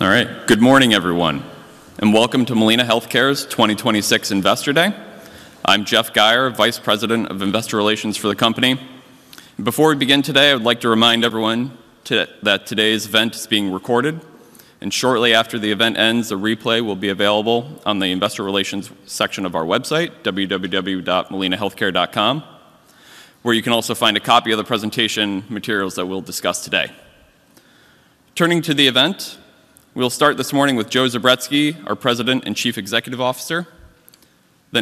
All right. Good morning, everyone, and welcome to Molina Healthcare's 2026 Investor Day. I'm Jeffrey Geyer, Vice President of Investor Relations for the company. Before we begin today, I would like to remind everyone that today's event is being recorded, and shortly after the event ends, a replay will be available on the investor relations section of our website, www.molinahealthcare.com, where you can also find a copy of the presentation materials that we'll discuss today. Turning to the event, we'll start this morning with Joseph Zubretsky, our President and Chief Executive Officer.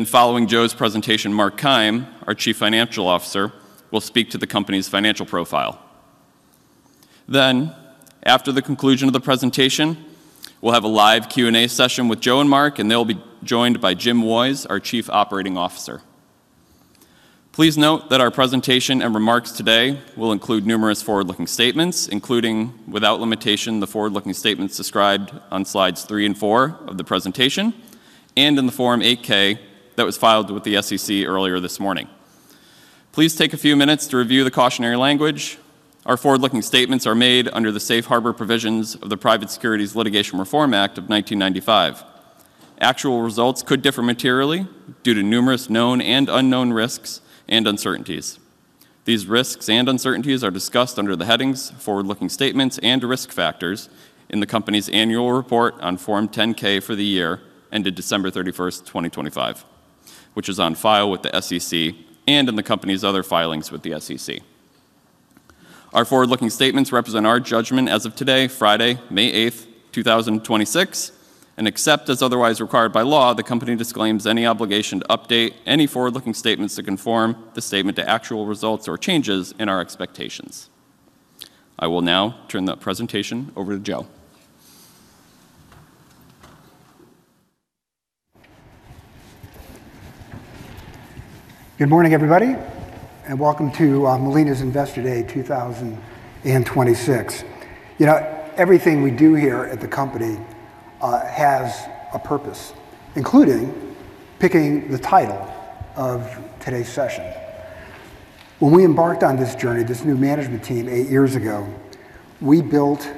Following Joseph's presentation, Mark Keim, our Chief Financial Officer, will speak to the company's financial profile. After the conclusion of the presentation, we'll have a live Q&A session with Joseph and Mark, and they'll be joined by Jim Woys, our Chief Operating Officer. Please note that our presentation and remarks today will include numerous forward-looking statements, including, without limitation, the forward-looking statements described on slides 3 and 4 of the presentation and in the Form 8-K that was filed with the SEC earlier this morning. Please take a few minutes to review the cautionary language. Our forward-looking statements are made under the Safe Harbor provisions of the Private Securities Litigation Reform Act of 1995. Actual results could differ materially due to numerous known and unknown risks and uncertainties. These risks and uncertainties are discussed under the headings Forward-Looking Statements and Risk Factors in the company's annual report on Form 10-K for the year ended December 31, 2025, which is on file with the SEC, and in the company's other filings with the SEC. Our forward-looking statements represent our judgment as of today, Friday, May 8th, 2026, and except as otherwise required by law, the company disclaims any obligation to update any forward looking statements to conform the statement to actual results or changes in our expectations. I will now turn the presentation over to Joe. Good morning, everybody, and welcome to Molina's Investor Day 2026. You know, everything we do here at the company has a purpose, including picking the title of today's session. When we embarked on this journey, this new management team eight years ago, we built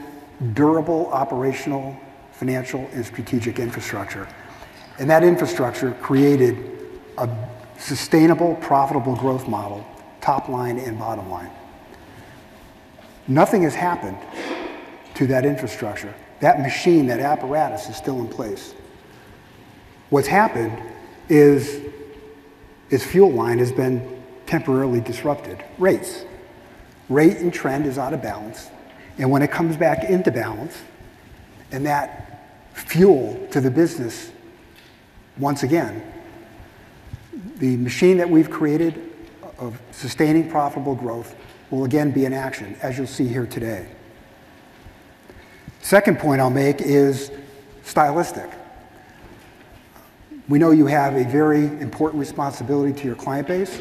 durable operational, financial, and strategic infrastructure, and that infrastructure created a sustainable, profitable growth model, top line and bottom line. Nothing has happened to that infrastructure. That machine, that apparatus, is still in place. What's happened is its fuel line has been temporarily disrupted. Rates. Rate and trend is out of balance, and when it comes back into balance and that fuel to the business, once again, the machine that we've created of sustaining profitable growth will again be in action, as you'll see here today. Second point I'll make is stylistic. We know you have a very important responsibility to your client base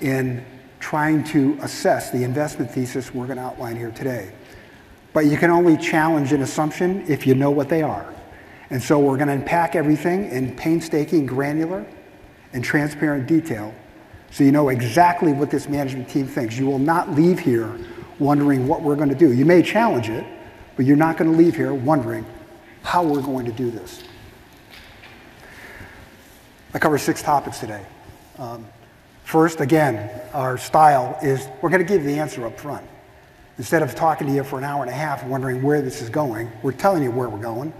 in trying to assess the investment thesis we're going to outline here today. You can only challenge an assumption if you know what they are. We're gonna unpack everything in painstaking, granular, and transparent detail so you know exactly what this management team thinks. You will not leave here wondering what we're gonna do. You may challenge it, but you're not gonna leave here wondering how we're going to do this. I cover six topics today. First, again, our style is we're gonna give the answer up front. Instead of talking to you for an hour and a half wondering where this is going, we're telling you where we're going,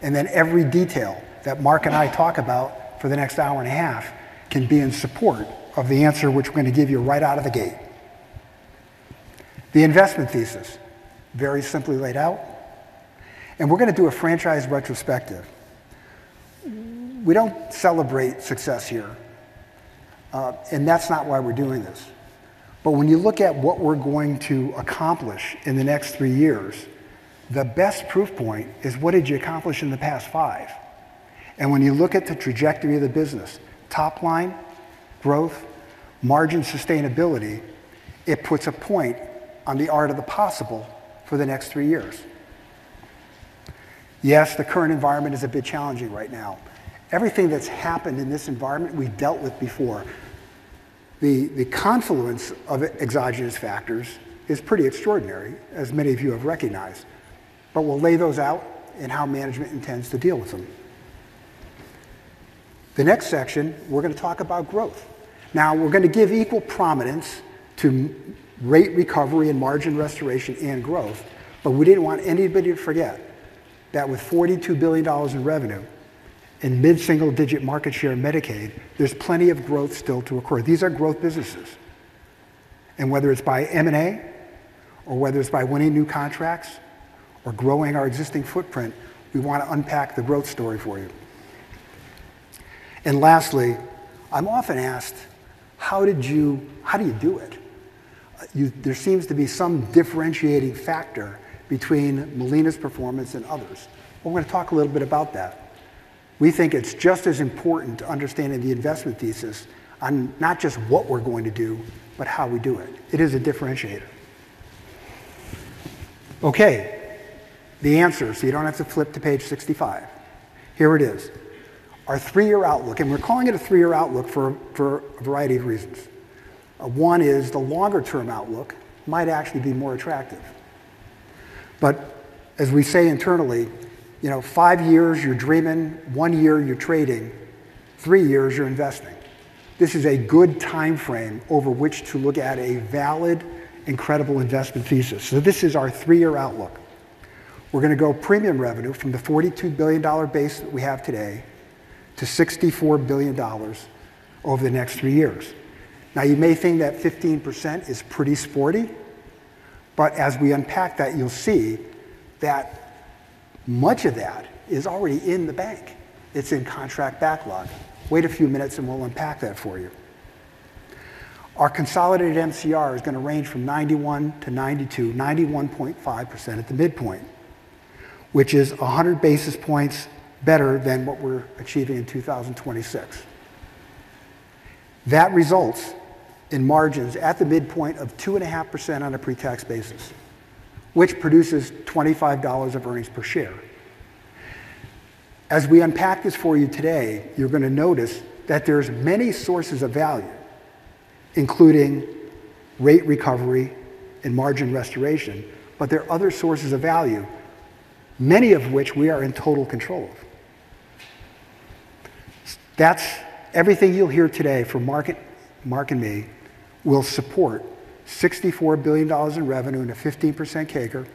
then every detail that Mark and I talk about for the next hour and a half can be in support of the answer which we're gonna give you right out of the gate. The investment thesis, very simply laid out, we're gonna do a franchise retrospective. We don't celebrate success here, that's not why we're doing this. When you look at what we're going to accomplish in the next three years, the best proof point is what did you accomplish in the past five? When you look at the trajectory of the business, top line, growth, margin sustainability, it puts a point on the art of the possible for the next three years. Yes, the current environment is a bit challenging right now. Everything that's happened in this environment, we dealt with before. The confluence of exogenous factors is pretty extraordinary, as many of you have recognized, but we'll lay those out and how management intends to deal with them. The next section, we're gonna talk about growth. We're gonna give equal prominence to rate recovery and margin restoration and growth, but we didn't want anybody to forget that with $42 billion in revenue and mid-single digit market share in Medicaid, there's plenty of growth still to occur. These are growth businesses. Whether it's by M&A or whether it's by winning new contracts or growing our existing footprint, we wanna unpack the growth story for you. Lastly, I'm often asked, "How do you do it? There seems to be some differentiating factor between Molina's performance and others. We're going to talk a little bit about that. We think it's just as important to understanding the investment thesis on not just what we're going to do, but how we do it. It is a differentiator. The answer, so you don't have to flip to page 65. Here it is. Our three-year outlook, we're calling it a three-year outlook for a variety of reasons. One is the longer term outlook might actually be more attractive. As we say internally, you know, five years you're dreaming, one year you're trading, three years you're investing. This is a good time frame over which to look at a valid and credible investment thesis. This is our three-year outlook. We're gonna go premium revenue from the $42 billion base that we have today to $64 billion over the next three years. You may think that 15% is pretty sporty, but as we unpack that, you'll see that much of that is already in the bank. It's in contract backlog. Wait a few minutes, we'll unpack that for you. Our consolidated MCR is gonna range from 91%-92%, 91.5% at the midpoint, which is 100 basis points better than what we're achieving in 2026. That results in margins at the midpoint of 2.5% on a pre-tax basis, which produces $25 of earnings per share. As we unpack this for you today, you're gonna notice that there's many sources of value, including rate recovery and margin restoration. There are other sources of value, many of which we are in total control of. That's everything you'll hear today from Mark and me will support $64 billion in revenue and a 15% CAGR,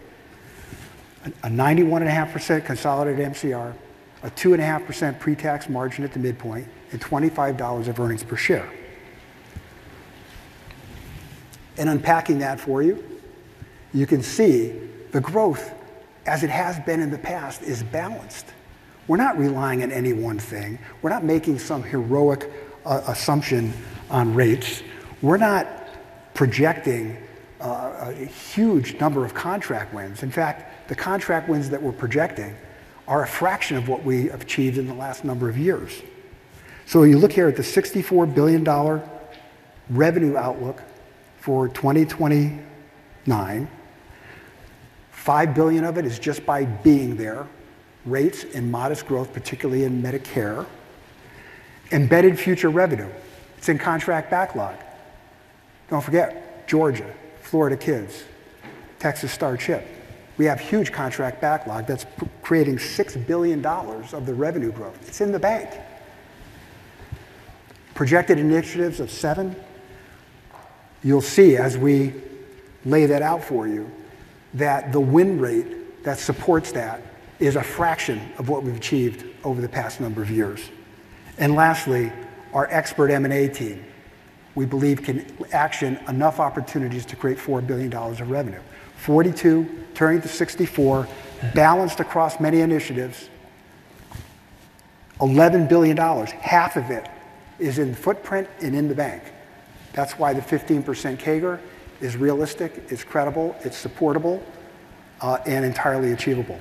a 91.5% consolidated MCR, a 2.5% pre-tax margin at the midpoint, and $25 of earnings per share. In unpacking that for you can see the growth as it has been in the past is balanced. We're not relying on any one thing. We're not making some heroic assumption on rates. We're not projecting a huge number of contract wins. In fact, the contract wins that we're projecting are a fraction of what we have achieved in the last number of years. When you look here at the $64 billion revenue outlook for 2029, $5 billion of it is just by being there. Rates and modest growth, particularly in Medicare. Embedded future revenue, it's in contract backlog. Don't forget, Georgia, Florida KidCare, Texas STAR and CHIP. We have huge contract backlog that's creating $6 billion of the revenue growth. It's in the bank. Projected initiatives of seven. You'll see as we lay that out for you, that the win rate that supports that is a fraction of what we've achieved over the past number of years. Lastly, our expert M&A team, we believe can action enough opportunities to create $4 billion of revenue. $42 turning to $64, balanced across many initiatives. $11 billion, half of it is in footprint and in the bank. That's why the 15% CAGR is realistic, it's credible, it's supportable, and entirely achievable.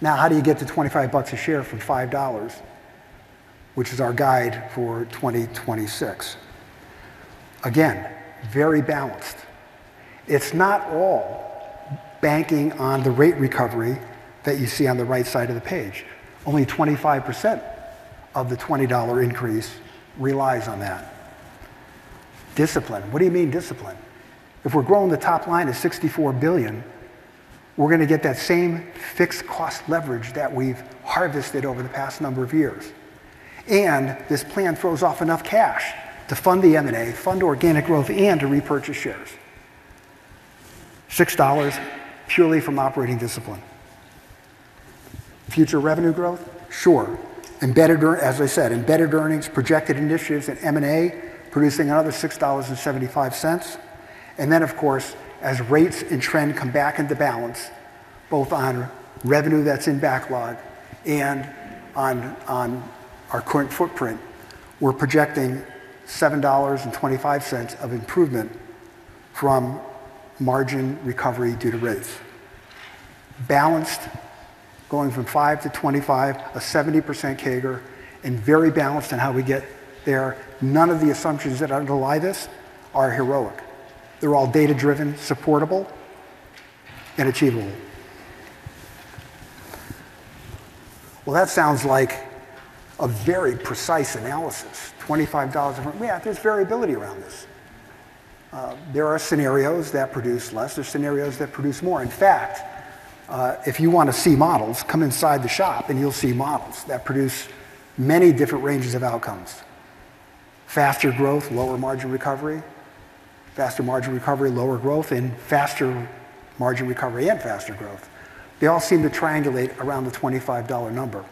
Now, how do you get to $25 a share from $5, which is our guide for 2026? Again, very balanced. It's not all banking on the rate recovery that you see on the right side of the page. Only 25% of the $20 increase relies on that. Discipline. What do you mean discipline? If we're growing the top line to $64 billion, we're gonna get that same fixed cost leverage that we've harvested over the past number of years. This plan throws off enough cash to fund the M&A, fund organic growth, and to repurchase shares. $6 purely from operating discipline. Future revenue growth? Sure. Embedded earnings, projected initiatives in M&A producing another $6.75. Of course, as rates and trend come back into balance, both on revenue that's in backlog and on our current footprint, we're projecting $7.25 of improvement from margin recovery due to rates. Balanced going from five to 25, a 70% CAGR, very balanced in how we get there. None of the assumptions that underlie this are heroic. They're all data-driven, supportable, and achievable. Well, that sounds like a very precise analysis. $25. Yeah, there's variability around this. There are scenarios that produce less. There's scenarios that produce more. In fact, if you wanna see models, come inside the shop, you'll see models that produce many different ranges of outcomes. Faster growth, lower margin recovery, faster margin recovery, lower growth, and faster margin recovery and faster growth. They all seem to triangulate around the $25 number.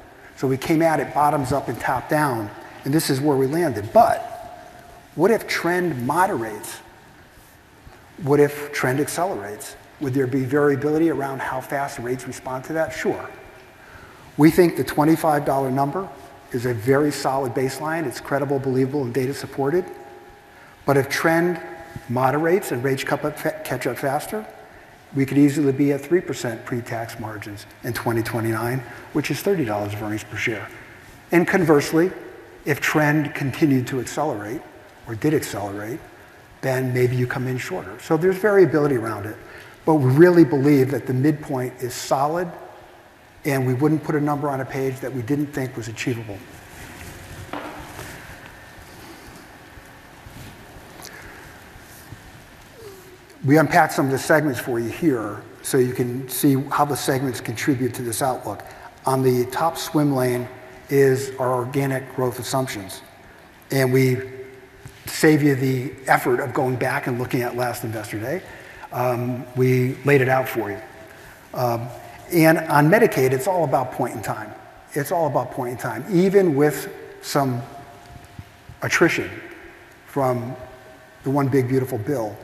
We came at it bottoms up and top down, and this is where we landed. What if trend moderates? What if trend accelerates? Would there be variability around how fast rates respond to that? Sure. We think the $25 number is a very solid baseline. It's credible, believable, and data supported. If trend moderates and rates catch up faster, we could easily be at 3% pre-tax margins in 2029, which is $30 of earnings per share. Conversely, if trend continued to accelerate or did accelerate, then maybe you come in shorter. There's variability around it, but we really believe that the midpoint is solid. And we wouldn't put a number on a page that we didn't think was achievable. We unpacked some of the segments for you here so you can see how the segments contribute to this outlook. On the top swim lane is our organic growth assumptions, and we save you the effort of going back and looking at last Investor Day. We laid it out for you. On Medicaid, it's all about point in time. It's all about point in time. Even with some attrition from the One Big Beautiful Bill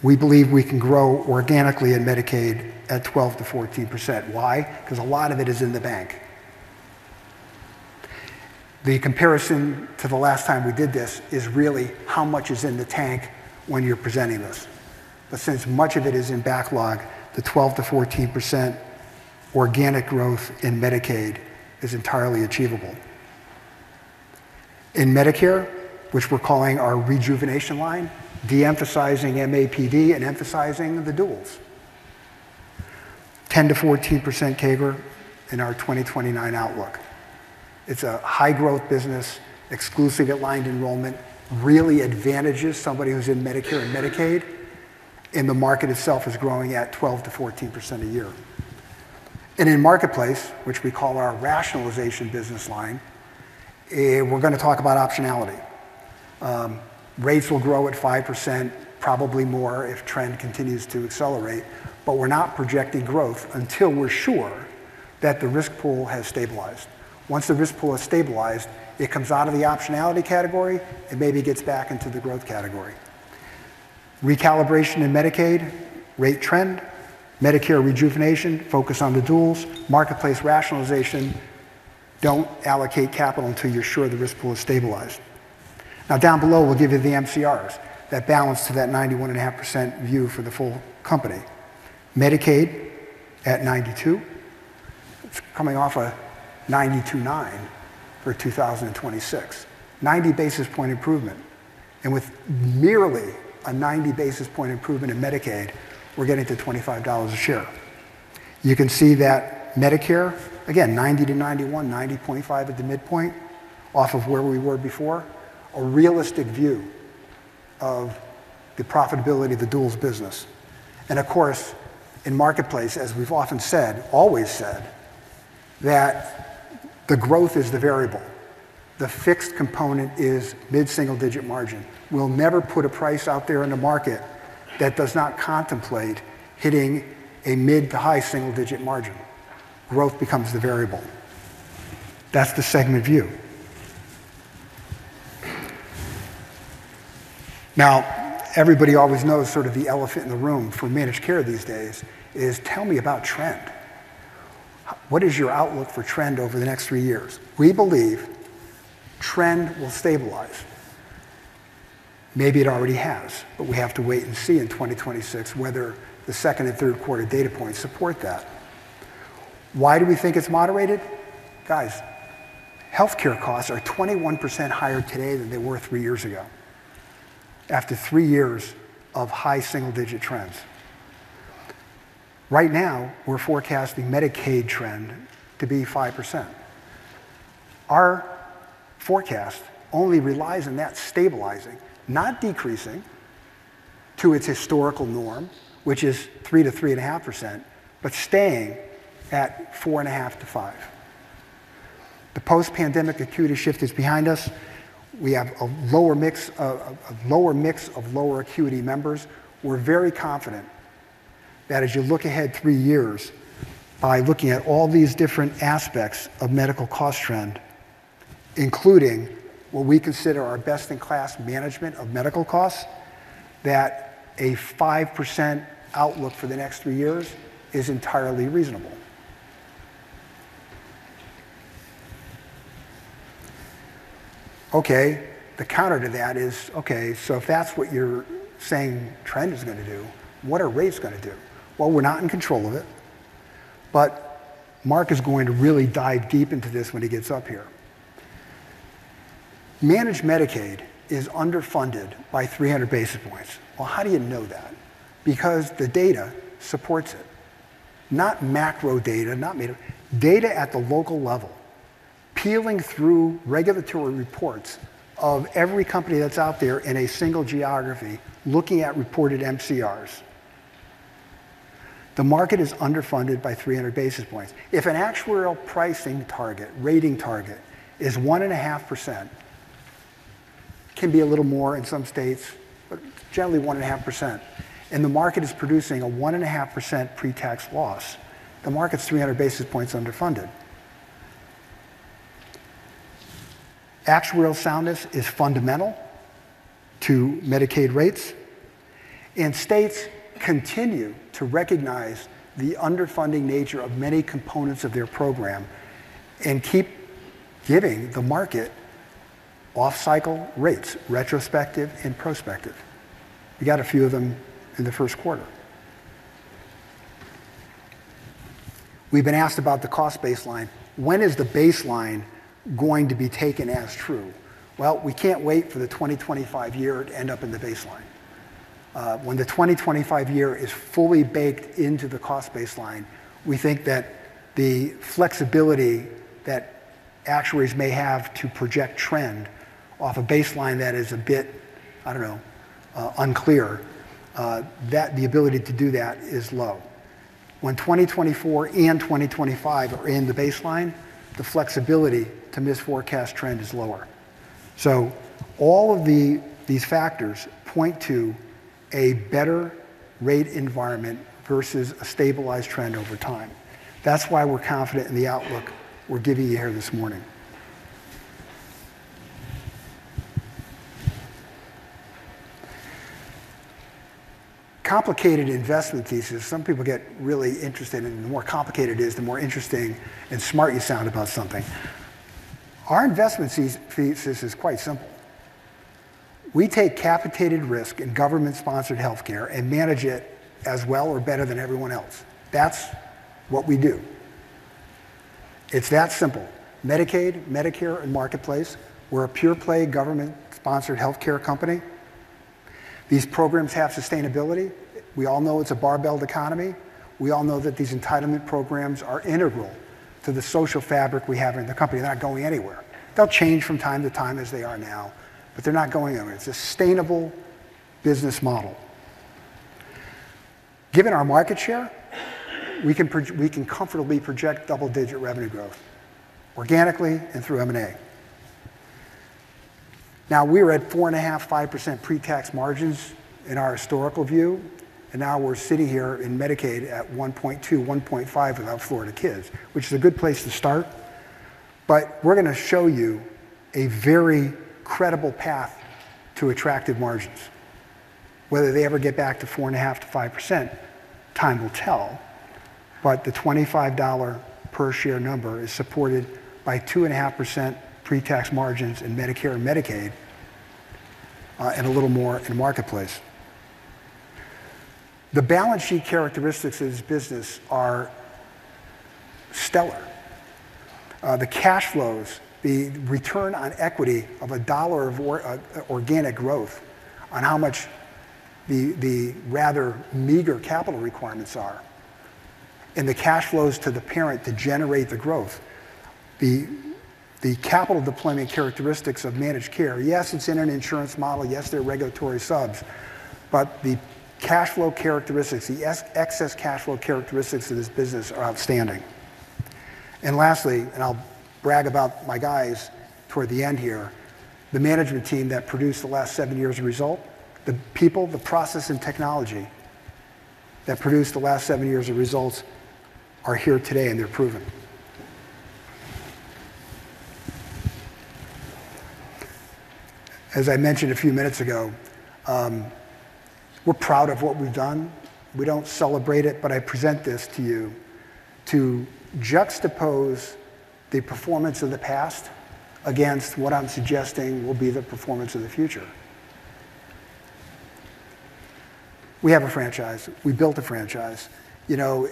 Act, we believe we can grow organically in Medicaid at 12%-14%. Why? 'Cause a lot of it is in the bank. The comparison to the last time we did this is really how much is in the tank when you're presenting this. Since much of it is in backlog, the 12%-14% organic growth in Medicaid is entirely achievable. In Medicare, which we're calling our rejuvenation line, de-emphasizing MAPD and emphasizing the duals. 10%-14% CAGR in our 2029 outlook. It's a high-growth business, exclusively aligned enrollment, really advantages somebody who's in Medicare and Medicaid, and the market itself is growing at 12%-14% a year. In Marketplace, which we call our rationalization business line, we're gonna talk about optionality. Rates will grow at 5%, probably more if trend continues to accelerate, but we're not projecting growth until we're sure that the risk pool has stabilized. Once the risk pool has stabilized, it comes out of the optionality category and maybe gets back into the growth category. Recalibration in Medicaid, rate trend, Medicare rejuvenation, focus on the duals, Marketplace rationalization, don't allocate capital until you're sure the risk pool is stabilized. Down below, we'll give you the MCRs that balance to that 91.5% view for the full company. Medicaid at 92, coming off a 92.9 for 2026. 90 basis point improvement. With merely a 90 basis point improvement in Medicaid, we're getting to $25 a share. You can see that Medicare, again 90-91, 90.5 at the midpoint off of where we were before, a realistic view of the profitability of the duals business. Of course, in Marketplace, as we've often said, always said, that the growth is the variable. The fixed component is mid-single-digit margin. We'll never put a price out there in the market that does not contemplate hitting a mid to high single-digit margin. Growth becomes the variable. That's the segment view. Everybody always knows sort of the elephant in the room for managed care these days is tell me about trend. What is your outlook for trend over the next three years? We believe trend will stabilize. Maybe it already has, but we have to wait and see in 2026 whether the second and third quarter data points support that. Why do we think it's moderated? Guys, healthcare costs are 21% higher today than they were three years ago after three years of high single-digit trends. Right now, we're forecasting Medicaid trend to be 5%. Our forecast only relies on that stabilizing, not decreasing to its historical norm, which is 3%-3.5%, but staying at 4.5%-5%. The post-pandemic acuity shift is behind us. We have a lower mix of lower acuity members. We're very confident that as you look ahead three years by looking at all these different aspects of medical cost trend, including what we consider our best-in-class management of medical costs, that a 5% outlook for the next three years is entirely reasonable. Okay, the counter to that is, okay, if that's what you're saying trend is gonna do, what are rates gonna do? Well, we're not in control of it, but Mark is going to really dive deep into this when he gets up here. Managed Medicaid is underfunded by 300 basis points. How do you know that? Because the data supports it. Not macro data, not meta, data at the local level, peeling through regulatory reports of every company that's out there in a single geography looking at reported MCRs. The market is underfunded by 300 basis points. If an actuarial pricing target, rating target is 1.5%, can be a little more in some states, but generally 1.5%, and the market is producing a 1.5% pre-tax loss, the market's 300 basis points underfunded. Actuarial soundness is fundamental to Medicaid rates. States continue to recognize the underfunding nature of many components of their program and keep giving the market off-cycle rates, retrospective and prospective. We got a few of them in the first quarter. We've been asked about the cost baseline. When is the baseline going to be taken as true? Well, we can't wait for the 2025 year to end up in the baseline. When the 2025 year is fully baked into the cost baseline, we think that the flexibility that actuaries may have to project trend off a baseline that is a bit, I don't know, unclear, that the ability to do that is low. When 2024 and 2025 are in the baseline, the flexibility to misforecast trend is lower. All of these factors point to a better rate environment versus a stabilized trend over time. That's why we're confident in the outlook we're giving you here this morning. Complicated investment thesis. Some people get really interested, and the more complicated it is, the more interesting and smart you sound about something. Our investment thesis is quite simple. We take capitated risk in government-sponsored healthcare and manage it as well or better than everyone else. That's what we do. It's that simple. Medicaid, Medicare, and Marketplace, we're a pure-play government-sponsored healthcare company. These programs have sustainability. We all know it's a barbelled economy. We all know that these entitlement programs are integral to the social fabric we have in the company. They're not going anywhere. They'll change from time to time as they are now, but they're not going anywhere. It's a sustainable business model. Given our market share, we can comfortably project double-digit revenue growth organically and through M&A. Now, we were at 4.5%, 5% pre-tax margins in our historical view, and now we're sitting here in Medicaid at 1.2%, 1.5% without Florida KidCare, which is a good place to start. We're going to show you a very credible path to attractive margins. Whether they ever get back to 4.5%-5%, time will tell. The $25 per share number is supported by 2.5% pre-tax margins in Medicare and Medicaid, and a little more in Marketplace. The balance sheet characteristics of this business are stellar. The cash flows, the return on equity of a dollar of organic growth on how much the rather meager capital requirements are, and the cash flows to the parent to generate the growth. The capital deployment characteristics of managed care, yes, it's in an insurance model. Yes, there are regulatory subs. The cash flow characteristics, the excess cash flow characteristics of this business are outstanding. Lastly, I'll brag about my guys toward the end here, the management team that produced the last seven years of result, the people, the process, and technology that produced the last seven years of results are here today, and they're proven. As I mentioned a few minutes ago, we're proud of what we've done. We don't celebrate it, but I present this to you to juxtapose the performance of the past against what I'm suggesting will be the performance of the future. We have a franchise. We built a franchise. You know,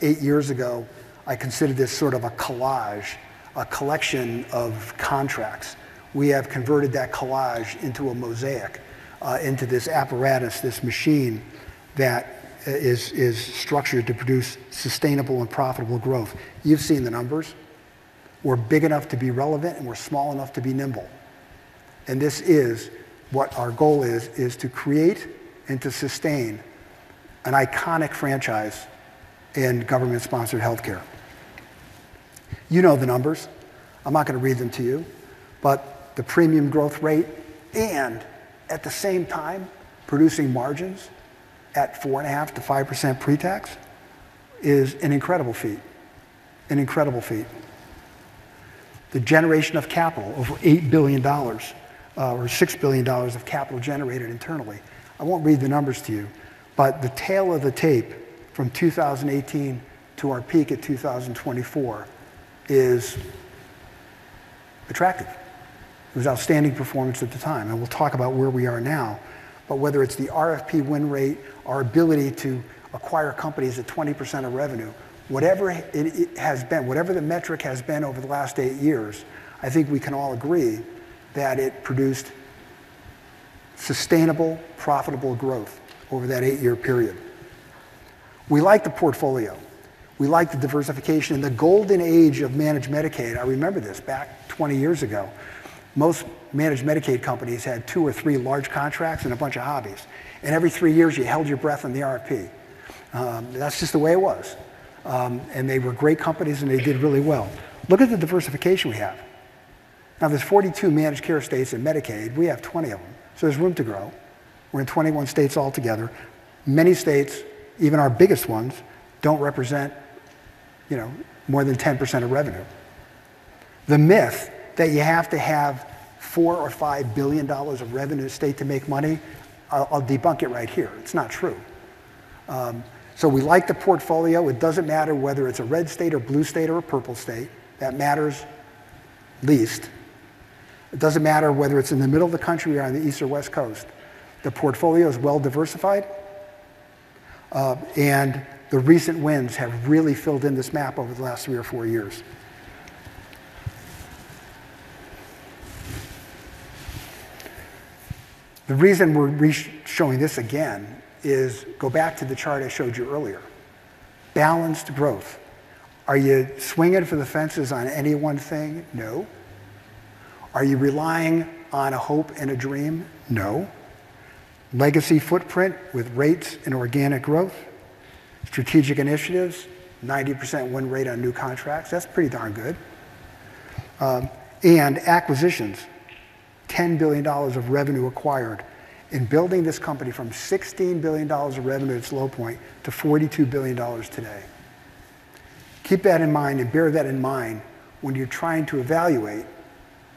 eight years ago, I considered this sort of a collage, a collection of contracts. We have converted that collage into a mosaic, into this apparatus, this machine that is structured to produce sustainable and profitable growth. You've seen the numbers. We're big enough to be relevant, and we're small enough to be nimble. This is what our goal is to create and to sustain an iconic franchise in government-sponsored healthcare. You know the numbers. I'm not gonna read them to you. The premium growth rate and at the same time producing margins at four and a half to 5% pre-tax is an incredible feat. An incredible feat. The generation of capital, over $8 billion, or $6 billion of capital generated internally. I won't read the numbers to you, but the tale of the tape from 2018 to our peak at 2024 is attractive. It was outstanding performance at the time, and we'll talk about where we are now. Whether it's the RFP win rate, our ability to acquire companies at 20% of revenue, whatever it has been, whatever the metric has been over the last eight years, I think we can all agree that it produced sustainable, profitable growth over that eight-year period. We like the portfolio. We like the diversification. In the golden age of managed Medicaid, I remember this back 20 years ago, most managed Medicaid companies had two or three large contracts and a bunch of hobbies, and every three years, you held your breath on the RFP. That's just the way it was. And they were great companies, and they did really well. Look at the diversification we have. Now, there's 42 managed care states in Medicaid. We have 20 of them, so there's room to grow. We're in 21 states altogether. Many states, even our biggest ones, don't represent, you know, more than 10% of revenue. The myth that you have to have $4 billion or $5 billion of revenue a state to make money, I'll debunk it right here. It's not true. We like the portfolio. It doesn't matter whether it's a red state or blue state or a purple state. That matters least. It doesn't matter whether it's in the middle of the country or on the East or West Coast. The portfolio is well-diversified, and the recent wins have really filled in this map over the last three or four years. The reason we're re-showing this again is go back to the chart I showed you earlier. Balanced growth. Are you swinging for the fences on any one thing? No. Are you relying on a hope and a dream? No. Legacy footprint with rates and organic growth. Strategic initiatives, 90% win rate on new contracts. That's pretty darn good. Acquisitions, $10 billion of revenue acquired in building this company from $16 billion of revenue at its low point to $42 billion today. Keep that in mind, and bear that in mind when you're trying to evaluate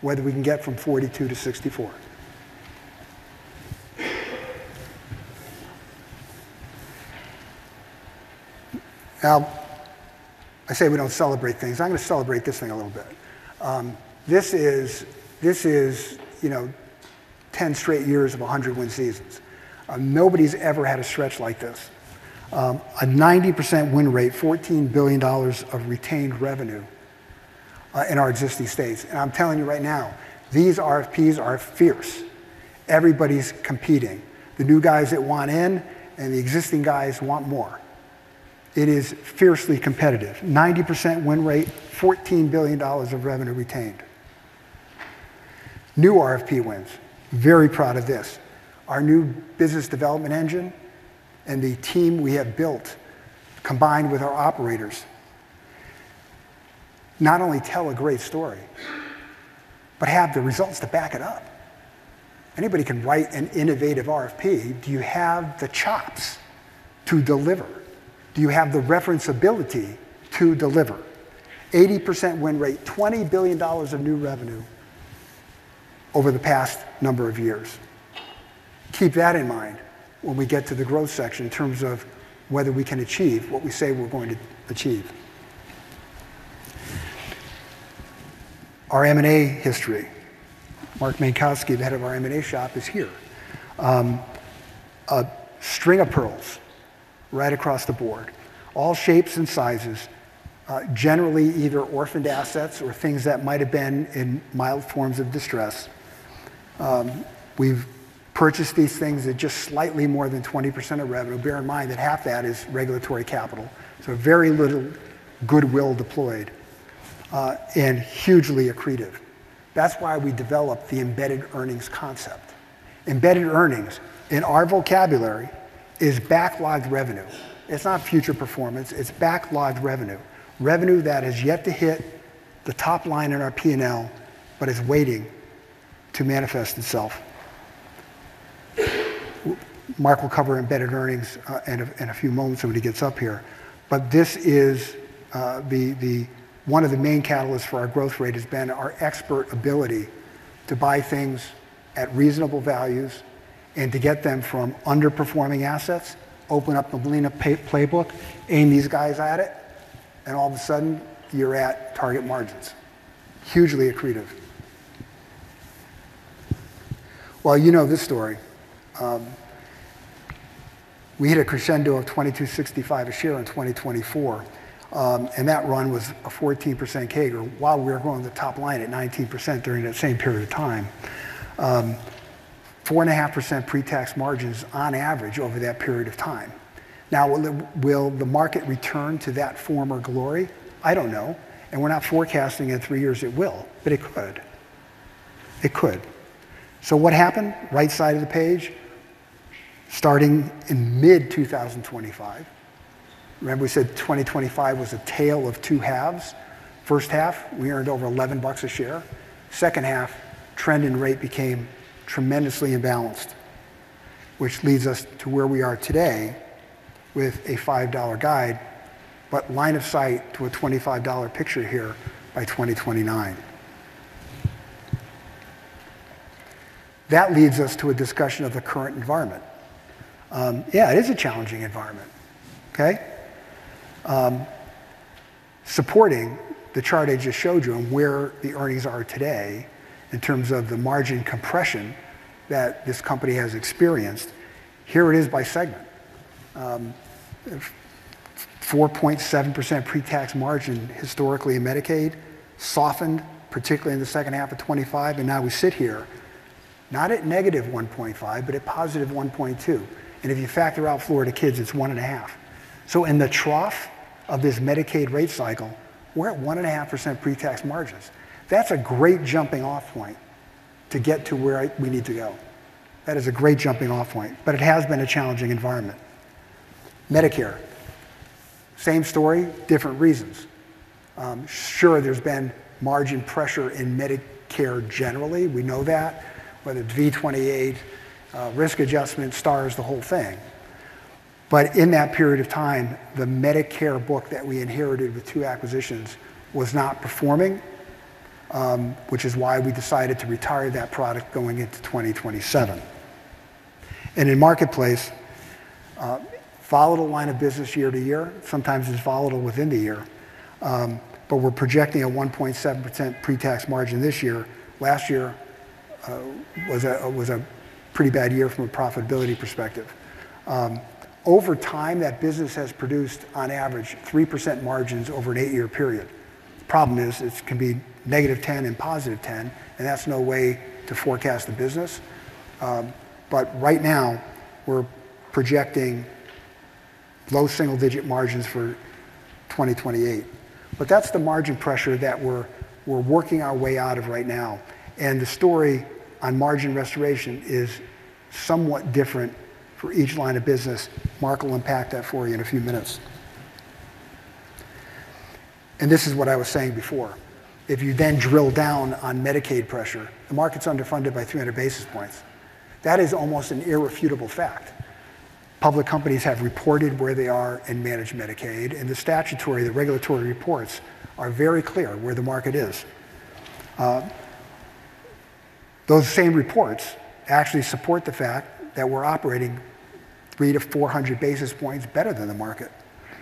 whether we can get from $42 billion to $64 billion. I say we don't celebrate things. I'm gonna celebrate this thing a little bit. This is, you know, 10 straight years of 100 win seasons. Nobody's ever had a stretch like this. A 90% win rate, $14 billion of retained revenue in our existing states. I'm telling you right now, these RFPs are fierce. Everybody's competing. The new guys that want in, and the existing guys want more. It is fiercely competitive. 90% win rate, $14 billion of revenue retained. New RFP wins, very proud of this. Our new business development engine and the team we have built, combined with our operators, not only tell a great story, but have the results to back it up. Anybody can write an innovative RFP. Do you have the chops to deliver? Do you have the reference-ability to deliver? 80% win rate, $20 billion of new revenue over the past number of years. Keep that in mind when we get to the growth section in terms of whether we can achieve what we say we're going to achieve. Our M&A history. Marc Menkowski, the head of our M&A shop, is here. A string of pearls right across the board, all shapes and sizes. Generally either orphaned assets or things that might have been in mild forms of distress. We've purchased these things at just slightly more than 20% of revenue. Bear in mind that half that is regulatory capital, so very little goodwill deployed, and hugely accretive. That's why we developed the embedded earnings concept. Embedded earnings, in our vocabulary, is backlogged revenue. It's not future performance, it's backlogged revenue that has yet to hit the top line in our P&L but is waiting to manifest itself. Mark will cover embedded earnings in a few moments when he gets up here. This is one of the main catalysts for our growth rate has been our expert ability to buy things at reasonable values and to get them from underperforming assets, open up the Molina playbook, aim these guys at it, and all of a sudden, you're at target margins. Hugely accretive. Well, you know this story. We hit a crescendo of $22.65 a share in 2024. That run was a 14% CAGR, while we were growing the top line at 19% during that same period of time. 4.5% pre-tax margins on average over that period of time. Will the market return to that former glory? I don't know. We're not forecasting in three years it will, but it could. It could. What happened? Right side of the page, starting in mid-2025. Remember we said 2025 was a tale of two halves. First half, we earned over $11 a share. Second half, trend and rate became tremendously imbalanced, which leads us to where we are today with a $5 guide, but line of sight to a $25 picture here by 2029. That leads us to a discussion of the current environment. Yeah, it is a challenging environment. Okay? Supporting the chart I just showed you on where the earnings are today in terms of the margin compression that this company has experienced, here it is by segment. 4.7% pre-tax margin historically in Medicaid softened, particularly in the second half of 2025, and now we sit here not at -1.5, but at 1.2. If you factor out Florida KidCare, it's 1.5. In the trough of this Medicaid rate cycle, we're at 1.5% pre-tax margins. That's a great jumping-off point to get to where we need to go. That is a great jumping-off point, but it has been a challenging environment. Medicare, same story, different reasons. Sure there's been margin pressure in Medicare generally, we know that, whether it's V28, risk adjustment, Stars, the whole thing. In that period of time, the Medicare book that we inherited with two acquisitions was not performing, which is why we decided to retire that product going into 2027. In Marketplace, volatile line of business year to year, sometimes it's volatile within the year. We're projecting a 1.7% pre-tax margin this year. Last year was a pretty bad year from a profitability perspective. Over time, that business has produced on average 3% margins over an eight-year period. The problem is it can be -10 and +10, and that's no way to forecast the business. Right now we're projecting low single-digit margins for 2028. That's the margin pressure that we're working our way out of right now. The story on margin restoration is somewhat different for each line of business. Mark will unpack that for you in a few minutes. This is what I was saying before. If you then drill down on Medicaid pressure, the market's underfunded by 300 basis points. That is almost an irrefutable fact. Public companies have reported where they are in managed Medicaid, the statutory, the regulatory reports are very clear where the market is. Those same reports actually support the fact that we're operating 300 to 400 basis points better than the market.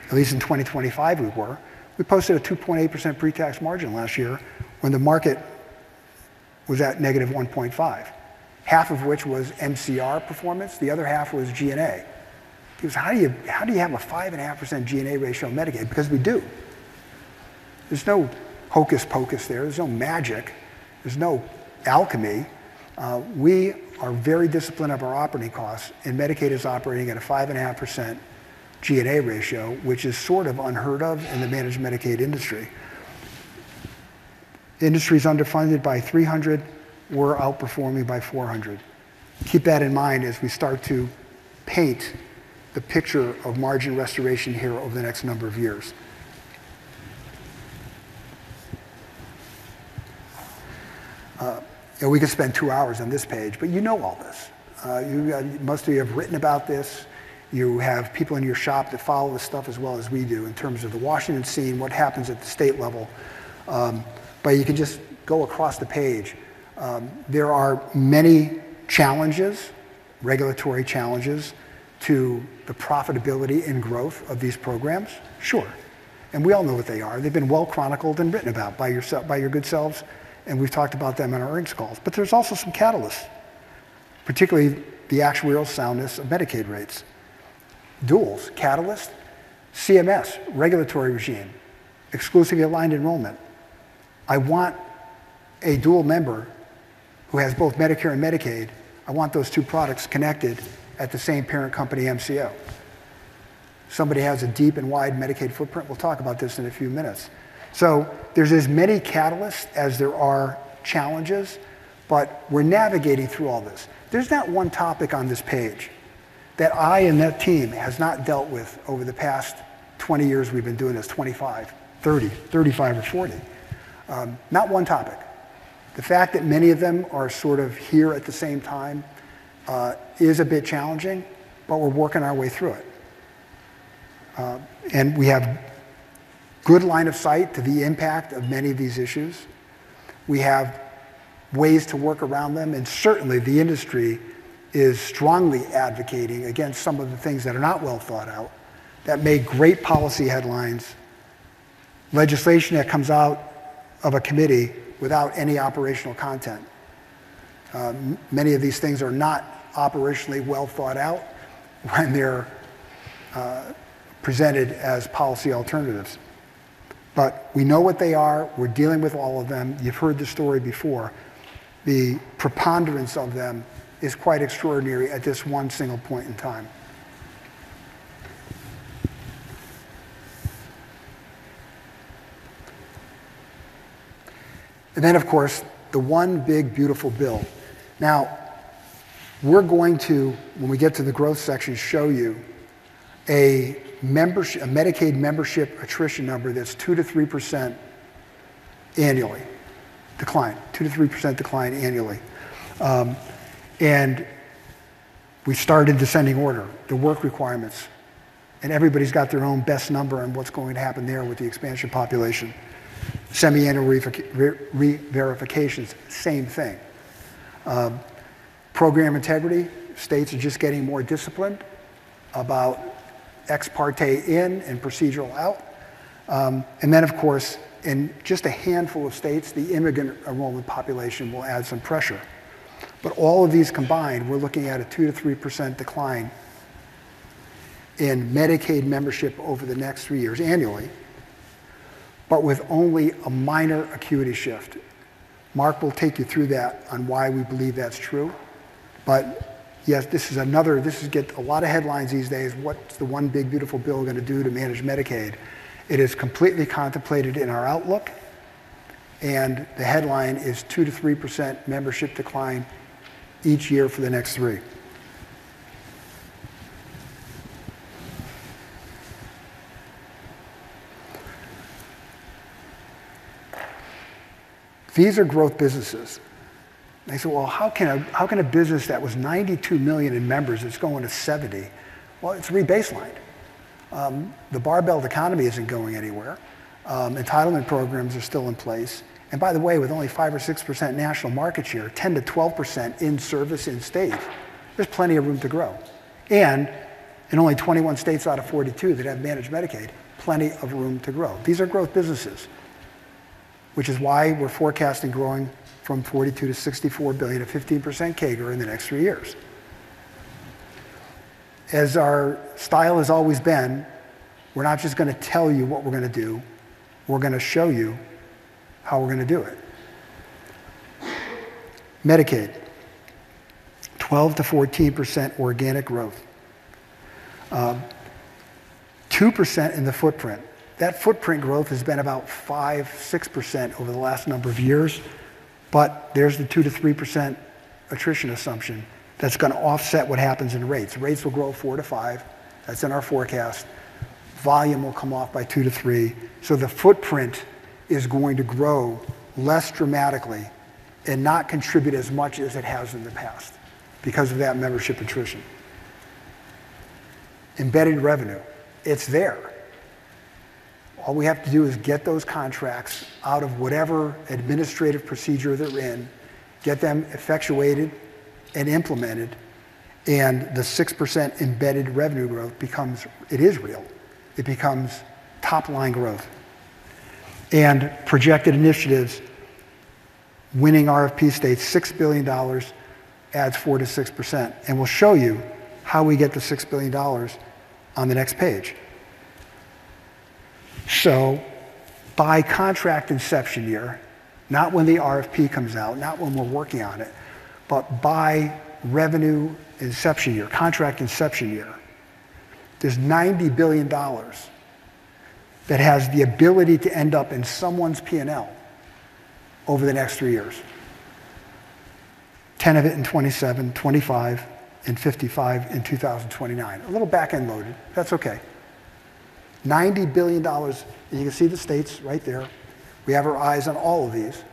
At least in 2025 we were. We posted a 2.8% pre-tax margin last year when the market was at -1.5%, half of which was MCR performance, the other half was G&A. How do you have a 5.5% G&A ratio on Medicaid? We do. There's no hocus pocus there. There's no magic. There's no alchemy. We are very disciplined of our operating costs, Medicaid is operating at a 5.5% G&A ratio, which is sort of unheard of in the managed Medicaid industry. Industry's underfunded by 300, we're outperforming by 400. Keep that in mind as we start to paint the picture of margin restoration here over the next number of years. We could spend two hours on this page, but you know all this. Most of you have written about this. You have people in your shop that follow this stuff as well as we do in terms of the Washington scene, what happens at the state level. You can just go across the page. There are many challenges, regulatory challenges to the profitability and growth of these programs. Sure. We all know what they are. They've been well chronicled and written about by your good selves, and we've talked about them on our earnings calls. There's also some catalysts, particularly the actuarial soundness of Medicaid rates. Duals, catalyst, CMS, regulatory regime, exclusively aligned enrollment. I want a dual member who has both Medicare and Medicaid. I want those two products connected at the same parent company MCO. Somebody has a deep and wide Medicaid footprint. We'll talk about this in a few minutes. There's as many catalysts as there are challenges, but we're navigating through all this. There's not one topic on this page that I and the team has not dealt with over the past 20 years we've been doing this, 25, 30, 35 or 40. Not one topic. The fact that many of them are sort of here at the same time, is a bit challenging, but we're working our way through it. We have good line of sight to the impact of many of these issues. We have ways to work around them, certainly, the industry is strongly advocating against some of the things that are not well thought out that make great policy headlines, legislation that comes out of a committee without any operational content. Many of these things are not operationally well thought out when they're presented as policy alternatives. We know what they are. We're dealing with all of them. You've heard this story before. The preponderance of them is quite extraordinary at this one single point in time. Then, of course, the One Big Beautiful Bill Act. Now, we're going to, when we get to the growth section, show you a Medicaid membership attrition number that's 2%-3% annually decline, 2%-3% decline annually. We start in descending order, the work requirements, and everybody's got their own best number on what's going to happen there with the expansion population. Semiannual re-reverifications, same thing. Program integrity, states are just getting more disciplined about ex parte in and procedural out. Of course, in just a handful of states, the immigrant enrollment population will add some pressure. All of these combined, we're looking at a 2%-3% decline in Medicaid membership over the next three years annually, but with only a minor acuity shift. Mark will take you through that on why we believe that's true. Yes, this is another a lot of headlines these days, what's the One Big Beautiful Bill gonna do to managed Medicaid? It is completely contemplated in our outlook. The headline is 2% to 3% membership decline each year for the next three. These are growth businesses. They say, "Well, how can a business that was 92 million in members, it's going to 70?" Well, it's rebaselined. The barbell of economy isn't going anywhere. Entitlement programs are still in place. By the way, with only 5% or 6% national market share, 10% to 12% in service in state, there's plenty of room to grow. In only 21 states out of 42 that have managed Medicaid, plenty of room to grow. These are growth businesses, which is why we're forecasting growing from $42 billion to $64 billion at 15% CAGR in the next three years. Our style has always been, we're not just gonna tell you what we're gonna do, we're gonna show you how we're gonna do it. Medicaid, 12%-14% organic growth. 2% in the footprint. That footprint growth has been about 5%-6% over the last number of years, but there's the 2%-3% attrition assumption that's gonna offset what happens in rates. Rates will grow 4%-5%, that's in our forecast. Volume will come off by 2%-3%, the footprint is going to grow less dramatically and not contribute as much as it has in the past because of that membership attrition. Embedded revenue, it's there. All we have to do is get those contracts out of whatever administrative procedure they're in, get them effectuated and implemented, and the 6% embedded revenue growth it is real. It becomes top-line growth. Projected initiatives, winning RFP states $6 billion adds 4%-6%, and we'll show you how we get to $6 billion on the next page. By contract inception year, not when the RFP comes out, not when we're working on it, but by revenue inception year, contract inception year, there's $90 billion that has the ability to end up in someone's P&L over the next three years. $10 billion of it in 2027, $25 billion, and $55 billion in 2029. A little back-end loaded. That's okay. $90 billion, and you can see the states right there. We have our eyes on all of these.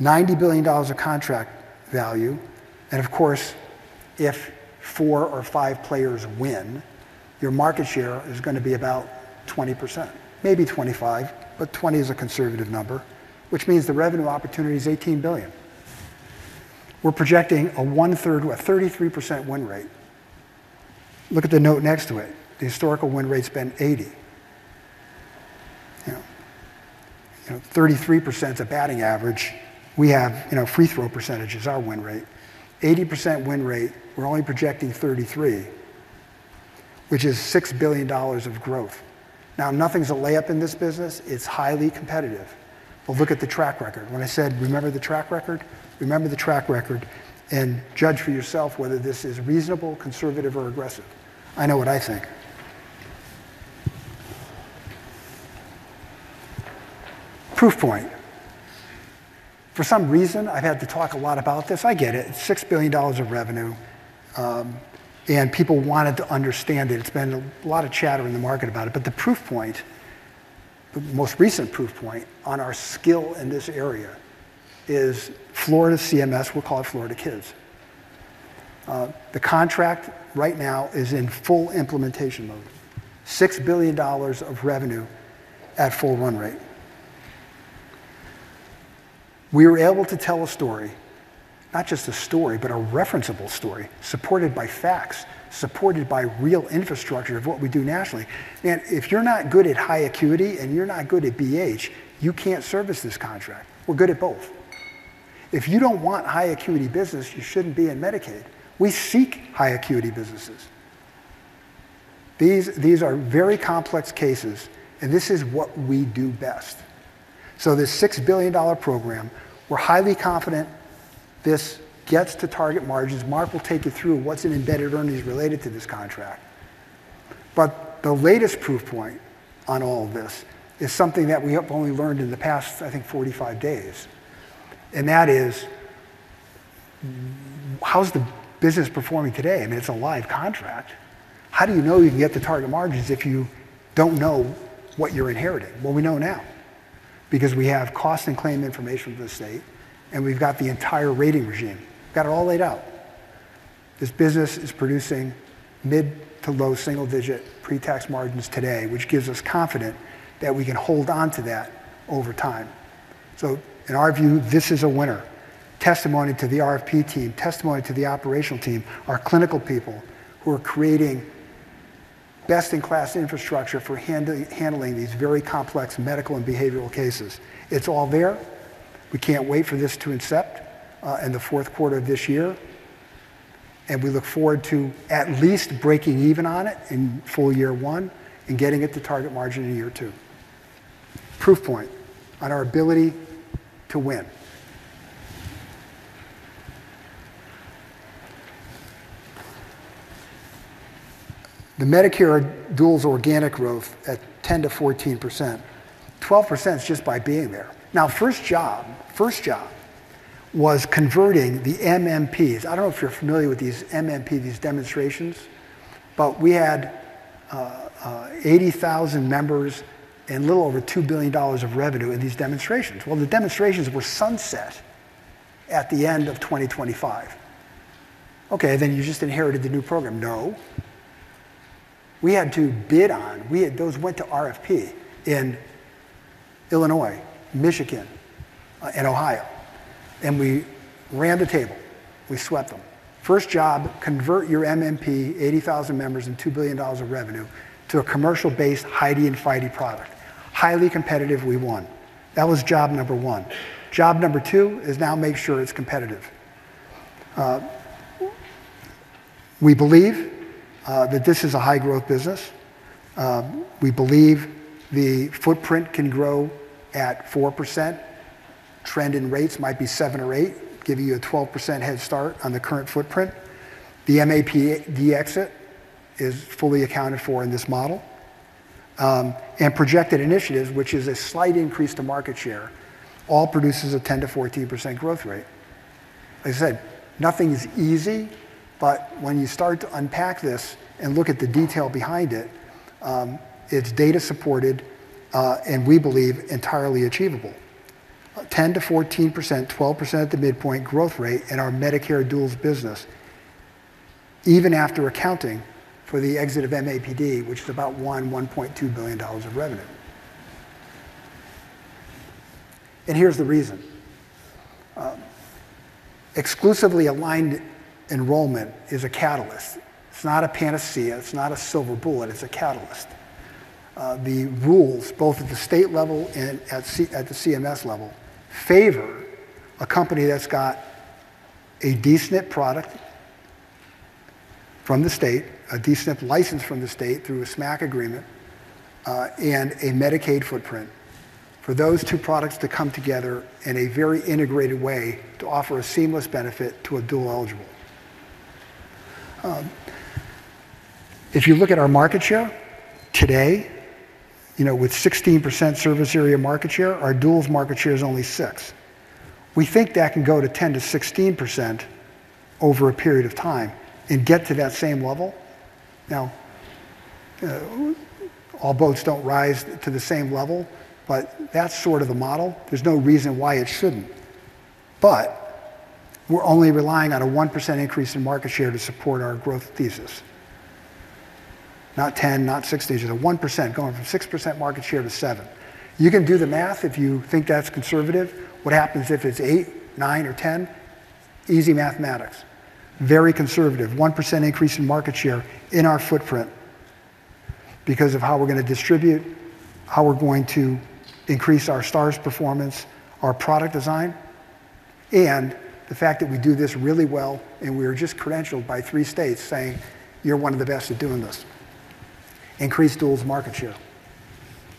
$90 billion of contract value, if four or five players win, your market share is going to be about 20%, maybe 25%, but 20 is a conservative number, which means the revenue opportunity is $18 billion. We're projecting a 1/3 to a 33% win rate. Look at the note next to it. The historical win rate's been 80%. You know, 33%'s a batting average. We have, you know, free throw percentage is our win rate. 80% win rate, we're only projecting 33%, which is $6 billion of growth. Nothing's a layup in this business. It's highly competitive. Look at the track record. When I said, remember the track record, remember the track record and judge for yourself whether this is reasonable, conservative, or aggressive. I know what I think. Proof point. For some reason, I've had to talk a lot about this. I get it. It's $6 billion of revenue, and people wanted to understand it. It's been a lot of chatter in the market about it. The proof point, the most recent proof point on our skill in this area is Florida CMS, we'll call it Florida KidCare. The contract right now is in full implementation mode. $6 billion of revenue at full run rate. We were able to tell a story, not just a story, but a referenceable story supported by facts, supported by real infrastructure of what we do nationally. If you're not good at high acuity and you're not good at BH, you can't service this contract. We're good at both. If you don't want high acuity business, you shouldn't be in Medicaid. We seek high acuity businesses. These are very complex cases, and this is what we do best. This $6 billion program, we're highly confident this gets to target margins. Mark will take you through what's in embedded earnings related to this contract. The latest proof point on all of this is something that we have only learned in the past, I think, 45 days, and that is, how's the business performing today? I mean, it's a live contract. How do you know you can get to target margins if you don't know what you're inheriting? Well, we know now because we have cost and claim information from the state, and we've got the entire rating regime. Got it all laid out. This business is producing mid to low single-digit pre-tax margins today, which gives us confident that we can hold onto that over time. In our view, this is a winner. Testimony to the RFP team, testimony to the operational team, our clinical people who are creating best-in-class infrastructure for handling these very complex medical and behavioral cases. It's all there. We can't wait for this to incept in the fourth quarter of this year, and we look forward to at least breaking even on it in full year one and getting it to target margin in year 2. Proof point on our ability to win. The Medicare dual's organic growth at 10%-14%. 12% is just by being there. First job, first job was converting the MMPs. I don't know if you're familiar with these MMP, these demonstrations, but we had 80,000 members and a little over $2 billion of revenue in these demonstrations. The demonstrations were sunset at the end of 2025. You just inherited the new program. No. We had to bid on, we had those went to RFP in Illinois, Michigan, and Ohio, and we ran the table, we swept them. First job, convert your MMP 80,000 members and $2 billion of revenue to a commercial-based HIDE and FIDE product. Highly competitive, we won. That was job number one. Job number two is now make sure it's competitive. We believe that this is a high-growth business. We believe the footprint can grow at 4%. Trend in rates might be 7% or 8%, giving you a 12% head start on the current footprint. The MAPD exit is fully accounted for in this model. Projected initiatives, which is a slight increase to market share, all produces a 10%-14% growth rate. Like I said, nothing is easy, when you start to unpack this and look at the detail behind it's data supported, and we believe entirely achievable. 10%-14%, 12% at the midpoint growth rate in our Medicare Duals business, even after accounting for the exit of MAPD, which is about $1.2 billion of revenue. Here's the reason. Exclusively aligned enrollment is a catalyst. It's not a panacea, it's not a silver bullet, it's a catalyst. The rules, both at the state level and at the CMS level, favor a company that's got a D-SNP product from the state, a D-SNP license from the state through a SMAC agreement, and a Medicaid footprint for those two products to come together in a very integrated way to offer a seamless benefit to a dual-eligible. If you look at our market share today, you know, with 16% service area market share, our duals market share is only 6%. We think that can go to 10%-16% over a period of time and get to that same level. All boats don't rise to the same level, but that's sort of the model. There's no reason why it shouldn't. We're only relying on a 1% increase in market share to support our growth thesis. Not 10, not 6 digits, a 1%, going from 6% market share to 7. You can do the math if you think that's conservative. What happens if it's eight, nine, or ten? Easy mathematics. Very conservative, 1% increase in market share in our footprint because of how we're gonna distribute, how we're going to increase our stars performance, our product design, and the fact that we do this really well, and we are just credentialed by three states saying, "You're one of the best at doing this." Increase duals market share.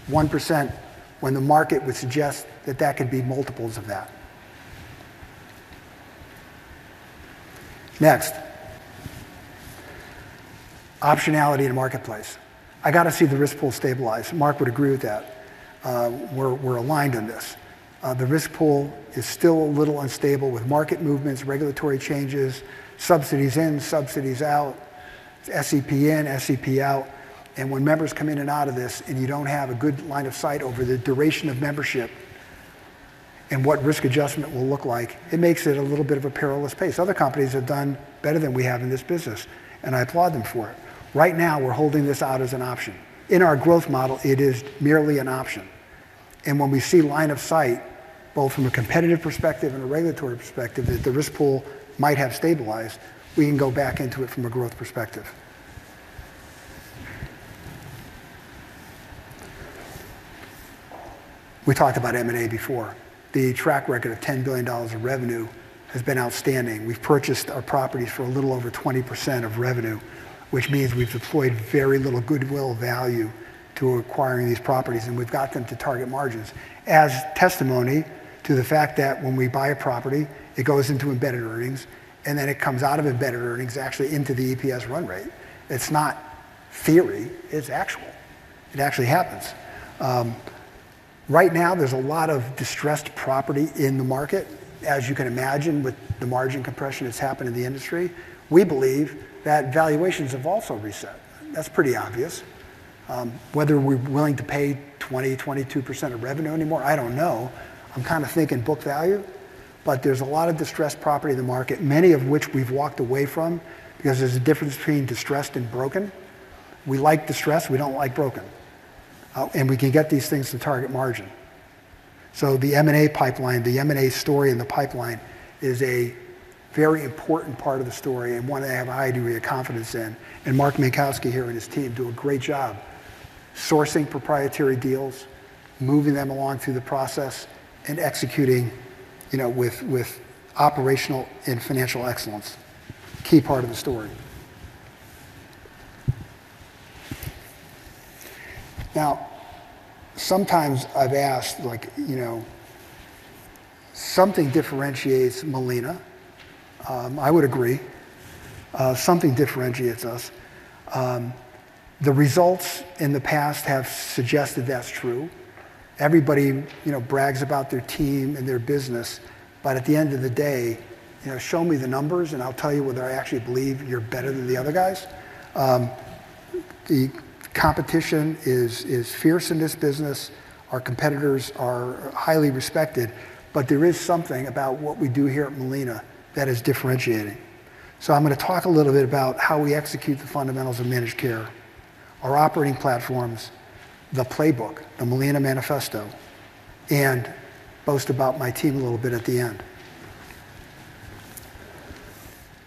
1% when the market would suggest that that could be multiples of that. Next. Optionality to Marketplace. I gotta see the risk pool stabilize. Mark would agree with that. We're aligned on this. The risk pool is still a little unstable with market movements, regulatory changes, subsidies in, subsidies out, SEP in, SEP out. When members come in and out of this, and you don't have a good line of sight over the duration of membership and what risk adjustment will look like, it makes it a little bit of a perilous pace. Other companies have done better than we have in this business, and I applaud them for it. Right now, we're holding this out as an option. In our growth model, it is merely an option. When we see line of sight, both from a competitive perspective and a regulatory perspective, that the risk pool might have stabilized, we can go back into it from a growth perspective. We talked about M&A before. The track record of $10 billion of revenue has been outstanding. We've purchased our properties for a little over 20% of revenue, which means we've deployed very little goodwill value to acquiring these properties, and we've got them to target margins. As testimony to the fact that when we buy a property, it goes into embedded earnings, and then it comes out of embedded earnings actually into the EPS run rate. It's not theory, it's actual. It actually happens. Right now there's a lot of distressed property in the market. As you can imagine, with the margin compression that's happened in the industry, we believe that valuations have also reset. That's pretty obvious. Whether we're willing to pay 20%, 22% of revenue anymore, I don't know. I'm kinda thinking book value. There's a lot of distressed property in the market, many of which we've walked away from because there's a difference between distressed and broken. We like distressed, we don't like broken. We can get these things to target margin. The M&A pipeline, the M&A story in the pipeline is a very important part of the story and one I have a high degree of confidence in. Marc Menkowski here and his team do a great job sourcing proprietary deals, moving them along through the process, and executing, you know, with operational and financial excellence. Key part of the story. Now, sometimes I've asked, like, you know, something differentiates Molina. I would agree, something differentiates us. The results in the past have suggested that's true. Everybody, you know, brags about their team and their business, but at the end of the day, you know, show me the numbers and I'll tell you whether I actually believe you're better than the other guys. Competition is fierce in this business. Our competitors are highly respected. There is something about what we do here at Molina that is differentiating. I'm going to talk a little bit about how we execute the fundamentals of managed care, our operating platforms, the playbook, the Molina Manifesto, and boast about my team a little bit at the end.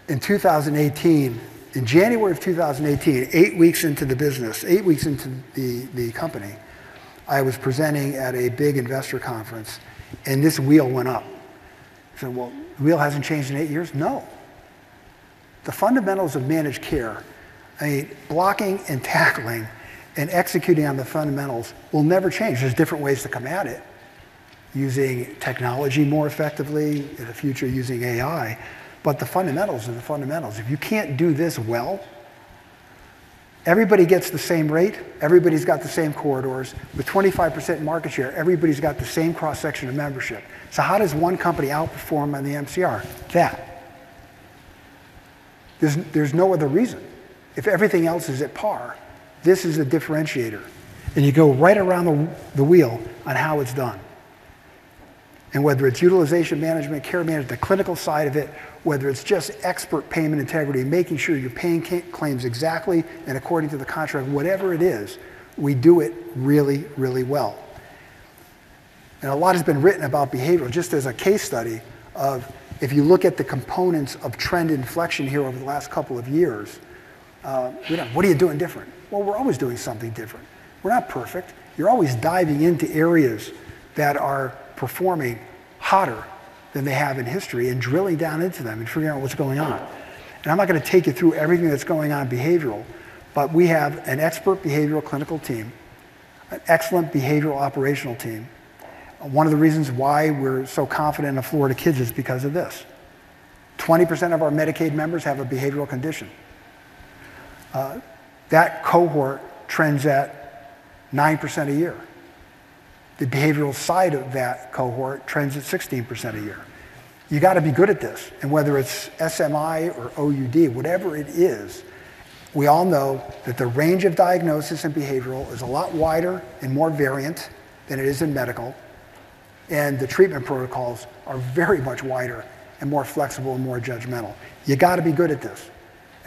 In 2018, in January of 2018, eight weeks into the business, eight weeks into the company, I was presenting at a big investor conference, and this wheel went up. You say, "Well, the wheel hasn't changed in eight years?" No. The fundamentals of managed care, a blocking and tackling and executing on the fundamentals will never change. There's different ways to come at it using technology more effectively, in the future using AI. The fundamentals are the fundamentals. If you can't do this well, everybody gets the same rate, everybody has the same corridors. With 25% market share, everybody has the same cross-section of membership. How does one company outperform on the MCR? That. There's no other reason. If everything else is at par, this is a differentiator. You go right around the wheel on how it's done. Whether it's utilization management, care management, the clinical side of it, whether it's just expert payment integrity, making sure you're paying claims exactly and according to the contract, whatever it is, we do it really, really well. A lot has been written about behavioral, just as a case study of if you look at the components of trend inflection here over the last two years, you know, what are you doing different? Well, we're always doing something different. We're not perfect. You're always diving into areas that are performing hotter than they have in history and drilling down into them and figuring out what's going on. I'm not going to take you through everything that's going on behavioral, but we have an expert behavioral clinical team, an excellent behavioral operational team. One of the reasons why we're so confident in Florida KidCare is because of this. 20% of our Medicaid members have a behavioral condition. That cohort trends at 9% a year. The behavioral side of that cohort trends at 16% a year. You got to be good at this. Whether it's SMI or OUD, whatever it is, we all know that the range of diagnosis in behavioral is a lot wider and more variant than it is in medical, and the treatment protocols are very much wider and more flexible and more judgmental. You got to be good at this.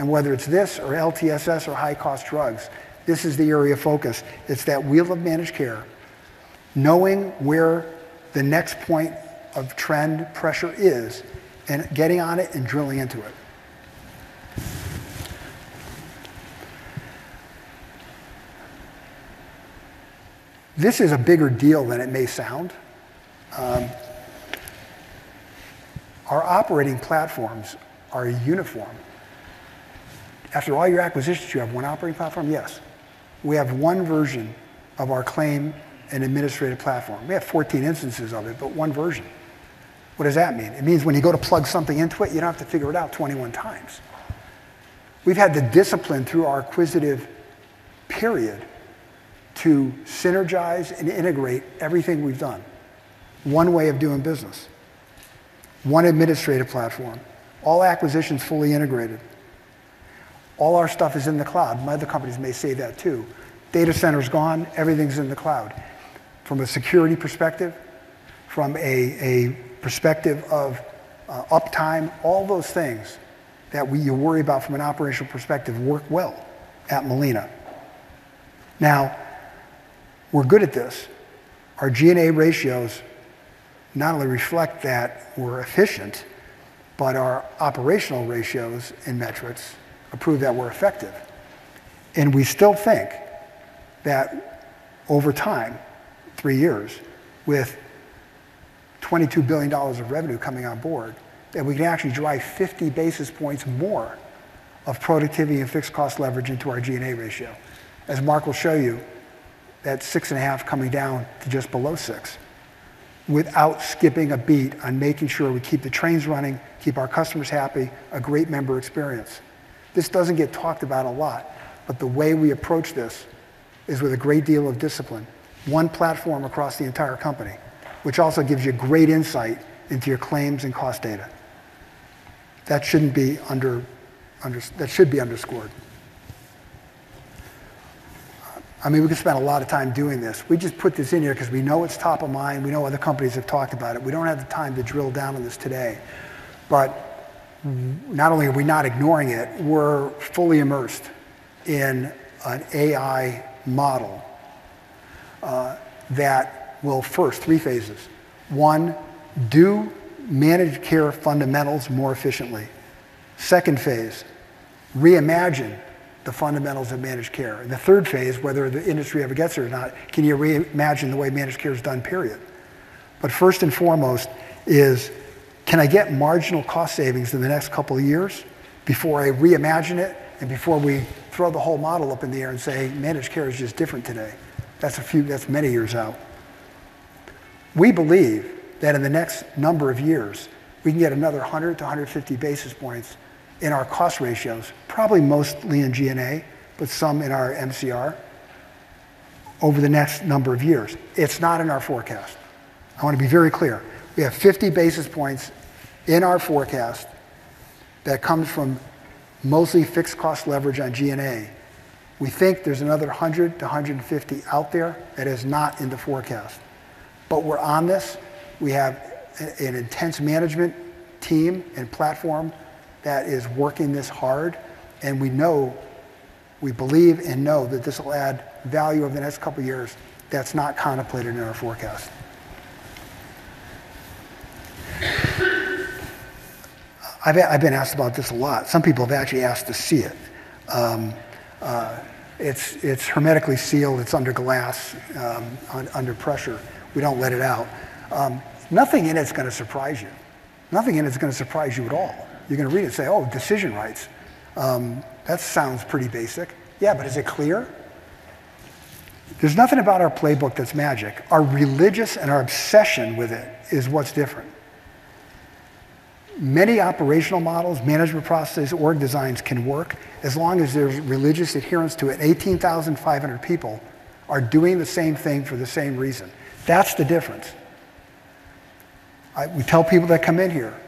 Whether it's this or LTSS or high-cost drugs, this is the area of focus. It's that wheel of managed care, knowing where the next point of trend pressure is and getting on it and drilling into it. This is a bigger deal than it may sound. Our operating platforms are uniform. After all your acquisitions, you have one operating platform? Yes. We have one version of our claim and administrative platform. We have 14 instances of it, but one version. What does that mean? It means when you go to plug something into it, you don't have to figure it out 21x. We've had the discipline through our acquisitive period to synergize and integrate everything we've done. one way of doing business, one administrative platform, all acquisitions fully integrated. All our stuff is in the cloud. Other companies may say that too. Data center's gone, everything's in the cloud. From a security perspective, from a perspective of uptime, all those things that we worry about from an operational perspective work well at Molina. Now, we're good at this. Our G&A ratios not only reflect that we're efficient, but our operational ratios and metrics prove that we're effective. We still think that over time, three years, with $22 billion of revenue coming on board, that we can actually drive 50 basis points more of productivity and fixed cost leverage into our G&A ratio. As Mark will show you, that 6.5 coming down to just below six, without skipping a beat on making sure we keep the trains running, keep our customers happy, a great member experience. This doesn't get talked about a lot. The way we approach this is with a great deal of discipline. One platform across the entire company, which also gives you great insight into your claims and cost data. That should be underscored. I mean, we could spend a lot of time doing this. We just put this in here because we know it's top of mind. We know other companies have talked about it. We don't have the time to drill down on this today. Not only are we not ignoring it, we're fully immersed in an AI model that will first, three phases. One, do managed care fundamentals more efficiently. Second phase, reimagine the fundamentals of managed care. The third phase, whether the industry ever gets there or not, can you reimagine the way managed care is done, period. First and foremost is, can I get marginal cost savings in the next couple of years before I reimagine it and before we throw the whole model up in the air and say, "Managed care is just different today"? That's many years out. We believe that in the next number of years, we can get another 100 to 150 basis points in our cost ratios, probably mostly in G&A, but some in our MCR. Over the next number of years. It's not in our forecast. I want to be very clear. We have 50 basis points in our forecast that comes from mostly fixed cost leverage on G&A. We think there's another 100 to 150 out there that is not in the forecast. We're on this. We have an intense management team and platform that is working this hard, and we believe and know that this will add value over the next couple of years that's not contemplated in our forecast. I've been asked about this a lot. Some people have actually asked to see it. It's hermetically sealed. It's under glass, under pressure. We don't let it out. Nothing in it is gonna surprise you. Nothing in it is gonna surprise you at all. You're gonna read it and say, "Oh, decision rights. That sounds pretty basic." Yeah, is it clear? There's nothing about our playbook that's magic. Our religious and our obsession with it is what's different. Many operational models, management processes, org designs can work as long as there's religious adherence to it. 18,500 people are doing the same thing for the same reason. That's the difference. We tell people that come in here,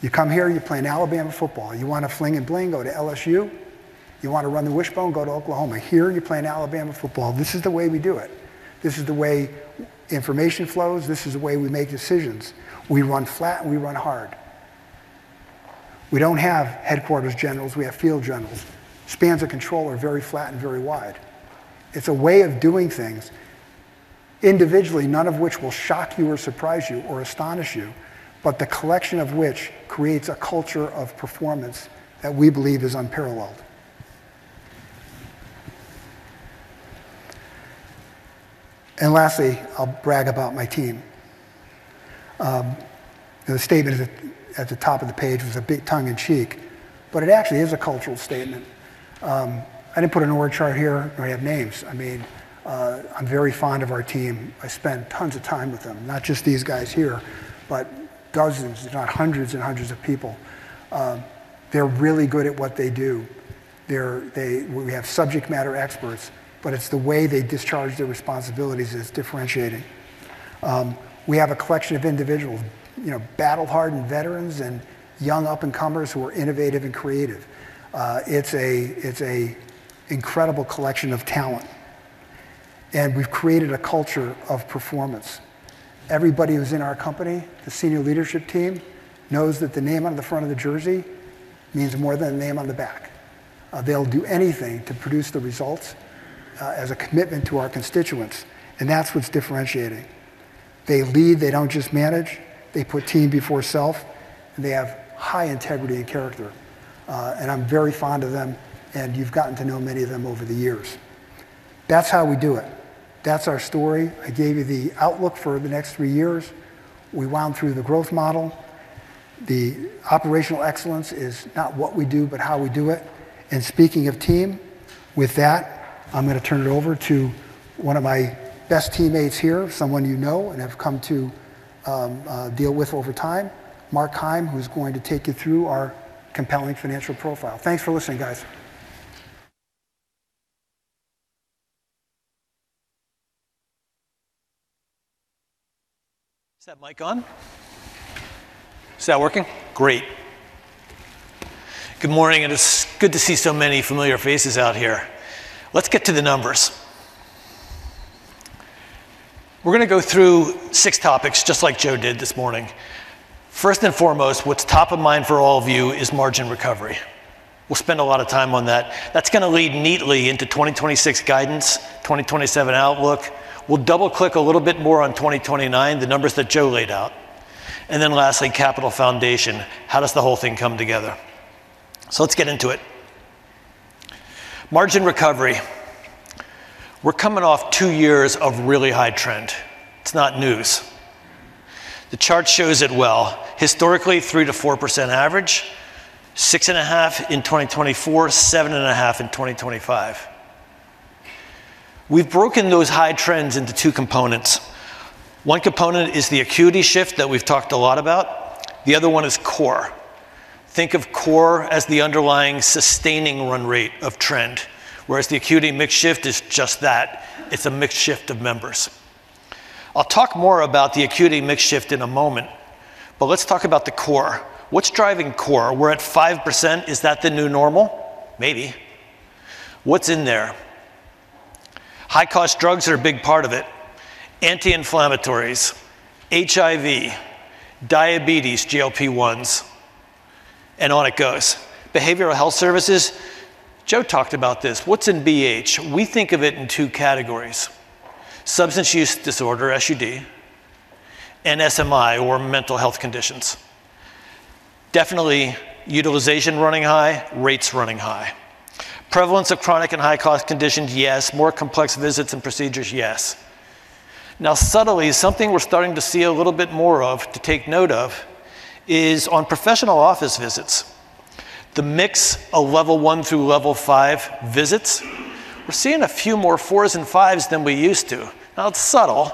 you come here, you play in Alabama football. You wanna fling and bling, go to LSU. You wanna run the wishbone, go to Oklahoma. Here, you play in Alabama football. This is the way we do it. This is the way information flows. This is the way we make decisions. We run flat, we run hard. We don't have headquarters generals, we have field generals. Spans of control are very flat and very wide. It's a way of doing things individually, none of which will shock you or surprise you or astonish you, the collection of which creates a culture of performance that we believe is unparalleled. Lastly, I'll brag about my team. The statement at the top of the page was a bit tongue in cheek, but it actually is a cultural statement. I didn't put an org chart here, but I have names. I mean, I'm very fond of our team. I spend tons of time with them. Not just these guys here, but dozens, if not hundreds and hundreds of people. They're really good at what they do. We have subject matter experts, but it's the way they discharge their responsibilities is differentiating. We have a collection of individuals, you know, battle-hardened veterans and young up-and-comers who are innovative and creative. It's a, it's a incredible collection of talent, and we've created a culture of performance. Everybody who's in our company, the senior leadership team, knows that the name on the front of the jersey means more than the name on the back. They'll do anything to produce the results as a commitment to our constituents, and that's what's differentiating. They lead. They don't just manage. They put team before self, and they have high integrity and character. I'm very fond of them, and you've gotten to know many of them over the years. That's how we do it. That's our story. I gave you the outlook for the next 3 years. We wound through the growth model. The operational excellence is not what we do, but how we do it. Speaking of team, with that, I'm going to turn it over to one of my best teammates here, someone you know and have come to deal with over time, Mark Keim, who's going to take you through our compelling financial profile. Thanks for listening, guys. Is that mic on? Is that working? Great. Good morning. It's good to see so many familiar faces out here. Let's get to the numbers. We're going to go through six topics, just like Joe did this morning. First and foremost, what's top of mind for all of you is margin recovery. We'll spend a lot of time on that. That's going to lead neatly into 2026 guidance, 2027 outlook. We'll double-click a little bit more on 2029, the numbers that Joe laid out. Lastly, capital foundation. How does the whole thing come together? Let's get into it. Margin recovery. We're coming off two years of really high trend. It's not news. The chart shows it well. Historically, 3%-4% average, 6.5% in 2024, 7.5% in 2025. We've broken those high trends into two components. One component is the acuity shift that we've talked a lot about. The other one is core. Think of core as the underlying sustaining run rate of trend, whereas the acuity mix shift is just that. It's a mix shift of members. I'll talk more about the acuity mix shift in a moment, but let's talk about the core. What's driving core? We're at 5%. Is that the new normal? Maybe. What's in there? High cost drugs are a big part of it. Anti-inflammatories, HIV, diabetes, GLP-1s, and on it goes. Behavioral health services. Joe talked about this. What's in BH? We think of it in two categories: substance use disorder, SUD, and SMI or mental health conditions. Definitely utilization running high, rates running high. Prevalence of chronic and high cost conditions, yes. More complex visits and procedures, yes. Subtly, something we're starting to see a little bit more of to take note of is on professional office visits. The mix of level 1 through level 5 visits, we're seeing a few more 4s and 5s than we used to. It's subtle,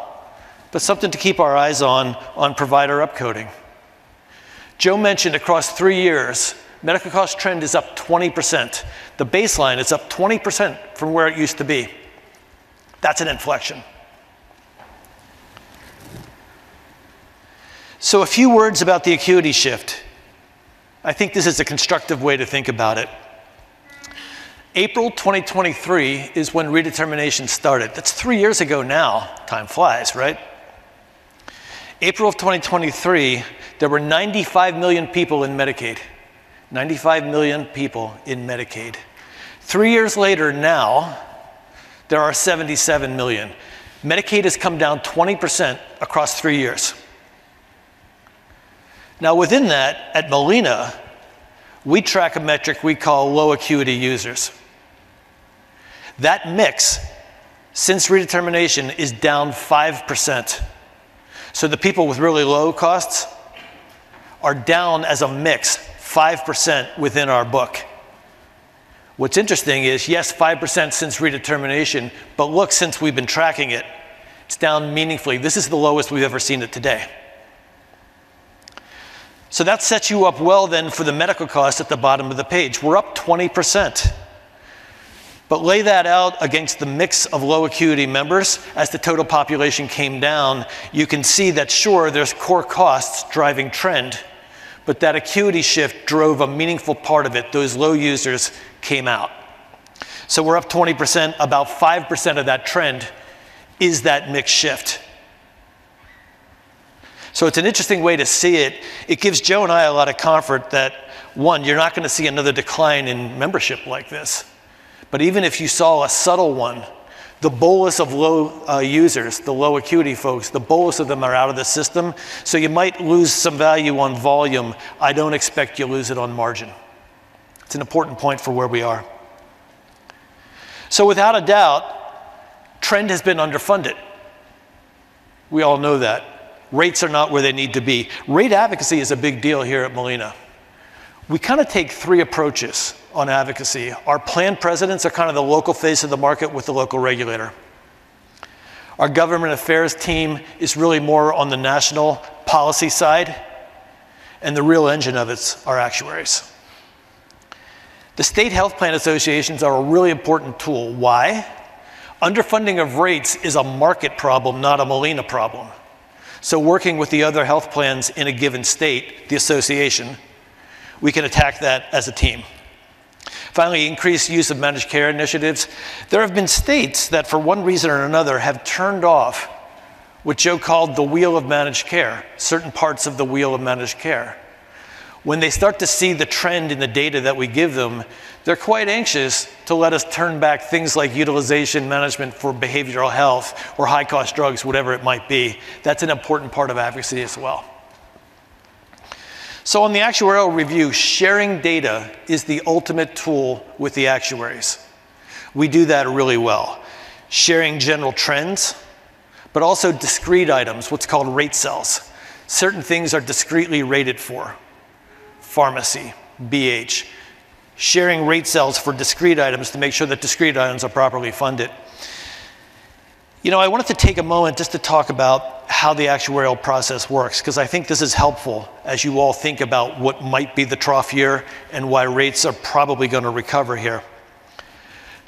but something to keep our eyes on provider upcoding. Joe mentioned across three years, medical cost trend is up 20%. The baseline is up 20% from where it used to be. That's an inflection. A few words about the acuity shift. I think this is a constructive way to think about it. April 2023 is when redetermination started. That's three years ago now. Time flies, right? April of 2023, there were 95 million people in Medicaid. 95 million people in Medicaid. three years later now, there are 77 million. Medicaid has come down 20% across three years. Within that, at Molina Healthcare, we track a metric we call low acuity users. That mix, since redetermination, is down 5%. The people with really low costs are down as a mix 5% within our book. What's interesting is, yes, 5% since redetermination, look since we've been tracking it's down meaningfully. This is the lowest we've ever seen it today. That sets you up well then for the medical cost at the bottom of the page. We're up 20%. Lay that out against the mix of low acuity members as the total population came down, you can see that sure, there's core costs driving trend, that acuity shift drove a meaningful part of it. Those low users came out. We're up 20%, about 5% of that trend is that mix shift. It's an interesting way to see it. It gives Joe and I a lot of comfort that, one, you're not gonna see another decline in membership like this. Even if you saw a subtle one, the bolus of low users, the low acuity folks, the bolus of them are out of the system, so you might lose some value on volume. I don't expect you'll lose it on margin. It's an important point for where we are. Without a doubt, trend has been underfunded. We all know that. Rates are not where they need to be. Rate advocacy is a big deal here at Molina. We kinda take 3 approaches on advocacy. Our plan presidents are kind of the local face of the market with the local regulator. Our government affairs team is really more on the national policy side, and the real engine of it's our actuaries. The state health plan associations are a really important tool. Why? Underfunding of rates is a market problem, not a Molina problem. Working with the other health plans in a given state, the association, we can attack that as a team. Finally, increased use of managed care initiatives. There have been states that for one reason or another, have turned off what Joe called the wheel of managed care, certain parts of the wheel of managed care. When they start to see the trend in the data that we give them, they're quite anxious to let us turn back things like utilization management for behavioral health or high-cost drugs, whatever it might be. That's an important part of advocacy as well. On the actuarial review, sharing data is the ultimate tool with the actuaries. We do that really well. Sharing general trends, but also discrete items, what's called rate cells. Certain things are discretely rated for pharmacy, BH. Sharing rate cells for discrete items to make sure that discrete items are properly funded. You know, I wanted to take a moment just to talk about how the actuarial process works 'cause I think this is helpful as you all think about what might be the trough year and why rates are probably gonna recover here.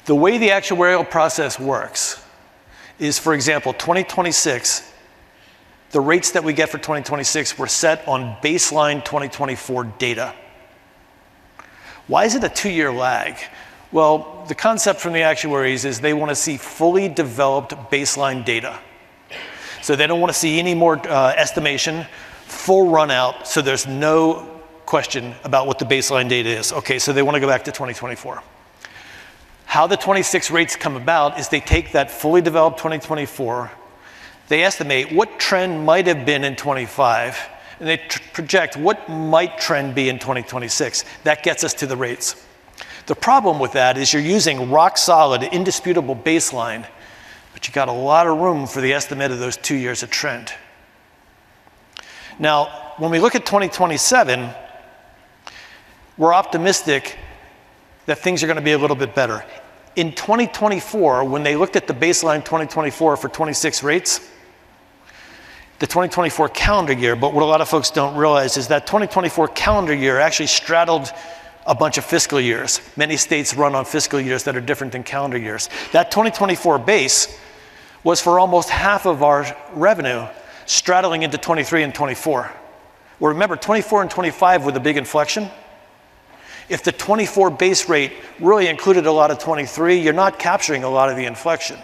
The way the actuarial process works is, for example, 2026, the rates that we get for 2026 were set on baseline 2024 data. Why is it a two-year lag? Well, the concept from the actuaries is they wanna see fully developed baseline data. They don't wanna see any more estimation, full run out, there's no question about what the baseline data is. Okay, they wanna go back to 2024. How the 26 rates come about is they take that fully developed 2024, they estimate what trend might have been in 25, and they project what might trend be in 2026. That gets us to the rates. The problem with that is you're using rock solid, indisputable baseline, but you got a lot of room for the estimate of those two years of trend. When we look at 2027, we're optimistic that things are gonna be a little bit better. In 2024, when they looked at the baseline 2024 for 2026 rates, the 2024 calendar year, but what a lot of folks don't realize is that 2024 calendar year actually straddled a bunch of fiscal years. Many states run on fiscal years that are different than calendar years. That 2024 base was for almost half of our revenue straddling into 2023 and 2024. Well, remember, 2024 and 2025 were the big inflection. If the 2024 base rate really included a lot of 2023, you're not capturing a lot of the inflection.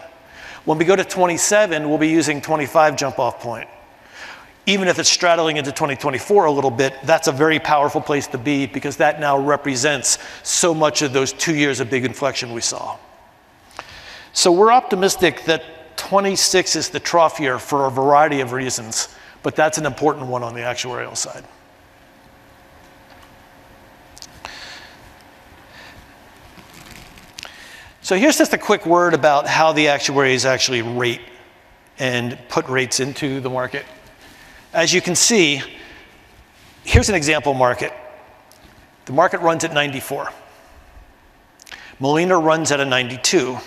When we go to 2027, we'll be using 2025 jump-off point. Even if it's straddling into 2024 a little bit, that's a very powerful place to be because that now represents so much of those two years of big inflection we saw. We're optimistic that 26 is the trough year for a variety of reasons, but that's an important one on the actuarial side. Here's just a quick word about how the actuaries actually rate and put rates into the market. As you can see, here's an example market. The market runs at 94. Molina runs at a 92.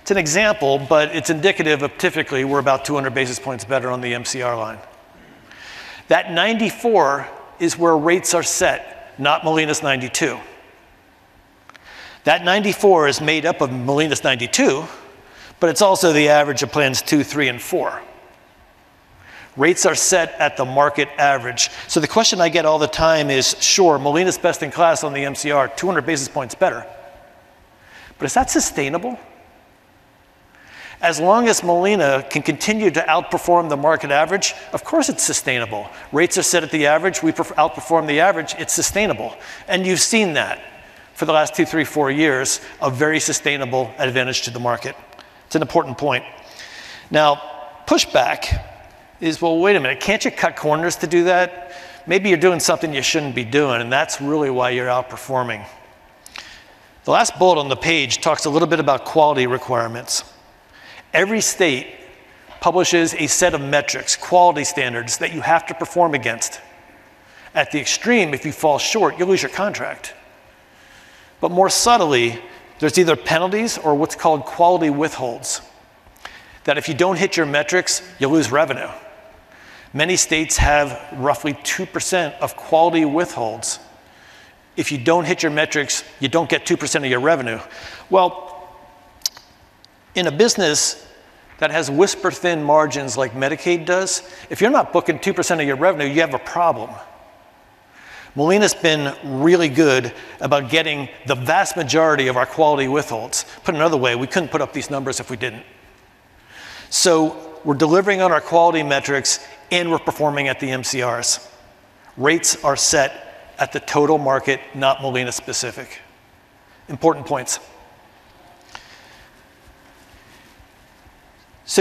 It's an example, but it's indicative of typically we're about 200 basis points better on the MCR line. That 94 is where rates are set, not Molina's 92. That 94 is made up of Molina's 92, but it's also the average of plans two, three, and four. Rates are set at the market average. The question I get all the time is, "Sure, Molina's best in class on the MCR, 200 basis points better, but is that sustainable?" As long as Molina can continue to outperform the market average, of course, it's sustainable. Rates are set at the average. We outperform the average, it's sustainable. You've seen that for the last two, three, four years, a very sustainable advantage to the market. It's an important point. Pushback is, well, wait a minute, can't you cut corners to do that? Maybe you're doing something you shouldn't be doing, and that's really why you're outperforming. The last bullet on the page talks a little bit about quality requirements. Every state publishes a set of metrics, quality standards that you have to perform against. At the extreme, if you fall short, you'll lose your contract. More subtly, there's either penalties or what's called quality withholds, that if you don't hit your metrics, you lose revenue. Many states have roughly 2% of quality withholds. If you don't hit your metrics, you don't get 2% of your revenue. In a business that has whisper-thin margins like Medicaid does, if you're not booking 2% of your revenue, you have a problem. Molina's been really good about getting the vast majority of our quality withholds. Put another way, we couldn't put up these numbers if we didn't. We're delivering on our quality metrics, and we're performing at the MCRs. Rates are set at the total market, not Molina specific. Important points.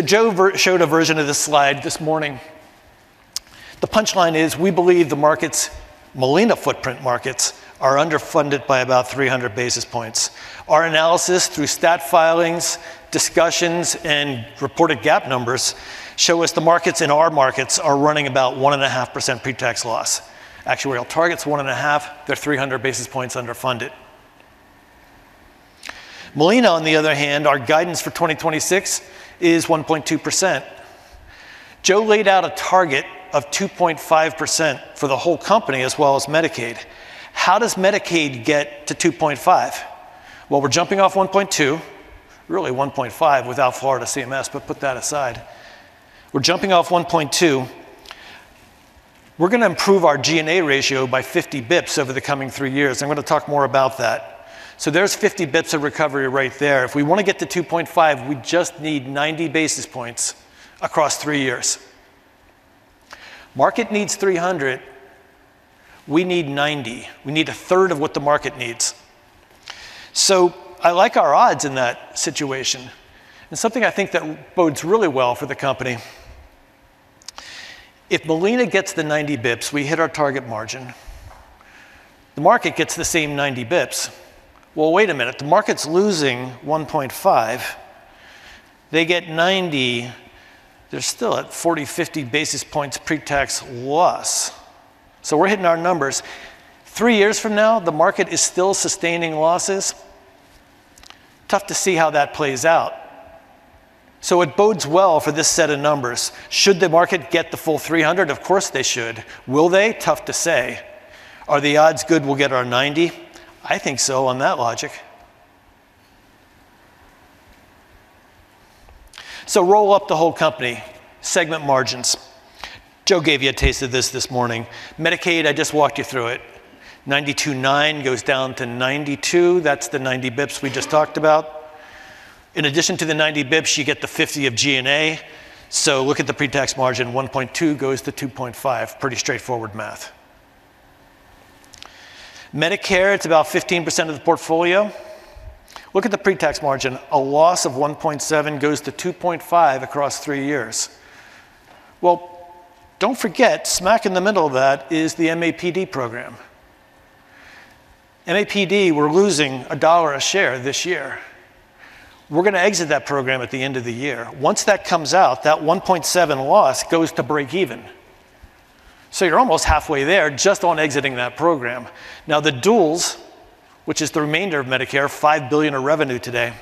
Joe showed a version of this slide this morning. The punchline is we believe the markets, Molina footprint markets, are underfunded by about 300 basis points. Our analysis through stat filings, discussions, and reported GAAP numbers show us the markets in our markets are running about 1.5% pre-tax loss. Actuarial target's 1.5. They're 300 basis points underfunded. Molina, on the other hand, our guidance for 2026 is 1.2%. Joe laid out a target of 2.5% for the whole company as well as Medicaid. How does Medicaid get to 2.5? Well, we're jumping off 1.2, really 1.5 without Florida CMS, but put that aside. We're jumping off 1.2. We're gonna improve our G&A ratio by 50 basis points over the coming three years. I'm gonna talk more about that. There's 50 basis points of recovery right there. If we want to get to 2.5, we just need 90 basis points across three years. Market needs 300 basis points. We need 90 basis points. We need a third of what the market needs. I like our odds in that situation, and something I think that bodes really well for the company. If Molina gets the 90 basis points, we hit our target margin. The market gets the same 90 basis points. Well, wait a minute. The market's losing 1.5 percentage points. They get 90 basis points. They're still at 40, 50 basis points pre-tax loss. We're hitting our numbers. Three years from now, the market is still sustaining losses. Tough to see how that plays out. It bodes well for this set of numbers. Should the market get the full 300 basis points? Of course, they should. Will they? Tough to say. Are the odds good we'll get our 90 basis points? I think so on that logic. Roll up the whole company, segment margins. Joe gave you a taste of this this morning. Medicaid, I just walked you through it. 92.9 goes down to 92. That's the 90 BPS we just talked about. In addition to the 90 BPS, you get the 50 of G&A. Look at the pre-tax margin, 1.2 goes to 2.5. Pretty straightforward math. Medicare, it's about 15% of the portfolio. Look at the pre-tax margin. A loss of 1.7 goes to 2.5 across three years. Well, don't forget, smack in the middle of that is the MAPD program. MAPD, we're losing $1 a share this year. We're gonna exit that program at the end of the year. Once that comes out, that 1.7 loss goes to breakeven. You're almost halfway there just on exiting that program. The duals, which is the remainder of Medicare, $5 billion of revenue today,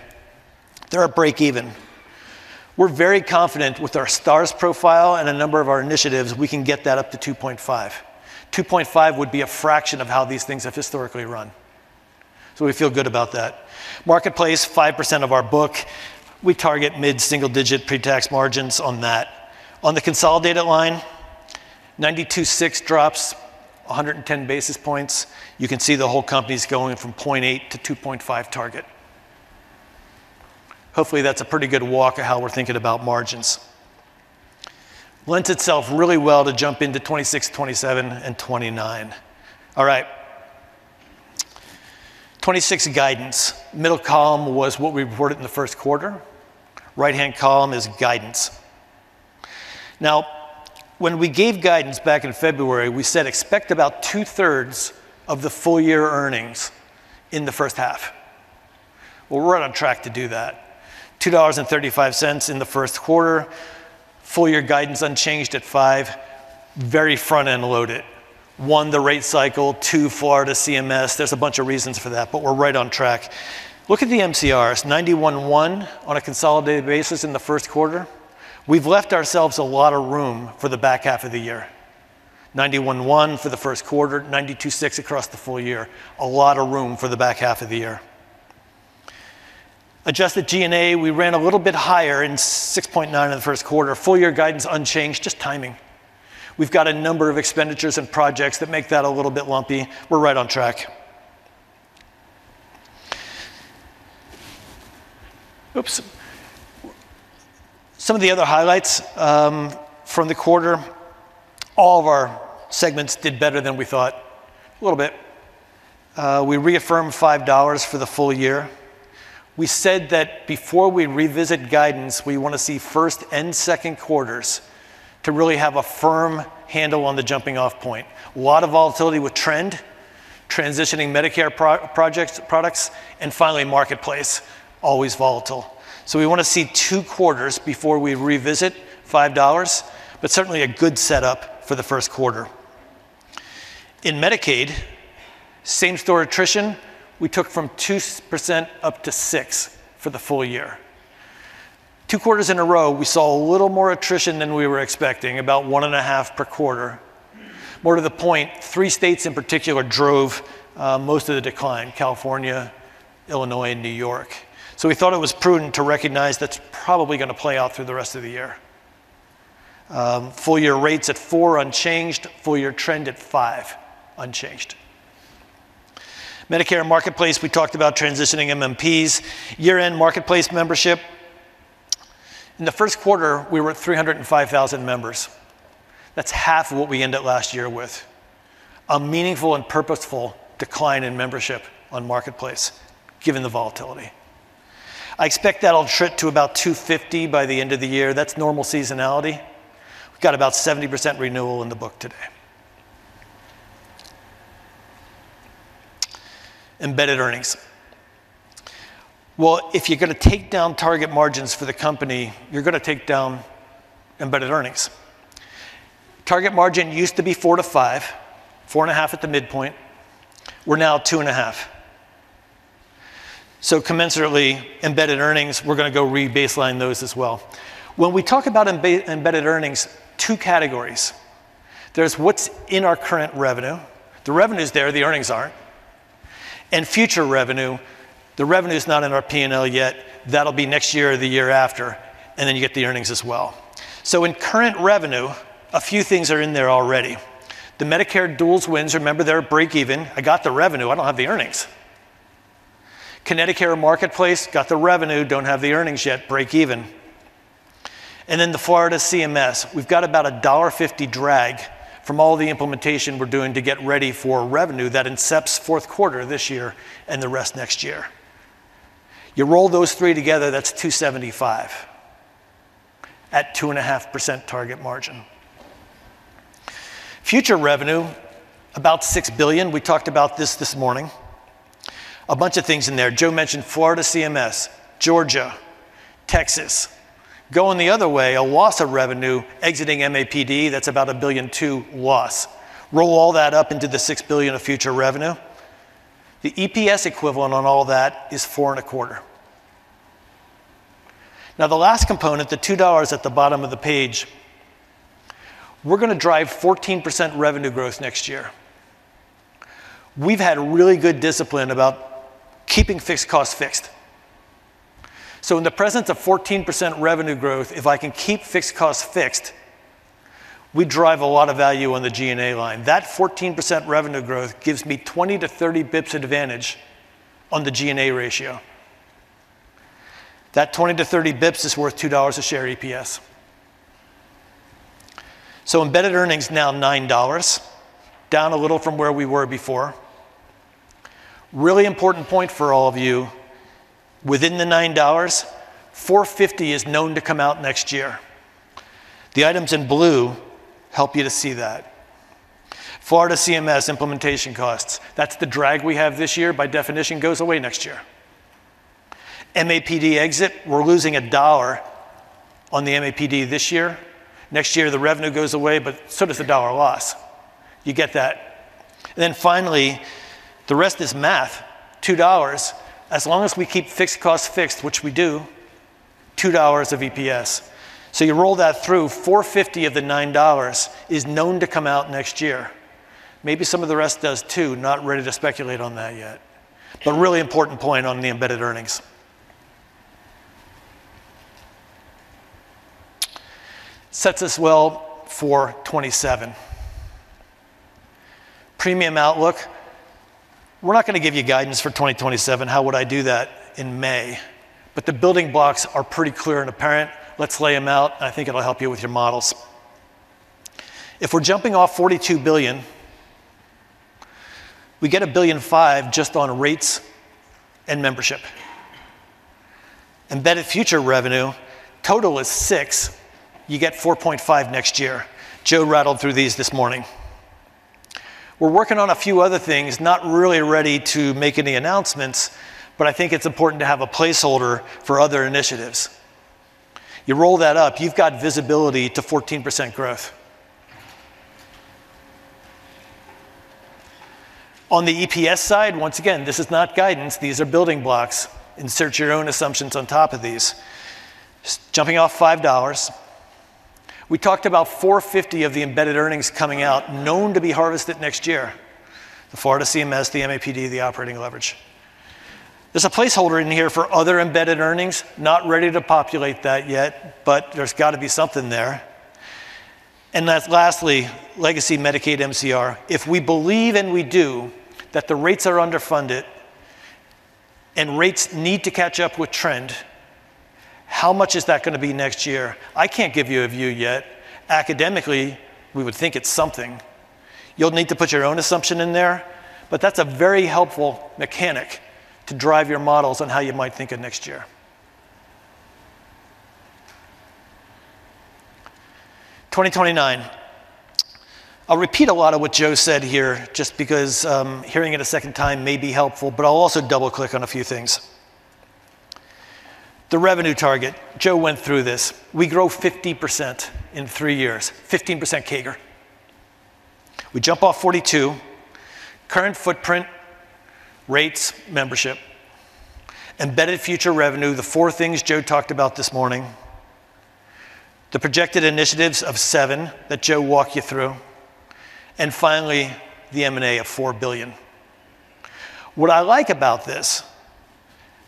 they're at breakeven. We're very confident with our stars profile and a number of our initiatives, we can get that up to 2.5. 2.5 would be a fraction of how these things have historically run. We feel good about that. Marketplace, 5% of our book, we target mid-single-digit pre-tax margins on that. On the consolidated line, 92.6 drops 110 basis points. You can see the whole company's going from 0.8 to 2.5 target. Hopefully, that's a pretty good walk of how we're thinking about margins. Lends itself really well to jump into 2026, 2027, and 2029. All right. 2026 guidance. Middle column was what we reported in the first quarter. Right-hand column is guidance. When we gave guidance back in February, we said expect about two-thirds of the full year earnings in the first half. We're right on track to do that. $2.35 in the first quarter. Full year guidance unchanged at $5. Very front-end loaded. One, the rate cycle, two, Florida CMS. There's a bunch of reasons for that. We're right on track. Look at the MCRs, 91.1% on a consolidated basis in the first quarter. We've left ourselves a lot of room for the back half of the year. 91.1% for the first quarter, 92.6% across the full year. A lot of room for the back half of the year. Adjusted G&A, we ran a little bit higher in 6.9% in the first quarter. Full year guidance unchanged, just timing. We've got a number of expenditures and projects that make that a little bit lumpy. We're right on track. Oops. Some of the other highlights from the quarter, all of our segments did better than we thought, a little bit. We reaffirmed $5 for the full year. We said that before we revisit guidance, we want to see first and second quarters to really have a firm handle on the jumping-off point. A lot of volatility with trend, transitioning Medicare products, and finally Marketplace, always volatile. We want to see two quarters before we revisit $5, but certainly a good setup for the first quarter. In Medicaid, same-store attrition, we took from 2% up to 6% for the full year. Two quarters in a row, we saw a little more attrition than we were expecting, about 1.5 per quarter. More to the point, three states in particular drove most of the decline, California, Illinois, and New York. We thought it was prudent to recognize that's probably going to play out through the rest of the year. Full-year rates at four unchanged, full-year trend at five unchanged. Medicare Marketplace, we talked about transitioning MMPs. Year-end Marketplace membership, in the first quarter, we were at 305,000 members. That's half of what we ended last year with. A meaningful and purposeful decline in membership on Marketplace given the volatility. I expect that'll shrink to about 250 by the end of the year. That's normal seasonality. We've got about 70% renewal in the book today. Embedded earnings. Well, if you're going to take down target margins for the company, you're going to take down embedded earnings. Target margin used to be four to five, four and a half at the midpoint. We're now two and a half. Commensurately, embedded earnings, we're going to go re-baseline those as well. When we talk about embedded earnings, two categories. There's what's in our current revenue. The revenue's there, the earnings aren't. Future revenue, the revenue's not in our P&L yet. That'll be next year or the year after, and then you get the earnings as well. In current revenue, a few things are in there already. The Medicare duals wins, remember they're at break even. I got the revenue, I don't have the earnings. ConnectiCare Marketplace, got the revenue, don't have the earnings yet, break even. The Florida CMS, we've got about a $1.50 drag from all the implementation we're doing to get ready for revenue that incepts fourth quarter this year and the rest next year. Roll those three together, that's $2.75 at 2.5% target margin. Future revenue, about $6 billion. We talked about this this morning. A bunch of things in there. Joe mentioned Florida CMS, Georgia, Texas. Going the other way, a loss of revenue exiting MAPD, that's about a $1.2 billion loss. Roll all that up into the $6 billion of future revenue. The EPS equivalent on all that is $4.25. The last component, the $2 at the bottom of the page, we're going to drive 14% revenue growth next year. We've had really good discipline about keeping fixed costs fixed. In the presence of 14% revenue growth, if I can keep fixed costs fixed, we drive a lot of value on the G&A line. That 14% revenue growth gives me 20 to 30 bps advantage on the G&A ratio. That 20 to 30 bps is worth $2 a share EPS. Embedded earnings now $9, down a little from where we were before. Really important point for all of you, within the $9, $4.50 is known to come out next year. The items in blue help you to see that. Florida CMS implementation costs, that's the drag we have this year, by definition, goes away next year. MAPD exit, we're losing $1 on the MAPD this year. Next year, the revenue goes away, but so does the dollar loss. You get that. Finally, the rest is math, $2. As long as we keep fixed costs fixed, which we do, $2 of EPS. You roll that through, $4.50 of the $9 is known to come out next year. Maybe some of the rest does too, not ready to speculate on that yet. Really important point on the embedded earnings. Sets us well for 2027. Premium outlook, we're not going to give you guidance for 2027. How would I do that in May? The building blocks are pretty clear and apparent. Let's lay them out, and I think it'll help you with your models. If we're jumping off $42 billion, we get $1.5 billion just on rates and membership. Embedded future revenue, total is $6 billion. You get $4.5 billion next year. Joe rattled through these this morning. We're working on a few other things, not really ready to make any announcements, but I think it's important to have a placeholder for other initiatives. You roll that up, you've got visibility to 14% growth. On the EPS side, once again, this is not guidance, these are building blocks. Insert your own assumptions on top of these. Jumping off $5. We talked about $4.50 of the embedded earnings coming out, known to be harvested next year. The Florida CMS, the MAPD, the operating leverage. There's a placeholder in here for other embedded earnings. Not ready to populate that yet, there's got to be something there. Lastly, legacy Medicaid MCR. If we believe, and we do, that the rates are underfunded and rates need to catch up with trend, how much is that gonna be next year? I can't give you a view yet. Academically, we would think it's something. You'll need to put your own assumption in there, but that's a very helpful mechanic to drive your models on how you might think of next year. 2029. I'll repeat a lot of what Joe said here just because hearing it a second time may be helpful, but I'll also double-click on a few things. The revenue target, Joe went through this. We grow 50% in three years, 15% CAGR. We jump off $42. Current footprint, rates, membership, embedded future revenue, the four things Joe talked about this morning, the projected initiatives of seven that Joe walked you through, and finally, the M&A of $4 billion. What I like about this,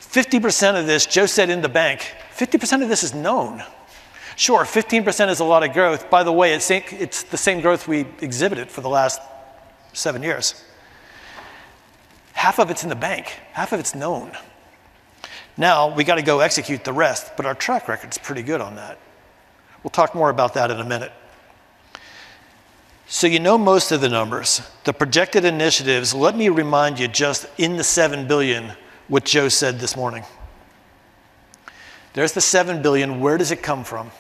50% of this Joe said in the bank, 50% of this is known. Sure, 15% is a lot of growth. By the way, it's the same growth we exhibited for the last seven years. Half of it's in the bank. Half of it's known. We got to go execute the rest, but our track record is pretty good on that. We'll talk more about that in a minute. You know most of the numbers. The projected initiatives, let me remind you just in the $7 billion what Joe said this morning. There's the $7 billion. Where does it come from?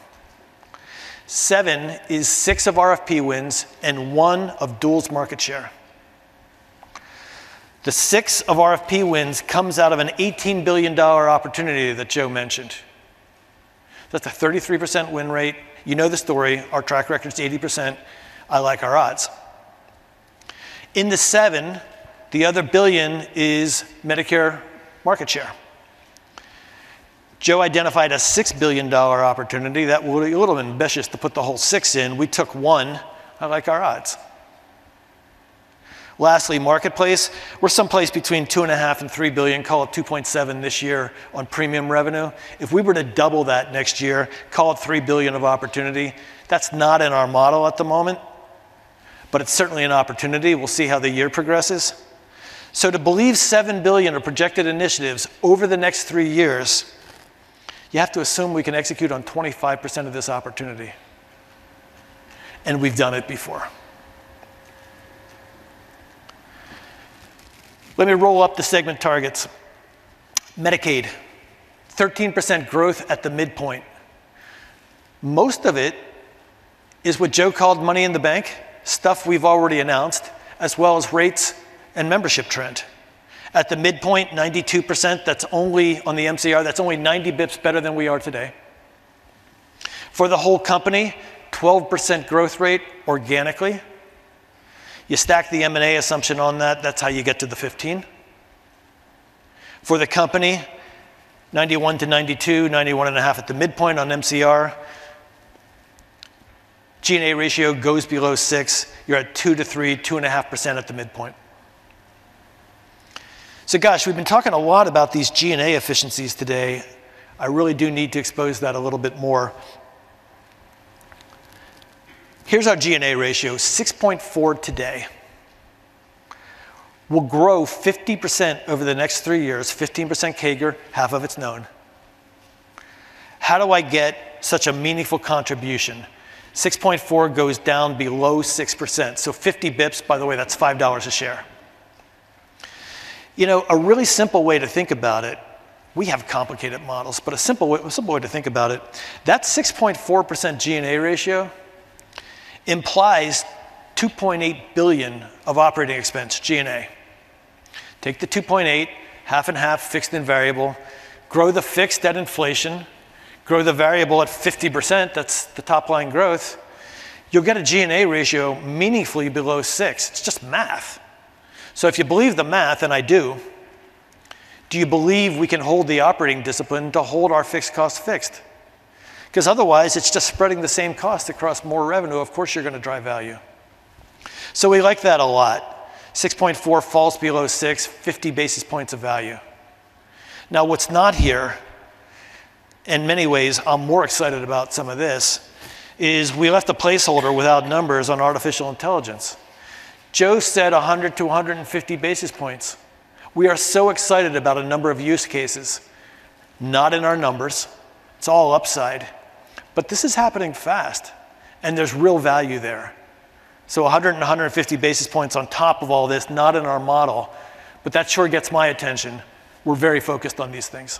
seven is six of RFP wins and one of duals market share. The six of RFP wins comes out of an $18 billion opportunity that Joe mentioned. That's a 33% win rate. You know the story. Our track record is 80%. I like our odds. In the seven, the other $1 billion is Medicare market share. Joe identified a $6 billion opportunity that would be a little ambitious to put the whole six in. We took one. I like our odds. Lastly, Marketplace. We're someplace between $2.5 billion and $3 billion, call it $2.7 this year on premium revenue. If we were to double that next year, call it $3 billion of opportunity, that's not in our model at the moment, but it's certainly an opportunity. We'll see how the year progresses. To believe $7 billion are projected initiatives over the next three years, you have to assume we can execute on 25% of this opportunity, and we've done it before. Let me roll up the segment targets. Medicaid, 13% growth at the midpoint. Most of it is what Joe called money in the bank, stuff we've already announced, as well as rates and membership trend. At the midpoint, 92%, that's only on the MCR, that's only 90 bps better than we are today. For the whole company, 12% growth rate organically. You stack the M&A assumption on that's how you get to the 15. For the company, 91%-92%, 91.5% at the midpoint on MCR. G&A ratio goes below 6%. You're at 2%-3%, 2.5% at the midpoint. Gosh, we've been talking a lot about these G&A efficiencies today. I really do need to expose that a little bit more. Here's our G&A ratio, 6.4% today. We'll grow 50% over the next three years, 15% CAGR, half of it's known. How do I get such a meaningful contribution? 6.4% goes down below 6%. 50 BPS, by the way, that's $5 a share. You know, a really simple way to think about it, we have complicated models, but a simple way to think about it, that 6.4% G&A ratio implies $2.8 billion of operating expense, G&A. Take the $2.8, half and half, fixed and variable, grow the fixed at inflation, grow the variable at 50%, that's the top line growth. You'll get a G&A ratio meaningfully below 6%. It's just math. If you believe the math, and I do you believe we can hold the operating discipline to hold our fixed costs fixed? Because otherwise, it's just spreading the same cost across more revenue. Of course, you're gonna drive value. We like that a lot. 6.4% falls below 6%, 50 basis points of value. What's not here, in many ways, I'm more excited about some of this, is we left a placeholder without numbers on artificial intelligence. Joe said 100-150 basis points. We are excited about a number of use cases, not in our numbers. It's all upside. This is happening fast, and there's real value there. A hundred and 150 basis points on top of all this, not in our model, but that sure gets my attention. We're very focused on these things.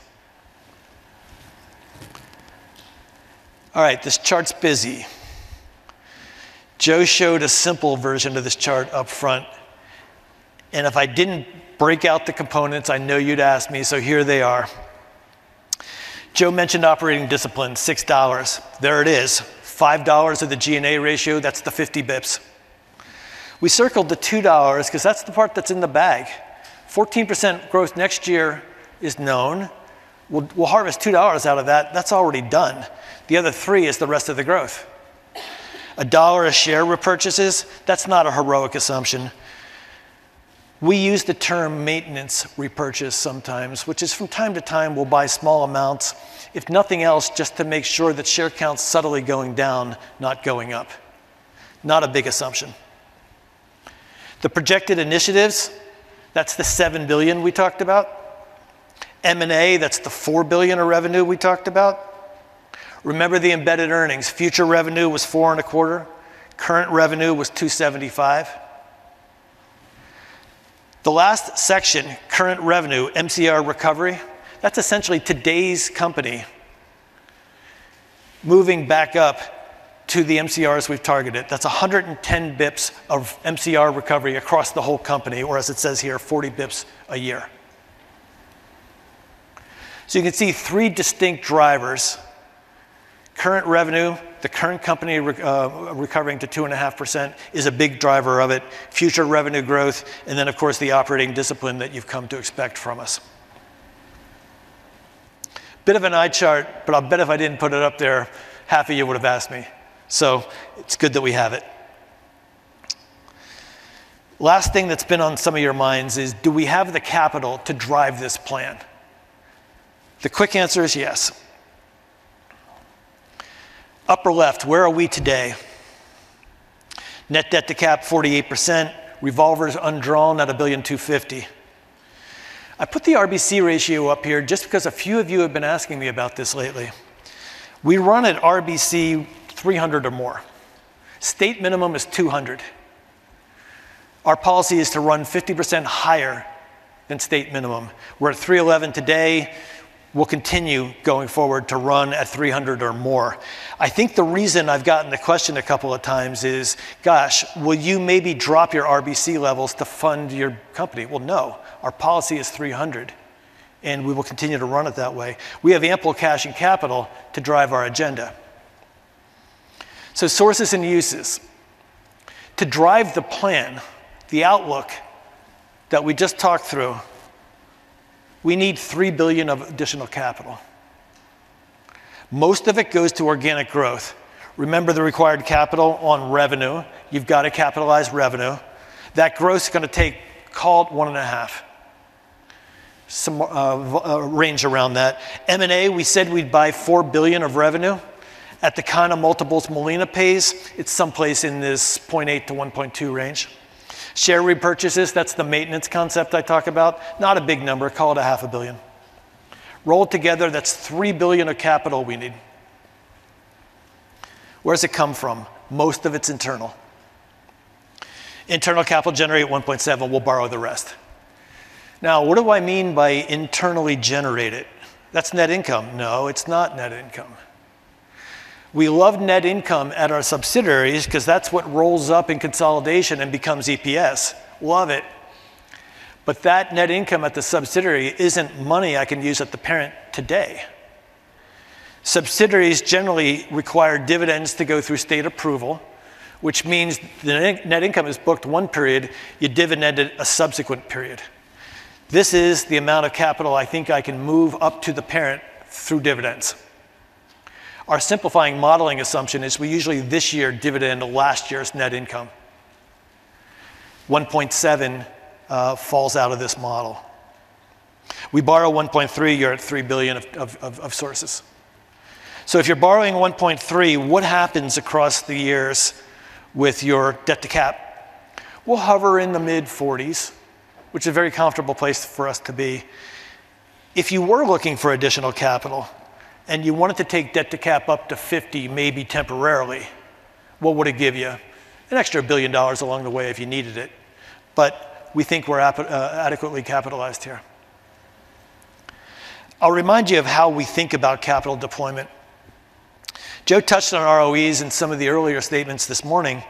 All right, this chart's busy. Joe showed a simple version of this chart up front, if I didn't break out the components, I know you'd ask me, here they are. Joe mentioned operating discipline, $6. There it is. $5 of the G&A ratio, that's the 50 basis points. We circled the $2 because that's the part that's in the bag. 14% growth next year is known. We'll harvest $2 out of that. That's already done. The other $3 is the rest of the growth. $1 a share repurchases, that's not a heroic assumption. We use the term maintenance repurchase sometimes, which is from time to time we'll buy small amounts, if nothing else, just to make sure that share count's subtly going down, not going up. Not a big assumption. The projected initiatives, that's the $7 billion we talked about. M&A, that's the $4 billion of revenue we talked about. Remember the embedded earnings. Future revenue was four and a quarter. Current revenue was $2.75. The last section, current revenue, MCR recovery, that's essentially today's company moving back up to the MCRs we've targeted. That's 110 BPS of MCR recovery across the whole company, or as it says here, 40 BPS a year. You can see three distinct drivers. Current revenue, the current company recovering to 2.5% is a big driver of it, future revenue growth, and then of course, the operating discipline that you've come to expect from us. Bit of an eye chart, but I'll bet if I didn't put it up there, half of you would have asked me, so it's good that we have it. Last thing that's been on some of your minds is do we have the capital to drive this plan? The quick answer is yes. Upper left, where are we today? Net debt to cap, 48%. Revolver's undrawn at $1.25 billion. I put the RBC ratio up here just because a few of you have been asking me about this lately. We run an RBC 300 or more. State minimum is 200. Our policy is to run 50% higher than state minimum. We're at 311 today. We'll continue going forward to run at 300 or more. I think the reason I've gotten the question a couple of times is, gosh, will you maybe drop your RBC levels to fund your company? Well, no, our policy is 300, and we will continue to run it that way. We have ample cash and capital to drive our agenda. Sources and uses. To drive the plan, the outlook that we just talked through, we need $3 billion of additional capital. Most of it goes to organic growth. Remember the required capital on revenue. You've got to capitalize revenue. That growth's going to take, call it, one and a half. Some a range around that. M&A, we said we'd buy $4 billion of revenue. At the kind of multiples Molina pays, it's someplace in this 0.8-1.2 range. Share repurchases, that's the maintenance concept I talk about. Not a big number. Call it a half a billion. Roll it together, that's $3 billion of capital we need. Where does it come from? Most of it's internal. Internal capital generate $1.7 billion. We'll borrow the rest. Now, what do I mean by internally generated? That's net income. No, it's not net income. We love net income at our subsidiaries because that's what rolls up in consolidation and becomes EPS. Love it. That net income at the subsidiary isn't money I can use at the parent today. Subsidiaries generally require dividends to go through state approval, which means the net income is booked 1 period, you dividend it a subsequent period. This is the amount of capital I think I can move up to the parent through dividends. Our simplifying modeling assumption is we usually this year dividend last year's net income. 1.7 falls out of this model. We borrow 1.3. You're at $3 billion of sources. If you're borrowing 1.3, what happens across the years with your debt to cap? We'll hover in the mid-40s%, which is a very comfortable place for us to be. If you were looking for additional capital and you wanted to take debt to cap up to 50%, maybe temporarily, what would it give you? An extra $1 billion along the way if you needed it. We think we're adequately capitalized here. I'll remind you of how we think about capital deployment. Joe touched on ROEs in some of the earlier statements this morning.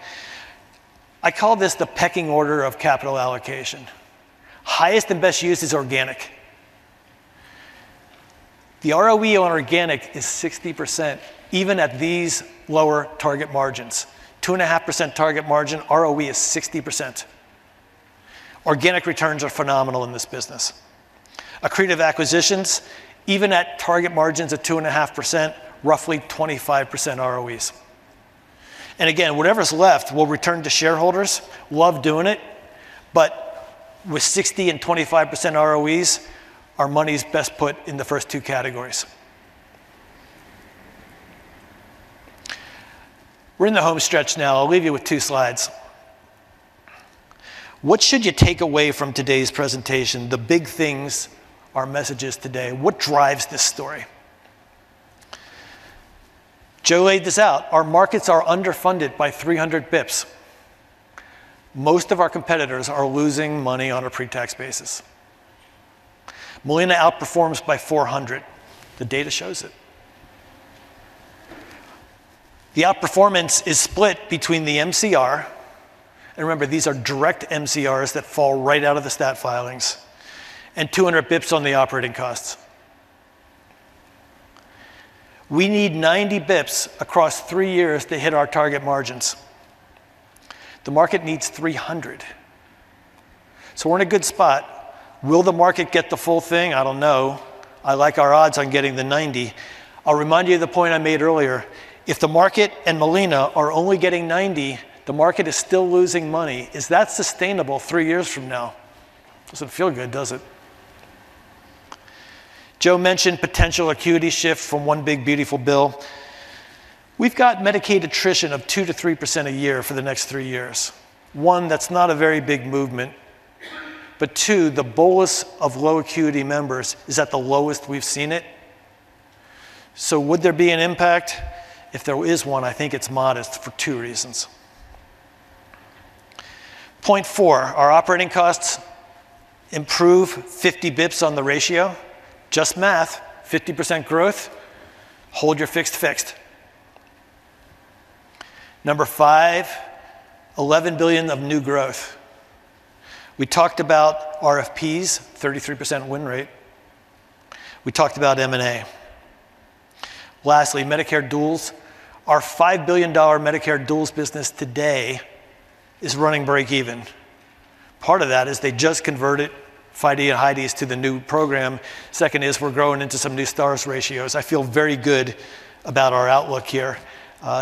I call this the pecking order of capital allocation. Highest and best use is organic. The ROE on organic is 60%, even at these lower target margins. 2.5% target margin, ROE is 60%. Organic returns are phenomenal in this business. Accretive acquisitions, even at target margins of 2.5%, roughly 25% ROEs. Again, whatever's left, we'll return to shareholders. Love doing it. With 60 and 25% ROEs, our money's best put in the first two categories. We're in the home stretch now. I'll leave you with two slides. What should you take away from today's presentation, the big things, our messages today? What drives this story? Joe laid this out. Our markets are underfunded by 300 basis points. Most of our competitors are losing money on a pre-tax basis. Molina outperforms by 400. The data shows it. The outperformance is split between the MCR, and remember, these are direct MCRs that fall right out of the stat filings, and 200 basis points on the operating costs. We need 90 basis points across three years to hit our target margins. The market needs 300. We're in a good spot. Will the market get the full thing? I don't know. I like our odds on getting the 90. I'll remind you of the point I made earlier. If the market and Molina are only getting 90, the market is still losing money. Is that sustainable three years from now? Doesn't feel good, does it? Joe mentioned potential acuity shift from One Big Beautiful Bill. We've got Medicaid attrition of 2%-3% a year for the next three years. One, that's not a very big movement, two, the bolus of low acuity members is at the lowest we've seen it. Would there be an impact? If there is one, I think it's modest for two reasons. Point 4, our operating costs improve 50 BPS on the ratio. Just math, 50% growth, hold your fixed fixed. Number 5, $11 billion of new growth. We talked about RFPs, 33% win rate. We talked about M&A. Lastly, Medicare duals. Our $5 billion Medicare duals business today is running break even. Part of that is they just converted FIDE and HIDE to the new program. Second is we're growing into some new stars ratios. I feel very good about our outlook here.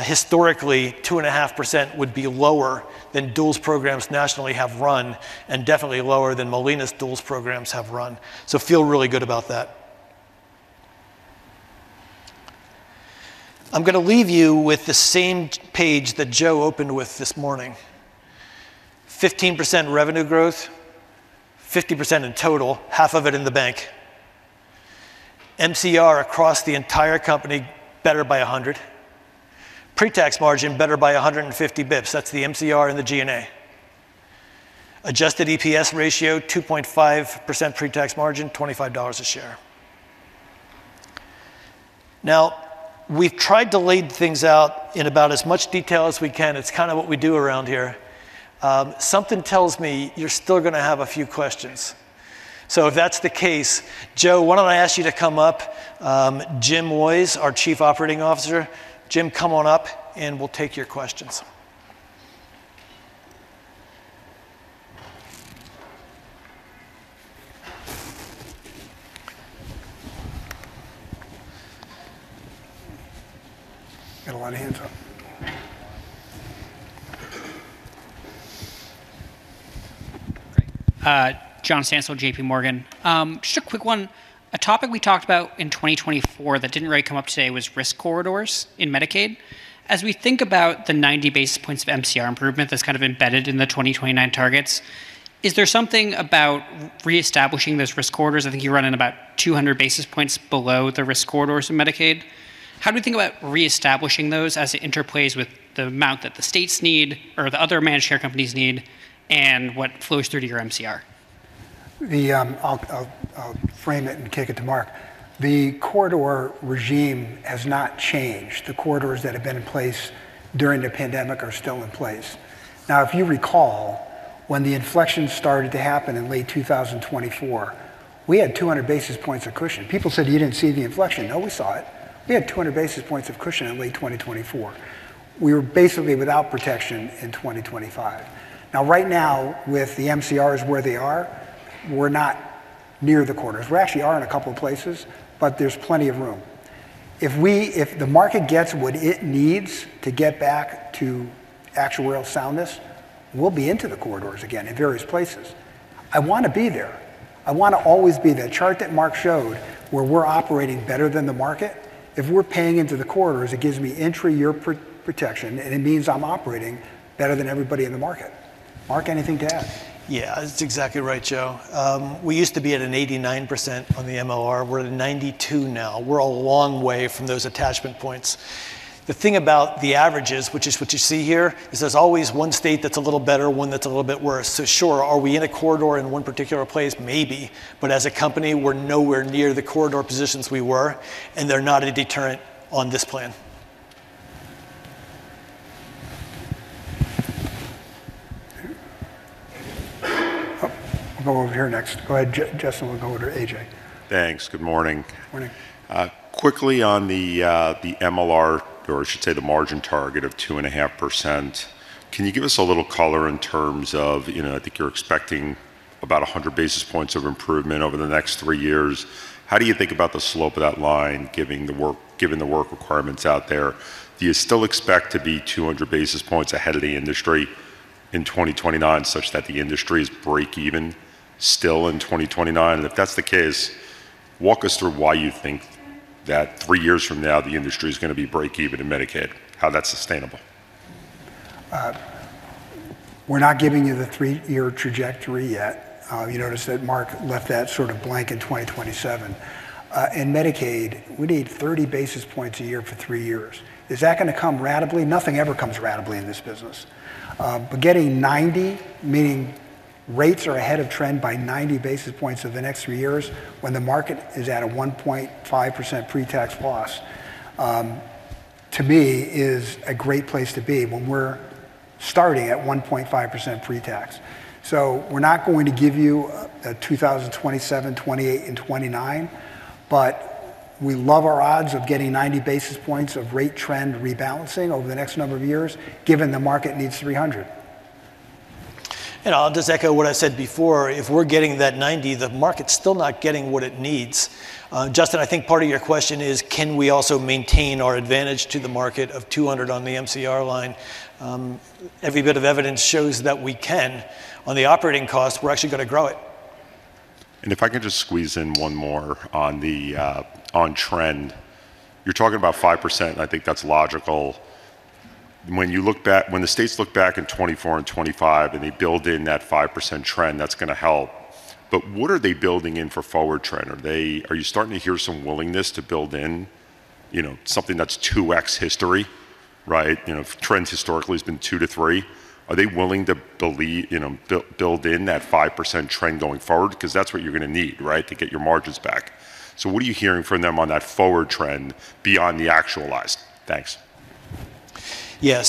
Historically, 2.5% would be lower than duals programs nationally have run, and definitely lower than Molina's duals programs have run. Feel really good about that. I'm gonna leave you with the same page that Joe opened with this morning. 15% revenue growth, 50% in total, half of it in the bank. MCR across the entire company, better by 100. Pre-tax margin, better by 150 BPS. That's the MCR and the G&A. Adjusted EPS ratio, 2.5% pre-tax margin, $25 a share. We've tried to lay things out in about as much detail as we can. Something tells me you're still gonna have a few questions. If that's the case, Joe, why don't I ask you to come up. Jim Woys, our Chief Operating Officer, Jim, come on up, and we'll take your questions. Got a lot of hands up. Great. John Stansel, JPMorgan. Just a quick one. A topic we talked about in 2024 that didn't really come up today was risk corridors in Medicaid. As we think about the 90 basis points of MCR improvement that's kind of embedded in the 2029 targets, is there something about re-establishing those risk corridors? I think you run in about 200 basis points below the risk corridors in Medicaid. How do we think about re-establishing those as it interplays with the amount that the states need or the other managed care companies need, and what flows through to your MCR? I'll frame it and kick it to Mark. The corridor regime has not changed. The corridors that have been in place during the pandemic are still in place. Now, if you recall, when the inflection started to happen in late 2024, we had 200 basis points of cushion. People said you didn't see the inflection. No, we saw it. We had 200 basis points of cushion in late 2024. We were basically without protection in 2025. Now, right now, with the MCRs where they are, we're not near the corridors. We actually are in a couple of places, but there's plenty of room. If the market gets what it needs to get back to actuarial soundness, we'll be into the corridors again in various places. I wanna be there. I wanna always be the chart that Mark showed, where we're operating better than the market, if we're paying into the corridors, it gives me entry year protection. It means I'm operating better than everybody in the market. Mark, anything to add? Yeah. That's exactly right, Joe. We used to be at an 89% on the MLR. We're at a 92% now. We're a long way from those attachment points. The thing about the averages, which is what you see here, is there's always one state that's a little better, one that's a little bit worse. Sure, are we in a corridor in one particular place? Maybe. As a company, we're nowhere near the corridor positions we were, and they're not a deterrent on this plan. Oh, we'll go over here next. Go ahead, Justin, we'll go over to A.J. Thanks. Good morning. Morning. Quickly on the MLR, or I should say the margin target of 2.5%, can you give us a little color in terms of, I think you're expecting about 100 basis points of improvement over the next three years. How do you think about the slope of that line given the work requirements out there? Do you still expect to be 200 basis points ahead of the industry in 2029 such that the industry is break even still in 2029? If that's the case, walk us through why you think that three years from now, the industry is going to be break even in Medicaid, how that's sustainable. We're not giving you the three-year trajectory yet. You notice that Mark left that sort of blank in 2027. In Medicaid, we need 30 basis points a year for three years. Is that going to come ratably? Nothing ever comes ratably in this business. Getting 90, meaning rates are ahead of trend by 90 basis points over the next three years when the market is at a 1.5% pre-tax loss, to me is a great place to be when we're starting at 1.5% pre-tax. We're not going to give you a 2027, 2028, and 2029, but we love our odds of getting 90 basis points of rate trend rebalancing over the next number of years, given the market needs 300. I'll just echo what I said before. If we're getting that 90, the market's still not getting what it needs. Justin, I think part of your question is, can we also maintain our advantage to the market of 200 on the MCR line? Every bit of evidence shows that we can. On the operating cost, we're actually gonna grow it. If I can just squeeze in one more on the on trend. You're talking about 5%, and I think that's logical. When the states look back in 2024 and 2025, and they build in that 5% trend, that's gonna help. What are they building in for forward trend? Are you starting to hear some willingness to build in, you know, something that's 2x history, right? You know, trend historically has been two to three. Are they willing to, you know, build in that 5% trend going forward? 'Cause that's what you're gonna need, right? To get your margins back. What are you hearing from them on that forward trend beyond the actualized? Thanks. Yeah.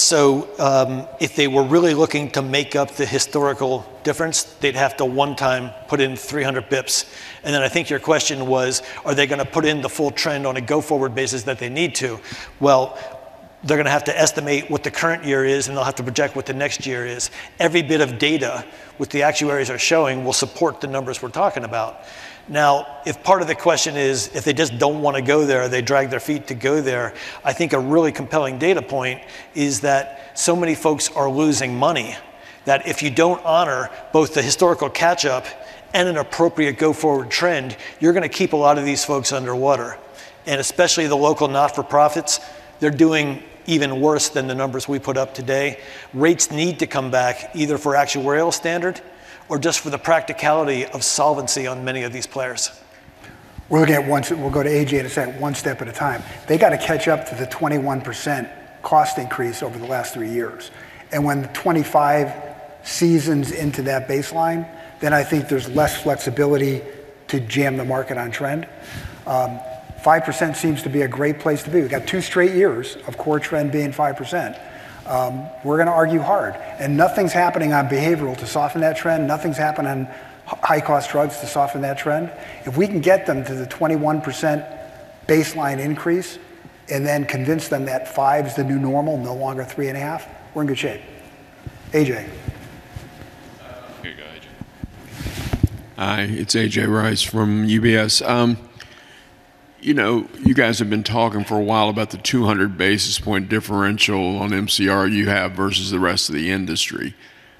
If they were really looking to make up the historical difference, they'd have to one time put in 300 basis points, then I think your question was, are they gonna put in the full trend on a go forward basis that they need to? They're gonna have to estimate what the current year is, they'll have to project what the next year is. Every bit of data what the actuaries are showing will support the numbers we're talking about. If part of the question is, if they just don't wanna go there, they drag their feet to go there, I think a really compelling data point is that so many folks are losing money, that if you don't honor both the historical catch-up and an appropriate go forward trend, you're gonna keep a lot of these folks underwater. Especially the local not-for-profits, they're doing even worse than the numbers we put up today. Rates need to come back either for actuarial standard or just for the practicality of solvency on many of these players. We're looking at. We'll go to A.J. in a second. One step at a time. They gotta catch up to the 21% cost increase over the last three years. When the 2025 seasons into that baseline, then I think there's less flexibility to jam the market on trend. 5% seems to be a great place to be. We've got two straight years of core trend being 5%. We're gonna argue hard, and nothing's happening on behavioral to soften that trend. Nothing's happening on high cost drugs to soften that trend. If we can get them to the 21% baseline increase and then convince them that five is the new normal, no longer three and a half, we're in good shape. A.J. Here you go, A.J. Rice. Hi, it's A.J. Rice from UBS. You know, you guys have been talking for a while about the 200 basis point differential on MCR you have versus the rest of the industry.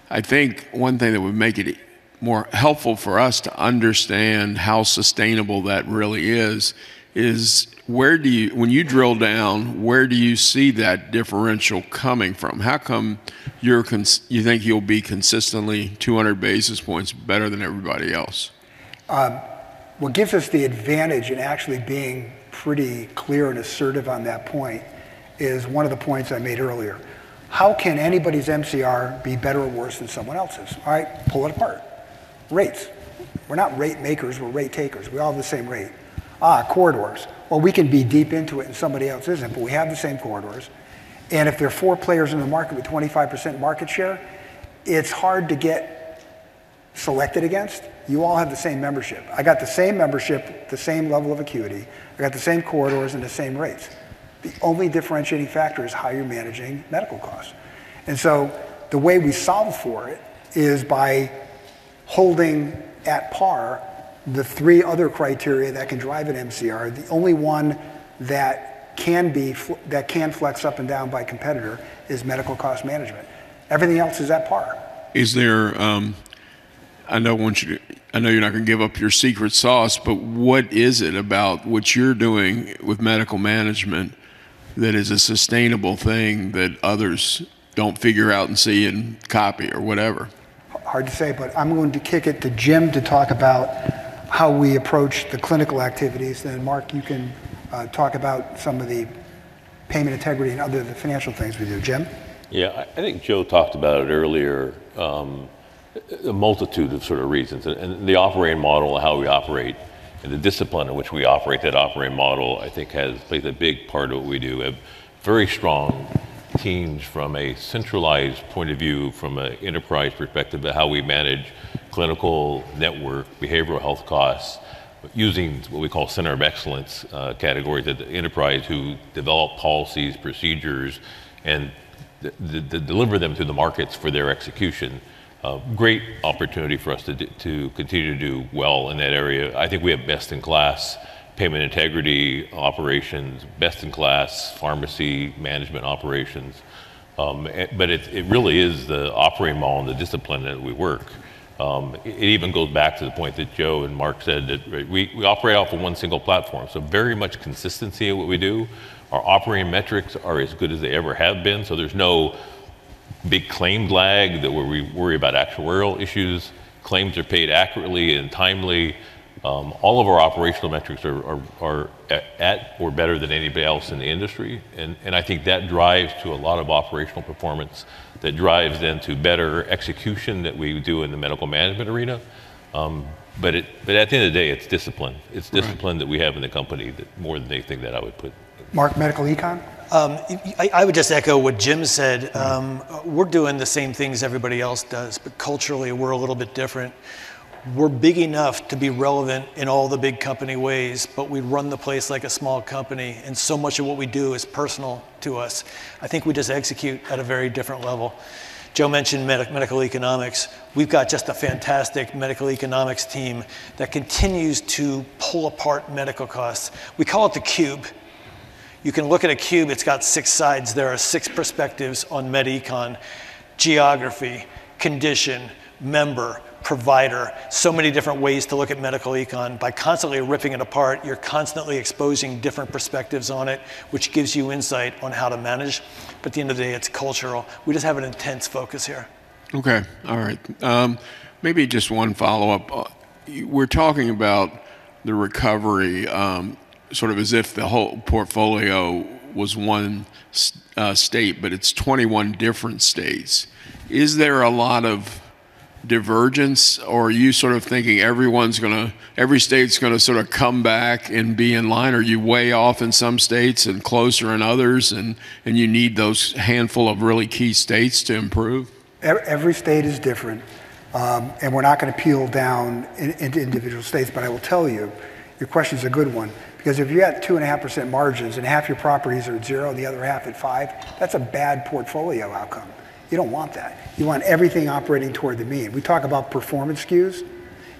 I think one thing that would make it more helpful for us to understand how sustainable that really is when you drill down, where do you see that differential coming from? How come you think you'll be consistently 200 basis points better than everybody else? What gives us the advantage in actually being pretty clear and assertive on that point is one of the points I made earlier. How can anybody's MCR be better or worse than someone else's? All right, pull it apart. Rates. We're not rate makers, we're rate takers. We all have the same rate. Corridors. Well, we can be deep into it, and somebody else isn't, but we have the same corridors. If there are four players in the market with 25% market share, it's hard to get selected against. You all have the same membership. I got the same membership, the same level of acuity. I got the same corridors and the same rates. The only differentiating factor is how you're managing medical costs. The way we solve for it is by holding at par the three other criteria that can drive an MCR. The only one that can flex up and down by competitor is medical cost management. Everything else is at par. Is there, I know you're not gonna give up your secret sauce, but what is it about what you're doing with medical management that is a sustainable thing that others don't figure out and see and copy or whatever? Hard to say, but I'm going to kick it to Jim to talk about how we approach the clinical activities. Then Mark, you can talk about some of the payment integrity and other financial things we do. Jim? Yeah. I think Joe talked about it earlier. A multitude of sort of reasons, and the operating model and how we operate and the discipline in which we operate that operating model, I think has played a big part in what we do. We have very strong teams from a centralized point of view, from an enterprise perspective to how we manage clinical network behavioral health costs using what we call center of excellence categories at the enterprise who develop policies, procedures, and that deliver them to the markets for their execution. A great opportunity for us to continue to do well in that area. I think we have best in class payment integrity operations, best in class pharmacy management operations. But it really is the operating model and the discipline that we work. It even goes back to the point that Joe and Mark said that we operate off of one single platform, so very much consistency in what we do. Our operating metrics are as good as they ever have been. There's no Big claim lag that we worry about actuarial issues, claims are paid accurately and timely. All of our operational metrics are at or better than anybody else in the industry. I think that drives to a lot of operational performance that drives then to better execution that we do in the medical management arena. At the end of the day, it's discipline. Right. It's discipline that we have in the company that more than anything that I would put- Mark, medical econ? I would just echo what Jim said. Right. We're doing the same thing as everybody else does, but culturally we're a little bit different. We're big enough to be relevant in all the big company ways, but we run the place like a small company, and so much of what we do is personal to us. I think we just execute at a very different level. Joe mentioned medical economics. We've got just a fantastic medical economics team that continues to pull apart medical costs. We call it the cube. You can look at a cube, it's got six sides. There are six perspectives on med econ. Geography, condition, member, provider. Many different ways to look at medical econ. By constantly ripping it apart, you're constantly exposing different perspectives on it, which gives you insight on how to manage. At the end of the day, it's cultural. We just have an intense focus here. Okay. All right. Maybe just one follow-up. We're talking about the recovery, sort of as if the whole portfolio was one state, but it's 21 different states. Is there a lot of divergence, or are you sort of thinking everyone's gonna every state's gonna sort of come back and be in line? Are you way off in some states and closer in others, and you need those handful of really key states to improve? Every state is different, and we're not gonna peel down into individual states. I will tell you, your question's a good one, because if you had 2.5% margins and half your properties are at zero and the other half at five, that's a bad portfolio outcome. You don't want that. You want everything operating toward the mean. We talk about performance skews.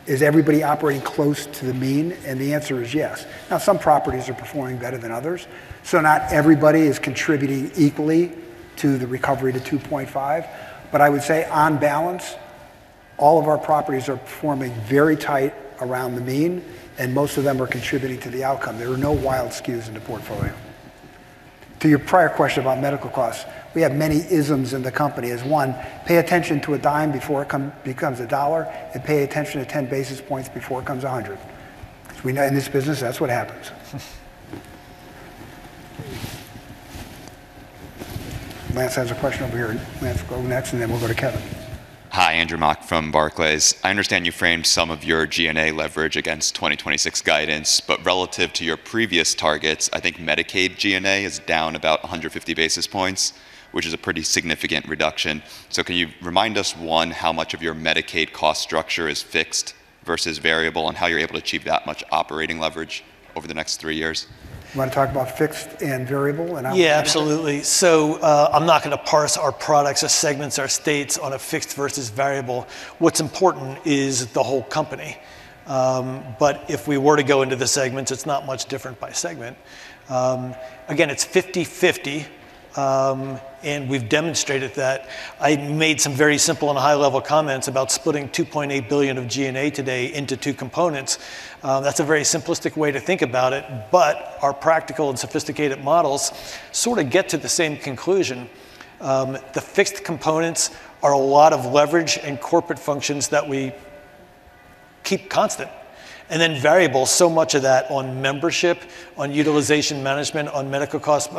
Is everybody operating close to the mean? The answer is yes. Some properties are performing better than others, so not everybody is contributing equally to the recovery to 2.5. I would say on balance, all of our properties are performing very tight around the mean, and most of them are contributing to the outcome. There are no wild skews in the portfolio. To your prior question about medical costs, we have many isms in the company. As one, pay attention to a dime before it becomes a dollar. Pay attention to 10 basis points before it comes 100, 'cause we know in this business that's what happens. Lance has a question over here. Lance will go next, and then we'll go to Kevin. Hi, Andrew Mok from Barclays. I understand you framed some of your G&A leverage against 2026 guidance, but relative to your previous targets, I think Medicaid G&A is down about 150 basis points, which is a pretty significant reduction. Can you remind us, one, how much of your Medicaid cost structure is fixed versus variable, and how you're able to achieve that much operating leverage over the next three years? You wanna talk about fixed and variable and how we manage? Yeah, absolutely. I'm not gonna parse our products, our segments, our states on a fixed versus variable. What's important is the whole company. If we were to go into the segments, it's not much different by segment. Again, it's 50-50, we've demonstrated that. I made some very simple and high-level comments about splitting $2.8 billion of G&A today into two components. That's a very simplistic way to think about it, our practical and sophisticated models sort of get to the same conclusion. The fixed components are a lot of leverage and corporate functions that we keep constant. Variable, so much of that on membership, on utilization management, on medical cost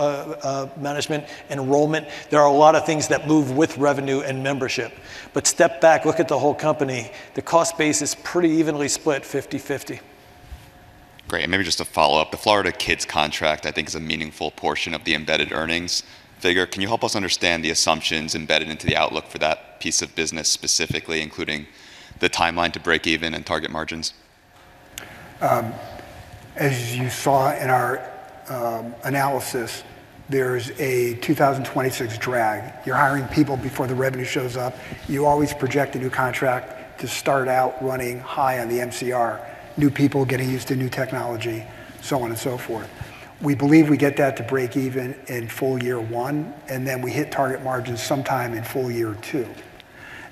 management, enrollment. There are a lot of things that move with revenue and membership. Step back, look at the whole company. The cost base is pretty evenly split 50/50. Great. Maybe just to follow up, the Florida KidCare contract, I think, is a meaningful portion of the embedded earnings figure. Can you help us understand the assumptions embedded into the outlook for that piece of business specifically, including the timeline to break even and target margins? As you saw in our analysis, there's a 2026 drag. You're hiring people before the revenue shows up. You always project a new contract to start out running high on the MCR. New people getting used to new technology, so on and so forth. We believe we get that to break even in full year 1. Then we hit target margins sometime in full year 2.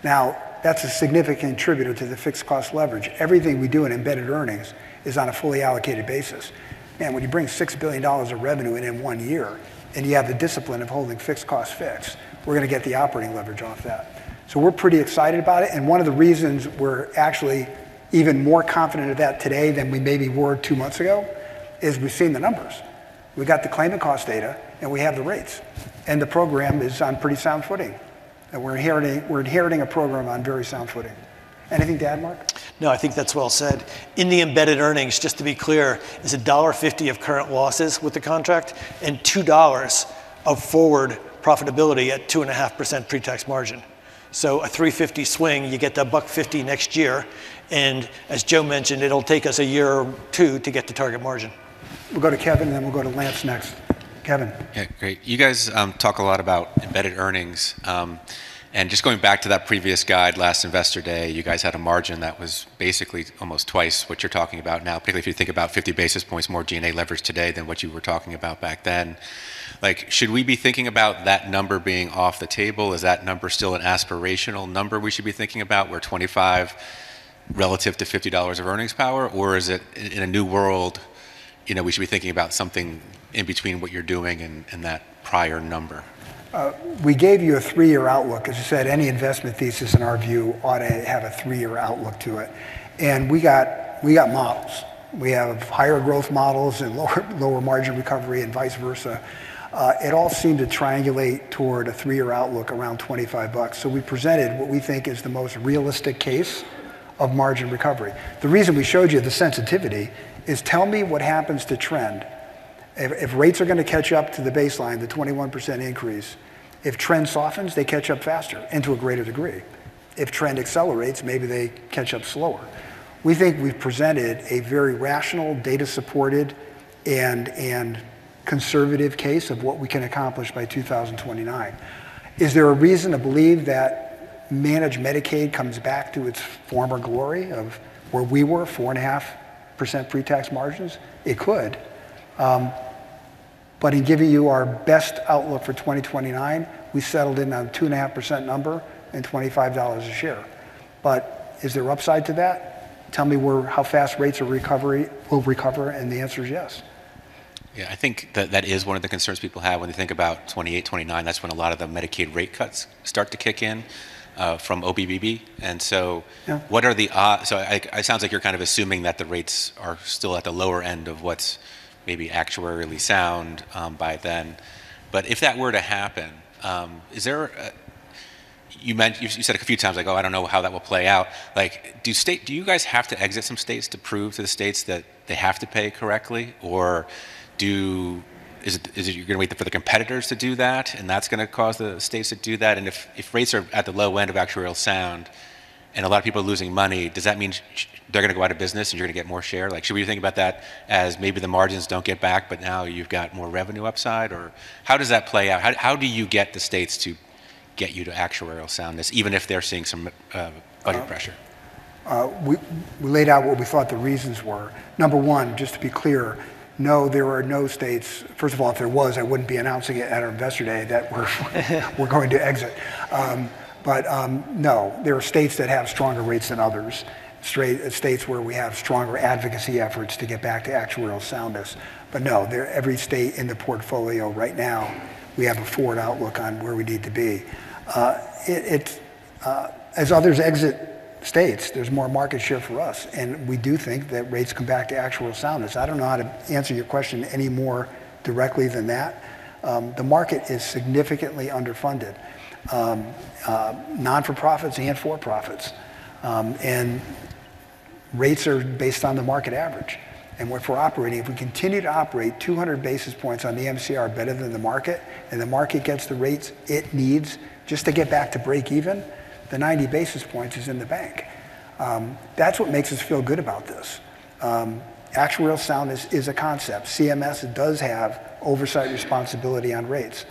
That's a significant contributor to the fixed cost leverage. Everything we do in embedded earnings is on a fully allocated basis. When you bring $6 billion of revenue in in one year, and you have the discipline of holding fixed costs fixed, we're gonna get the operating leverage off that. We're pretty excited about it, one of the reasons we're actually even more confident of that today than we maybe were two months ago is we've seen the numbers. We've got the claimant cost data, and we have the rates, and the program is on pretty sound footing. We're inheriting a program on very sound footing. Anything to add, Mark? No, I think that's well said. In the embedded earnings, just to be clear, there's a $1.50 of current losses with the contract and $2 of forward profitability at 2.5% pre-tax margin. A $3.50 swing, you get that $1.50 next year, and as Joe mentioned, it'll take us a year or two to get to target margin. We'll go to Kevin, and then we'll go to Lance next. Kevin. Yeah, great. You guys talk a lot about embedded earnings. Just going back to that previous guide last Investor Day, you guys had a margin that was basically almost twice what you're talking about now. Particularly if you think about 50 basis points more G&A leverage today than what you were talking about back then. Like, should we be thinking about that number being off the table? Is that number still an aspirational number we should be thinking about, where 25 relative to $50 of earnings power? Or is it in a new world, you know, we should be thinking about something in between what you're doing and that prior number? We gave you a three-year outlook. As you said, any investment thesis in our view ought to have a three-year outlook to it. We got models. We have higher growth models and lower margin recovery and vice versa. It all seemed to triangulate toward a three-year outlook around $25. We presented what we think is the most realistic case of margin recovery. The reason we showed you the sensitivity is tell me what happens to trend if rates are gonna catch up to the baseline, the 21% increase. If trend softens, they catch up faster and to a greater degree. If trend accelerates, maybe they catch up slower. We think we've presented a very rational, data-supported, and conservative case of what we can accomplish by 2029. Is there a reason to believe that managed Medicaid comes back to its former glory of where we were, 4.5% pre-tax margins? It could. In giving you our best outlook for 2029, we settled in on a 2.5% number and $25 a share. Is there upside to that? Tell me where how fast rates will recover, and the answer is yes. Yeah, I think that that is one of the concerns people have when they think about 2028, 2029. That's when a lot of the Medicaid rate cuts start to kick in from OBBBA. Yeah It sounds like you're kind of assuming that the rates are still at the lower end of what's maybe actuarially sound by then. If that were to happen, you said a few times like, "Oh, I don't know how that will play out." Like, do you guys have to exit some states to prove to the states that they have to pay correctly? Is it you're gonna wait for the competitors to do that, and that's gonna cause the states to do that? If rates are at the low end of actuarial sound and a lot of people are losing money, does that mean they're gonna go out of business and you're gonna get more share? Like, should we think about that as maybe the margins don't get back, but now you've got more revenue upside? How does that play out? How do you get the states to get you to actuarial soundness, even if they're seeing some budget pressure? We laid out what we thought the reasons were. Number one, just to be clear, no, there are no states. First of all, if there was, I wouldn't be announcing it at our Investor Day that we're going to exit. No, there are states that have stronger rates than others, states where we have stronger advocacy efforts to get back to actuarial soundness. No, every state in the portfolio right now, we have a forward outlook on where we need to be. As others exit states, there's more market share for us, and we do think that rates come back to actuarial soundness. I don't know how to answer your question any more directly than that. The market is significantly underfunded, nonprofits and for-profits. Rates are based on the market average. Where if we're operating, if we continue to operate 200 basis points on the MCR better than the market, and the market gets the rates it needs just to get back to break even, the 90 basis points is in the bank. That's what makes us feel good about this. Actuarial soundness is a concept. CMS does have oversight responsibility on rates.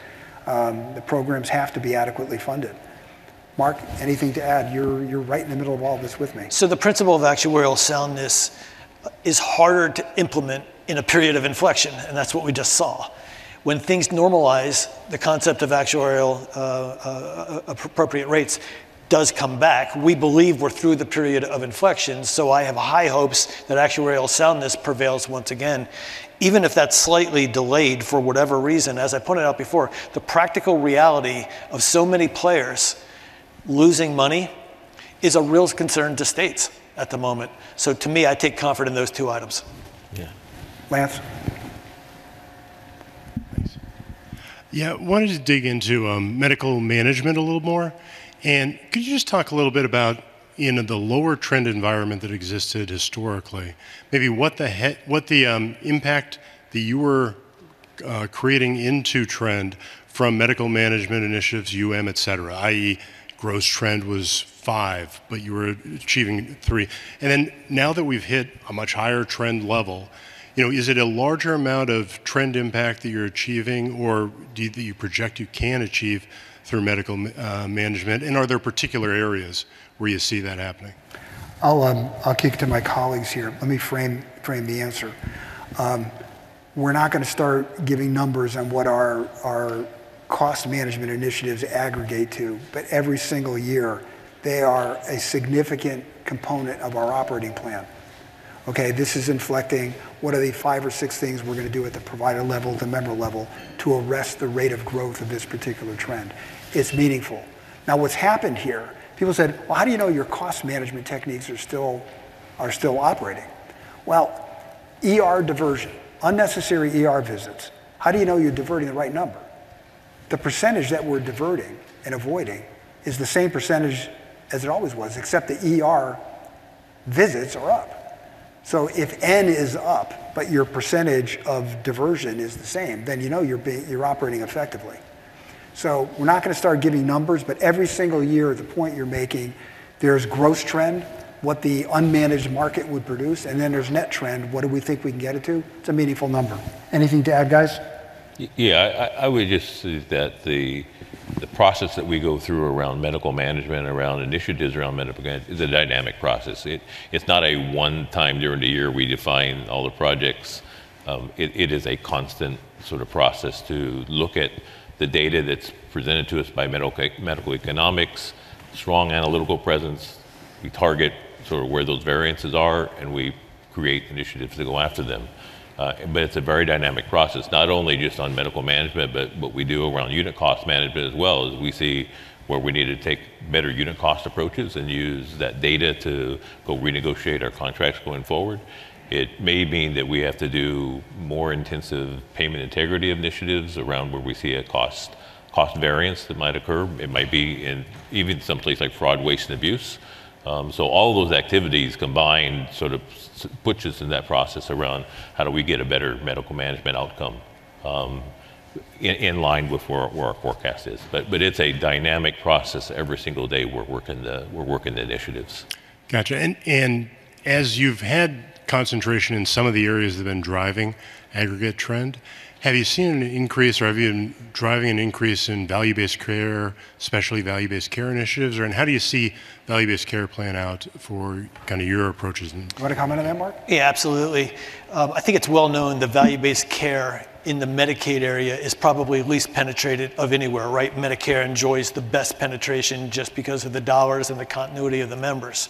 The programs have to be adequately funded. Mark, anything to add? You're right in the middle of all this with me. The principle of actuarial soundness is harder to implement in a period of inflection, and that's what we just saw. When things normalize, the concept of actuarial appropriate rates does come back. We believe we're through the period of inflection, so I have high hopes that actuarial soundness prevails once again, even if that's slightly delayed for whatever reason. As I pointed out before, the practical reality of so many players losing money is a real concern to states at the moment. To me, I take comfort in those two items. Yeah. Lance. Thanks. Yeah, wanted to dig into medical management a little more. Could you just talk a little bit about, you know, the lower trend environment that existed historically, maybe what the impact that you were creating into trend from medical management initiatives, UM, et cetera, i.e. gross trend was five, but you were achieving three. Now that we've hit a much higher trend level, you know, is it a larger amount of trend impact that you're achieving or that you project you can achieve through medical management? Are there particular areas where you see that happening? I'll kick it to my colleagues here. Let me frame the answer. We're not gonna start giving numbers on what our cost management initiatives aggregate to, but every single year, they are a significant component of our operating plan. Okay, this is inflecting what are the five or six things we're gonna do at the provider level, the member level, to arrest the rate of growth of this particular trend. It's meaningful. What's happened here, people said, "Well, how do you know your cost management techniques are still operating?" Well, ER diversion, unnecessary ER visits, how do you know you're diverting the right number? The percentage that we're diverting and avoiding is the same percentage as it always was, except the ER visits are up. If N is up, but your percentage of diversion is the same, then you know you're operating effectively. We're not gonna start giving numbers, but every single year, the point you're making, there's gross trend, what the unmanaged market would produce, and then there's net trend, what do we think we can get it to? It's a meaningful number. Anything to add, guys? Yeah. I would just say that the process that we go through around medical management, around initiatives around medical management is a dynamic process. It's not a one time during the year we define all the projects. It is a constant sort of process to look at the data that's presented to us by medical economics, strong analytical presence. We target sort of where those variances are, and we create initiatives to go after them. It's a very dynamic process, not only just on medical management, but what we do around unit cost management as well, as we see where we need to take better unit cost approaches and use that data to go renegotiate our contracts going forward. It may mean that we have to do more intensive payment integrity initiatives around where we see a cost variance that might occur. It might be in even some place like fraud, waste, and abuse. All those activities combined sort of puts us in that process around how do we get a better medical management outcome, in line with where our forecast is. But it's a dynamic process. Every single day, we're working initiatives. Gotcha. As you've had concentration in some of the areas that have been driving aggregate trend, have you seen an increase or have you been driving an increase in value-based care, especially value-based care initiatives? How do you see value-based care playing out for kinda your approaches? You want to comment on that, Mark? Yeah, absolutely. I think it's well known that value-based care in the Medicaid area is probably least penetrated of anywhere, right? Medicare enjoys the best penetration just because of the dollars and the continuity of the members.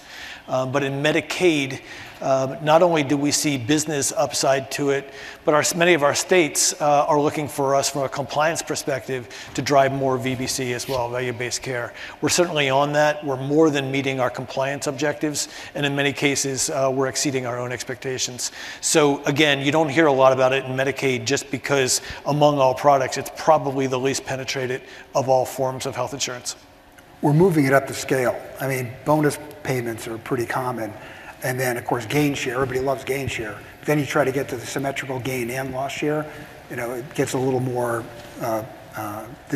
In Medicaid, not only do we see business upside to it, but many of our states are looking for us from a compliance perspective to drive more VBC as well, value-based care. We're certainly on that. We're more than meeting our compliance objectives, and in many cases, we're exceeding our own expectations. Again, you don't hear a lot about it in Medicaid just because among all products, it's probably the least penetrated of all forms of health insurance. We're moving it up the scale. I mean, bonus payments are pretty common, then of course, gain share. Everybody loves gain share. You try to get to the symmetrical gain and loss share. You know, it gets a little more, the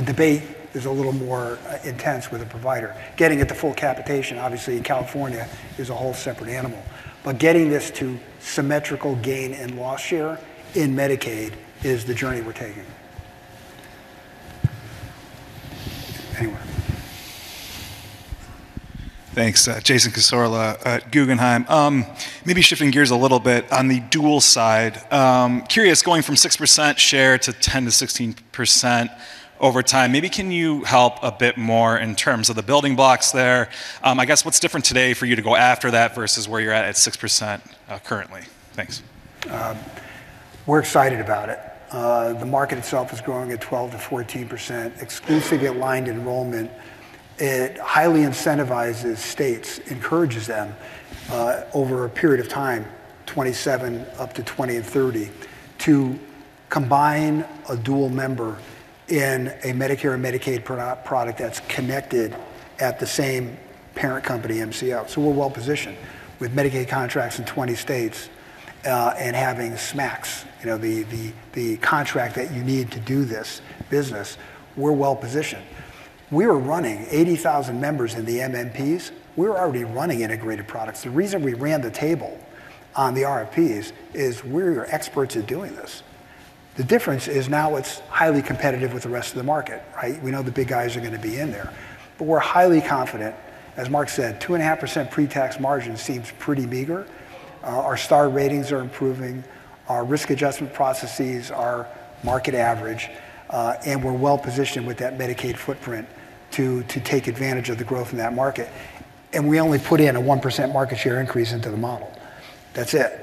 debate is a little more intense with a provider. Getting it to full capitation, obviously in California, is a whole separate animal. Getting this to symmetrical gain and loss share in Medicaid is the journey we're taking. Anyone? Thanks. Jason Cassorla at Guggenheim. Maybe shifting gears a little bit on the dual side. Curious, going from 6% share to 10 to 16% over time, maybe can you help a bit more in terms of the building blocks there? I guess what's different today for you to go after that versus where you're at at 6% currently? Thanks. We're excited about it. The market itself is growing at 12%-14%, exclusively aligned enrollment. It highly incentivizes states, encourages them, over a period of time, 2027 up to 2030, to combine a dual member in a Medicare and Medicaid product that's connected at the same parent company, MCO. We're well-positioned. With Medicaid contracts in 20 states, and having SMACs, you know, the contract that you need to do this business, we're well-positioned. We are running 80,000 members in the MMPs. We're already running integrated products. The reason we ran the table on the RFPs is we're experts at doing this. The difference is now it's highly competitive with the rest of the market, right? We know the big guys are gonna be in there, we're highly confident. As Mark said, 2.5% pre-tax margin seems pretty meager. Our star ratings are improving, our risk adjustment processes are market average, and we're well-positioned with that Medicaid footprint to take advantage of the growth in that market. We only put in a 1% market share increase into the model. That's it.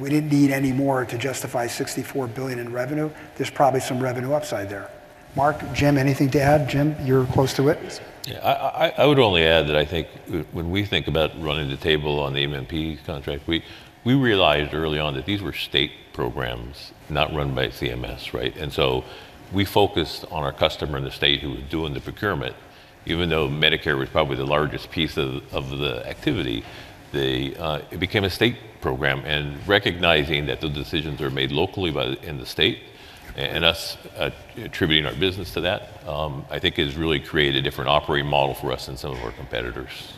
We didn't need any more to justify $64 billion in revenue. There's probably some revenue upside there. Mark, Jim, anything to add? Jim, you're close to it. Yeah. I would only add that I think when we think about running the table on the MMP contract, we realized early on that these were state programs not run by CMS, right? We focused on our customer in the state who was doing the procurement. Even though Medicare was probably the largest piece of the activity, it became a state program, recognizing that the decisions are made locally by the in the state and us attributing our business to that, I think has really created a different operating model for us than some of our competitors.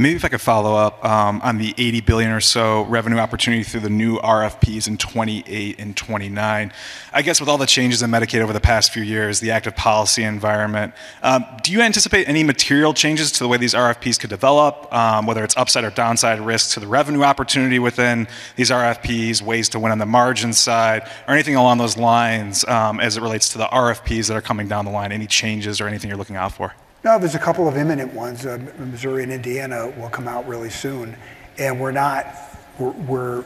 Maybe if I could follow up on the $80 billion or so revenue opportunity through the new RFPs in 2028 and 2029. I guess with all the changes in Medicaid over the past few years, the active policy environment, do you anticipate any material changes to the way these RFPs could develop, whether it's upside or downside risks to the revenue opportunity within these RFPs, ways to win on the margin side or anything along those lines, as it relates to the RFPs that are coming down the line? Any changes or anything you're looking out for? No, there's a couple of imminent ones. Missouri and Indiana will come out really soon. We're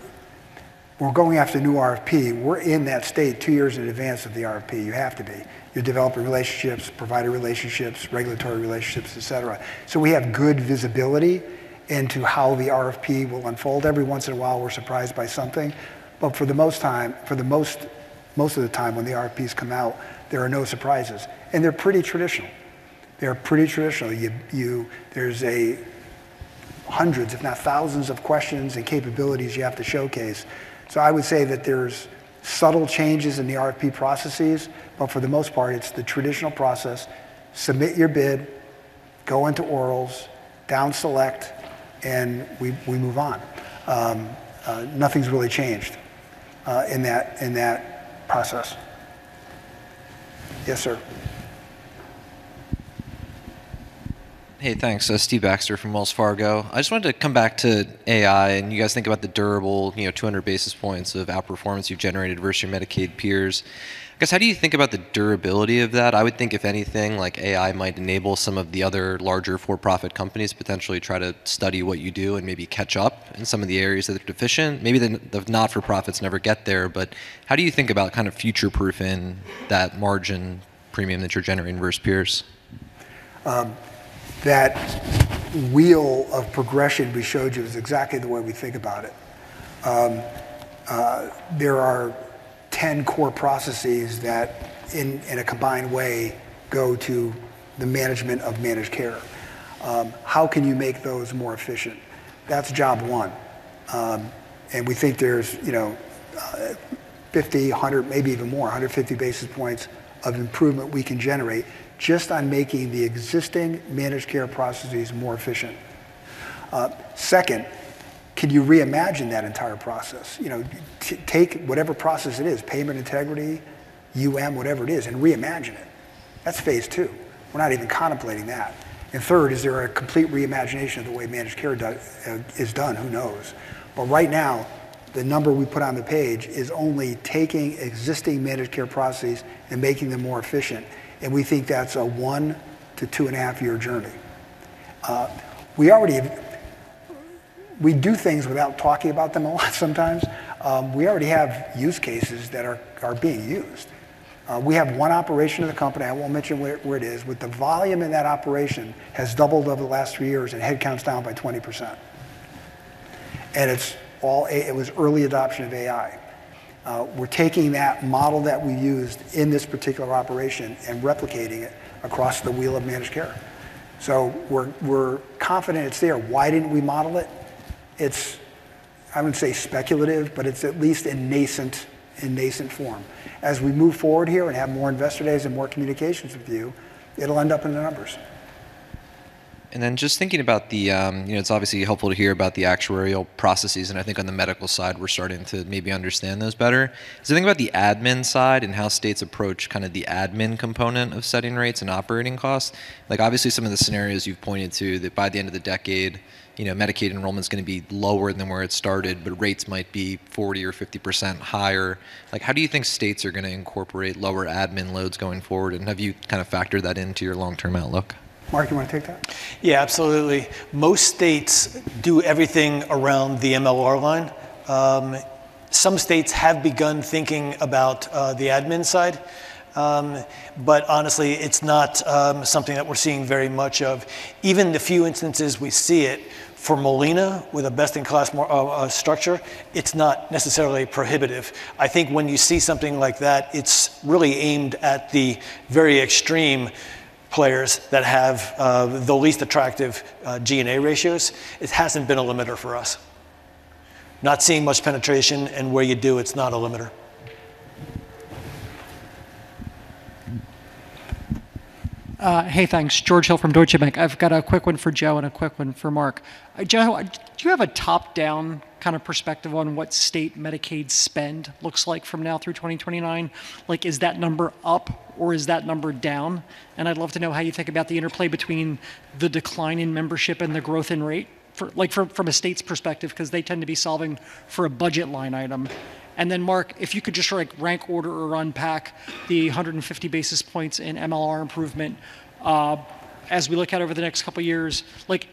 going after new RFP. We're in that state two years in advance of the RFP. You have to be. You're developing relationships, provider relationships, regulatory relationships, et cetera. We have good visibility into how the RFP will unfold. Every once in a while, we're surprised by something, but for the most of the time when the RFPs come out, there are no surprises. They're pretty traditional. They are pretty traditional. You. There's a hundreds, if not thousands of questions and capabilities you have to showcase. I would say that there's subtle changes in the RFP processes, but for the most part, it's the traditional process. Submit your bid, go into orals, down select, and we move on. Nothing's really changed in that process. Yes, sir. Hey, thanks. Stephen Baxter from Wells Fargo. I just wanted to come back to AI, and you guys think about the durable, you know, 200 basis points of outperformance you've generated versus your Medicaid peers. I guess, how do you think about the durability of that? I would think if anything, like AI might enable some of the other larger for-profit companies to potentially try to study what you do and maybe catch up in some of the areas that are deficient. Maybe the not-for-profits never get there, but how do you think about kind of future-proofing that margin premium that you're generating versus peers? That wheel of progression we showed you is exactly the way we think about it. There are 10 core processes that in a combined way go to the management of managed care. How can you make those more efficient? That's job one. We think there's, you know, 50, 100, maybe even more, 150 basis points of improvement we can generate just on making the existing managed care processes more efficient. Second, can you reimagine that entire process? You know, take whatever process it is, payment integrity, UM, whatever it is, and reimagine it. That's phase 2. We're not even contemplating that. Third, is there a complete reimagination of the way managed care does, is done? Who knows. Right now, the number we put on the page is only taking existing managed care processes and making them more efficient, and we think that's a one to 2.5 year journey. We already do things without talking about them a lot sometimes. We already have use cases that are being used. We have 1 operation of the company, I won't mention where it is, but the volume in that operation has doubled over the last 3 years and headcount's down by 20%. It was early adoption of AI. We're taking that model that we used in this particular operation and replicating it across the wheel of managed care. We're confident it's there. Why didn't we model it? I wouldn't say speculative, but it's at least in nascent form. As we move forward here and have more investor days and more communications with you, it'll end up in the numbers. Just thinking about the, you know, it's obviously helpful to hear about the actuarial processes, and I think on the medical side, we're starting to maybe understand those better. As I think about the admin side and how states approach kind of the admin component of setting rates and operating costs. Like, obviously some of the scenarios you've pointed to that by the end of the decade, you know, Medicaid enrollment's gonna be lower than where it started, but rates might be 40% or 50% higher. Like, how do you think states are gonna incorporate lower admin loads going forward, and have you kind of factored that into your long-term outlook? Mark, you wanna take that? Yeah, absolutely. Most states do everything around the MLR line. Some states have begun thinking about the admin side. Honestly, it's not something that we're seeing very much of. Even the few instances we see it, for Molina with a best-in-class structure, it's not necessarily prohibitive. I think when you see something like that, it's really aimed at the very extreme players that have the least attractive G&A ratios. It hasn't been a limiter for us. Not seeing much penetration, and where you do, it's not a limiter. Hey, thanks. George Hill from Deutsche Bank. I've got a quick one for Joe and a quick one for Mark. Joe, do you have a top-down kind of perspective on what state Medicaid spend looks like from now through 2029? Is that number up or is that number down? I'd love to know how you think about the interplay between the decline in membership and the growth in rate from a state's perspective, 'cause they tend to be solving for a budget line item. Mark, if you could just rank order or unpack the 150 basis points in MLR improvement as we look out over the next two years.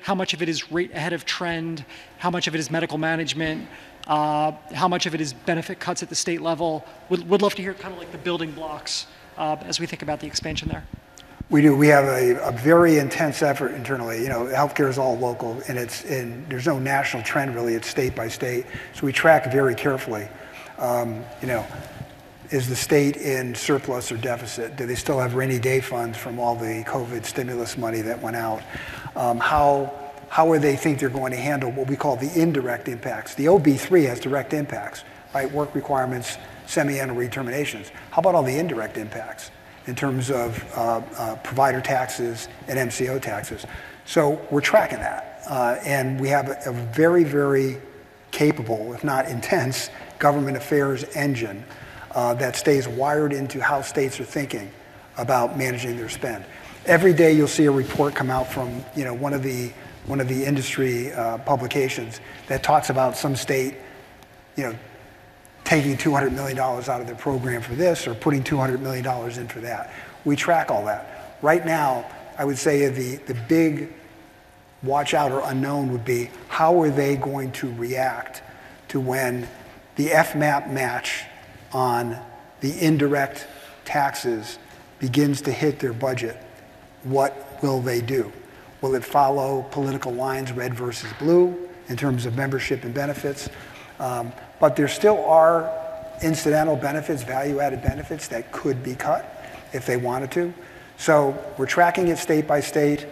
How much of it is rate ahead of trend? How much of it is medical management? How much of it is benefit cuts at the state level? Would love to hear kind of the building blocks as we think about the expansion there. We do. We have a very intense effort internally. You know, healthcare is all local, and there's no national trend really, it's state by state. We track very carefully. You know, is the state in surplus or deficit? Do they still have rainy day funds from all the COVID stimulus money that went out? How would they think they're going to handle what we call the indirect impacts? The OBBBA has direct impacts, right? Work requirements, semiannual redeterminations. How about all the indirect impacts in terms of provider taxes and MCO taxes? We're tracking that. We have a very, very capable, if not intense, government affairs engine that stays wired into how states are thinking about managing their spend. Every day you'll see a report come out from, you know, one of the, one of the industry publications that talks about some state, you know, taking $200 million out of their program for this or putting $200 million in for that. We track all that. Right now, I would say the big watch-out or unknown would be how are they going to react to when the FMAP match on the indirect taxes begins to hit their budget? What will they do? Will it follow political lines, red versus blue, in terms of membership and benefits? There still are incidental benefits, value-added benefits that could be cut if they wanted to. We're tracking it state by state.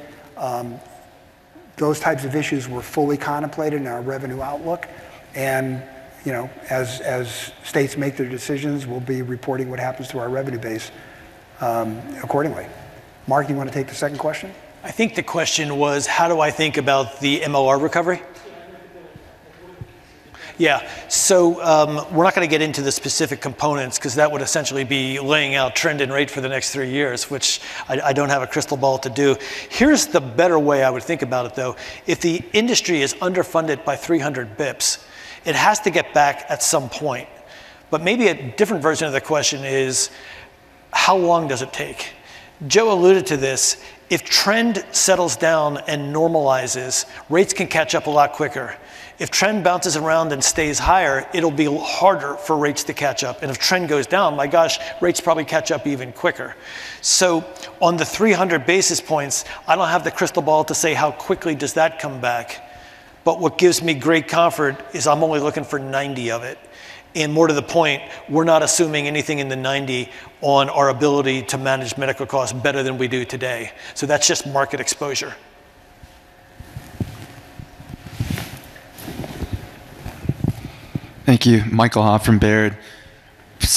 Those types of issues were fully contemplated in our revenue outlook. You know, as states make their decisions, we'll be reporting what happens to our revenue base accordingly. Mark, you wanna take the second question? I think the question was how do I think about the MLR recovery? Yeah. We're not gonna get into the specific components, 'cause that would essentially be laying out trend and rate for the next three years, which I don't have a crystal ball to do. Here's the better way I would think about it though. If the industry is underfunded by 300 basis points, it has to get back at some point. Maybe a different version of the question is, how long does it take? Joe alluded to this. If trend settles down and normalizes, rates can catch up a lot quicker. If trend bounces around and stays higher, it'll be harder for rates to catch up. If trend goes down, my gosh, rates probably catch up even quicker. On the 300 basis points, I don't have the crystal ball to say how quickly does that come back, but what gives me great comfort is I'm only looking for 90 of it. More to the point, we're not assuming anything in the 90 on our ability to manage medical costs better than we do today. That's just market exposure. Thank you. Michael Ha from Baird.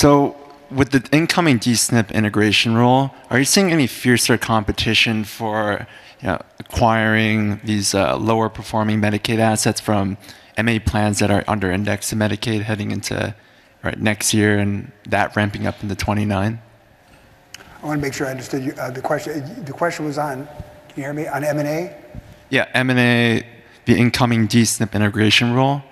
With the incoming D-SNP integration rule, are you seeing any fiercer competition for, you know, acquiring these lower performing Medicaid assets from MA plans that are under indexed to Medicaid heading into, right, next year and that ramping up into 2029? I wanna make sure I understood you. The question was on, can you hear me, on M&A? Yeah, M&A, the incoming D-SNP integration rule,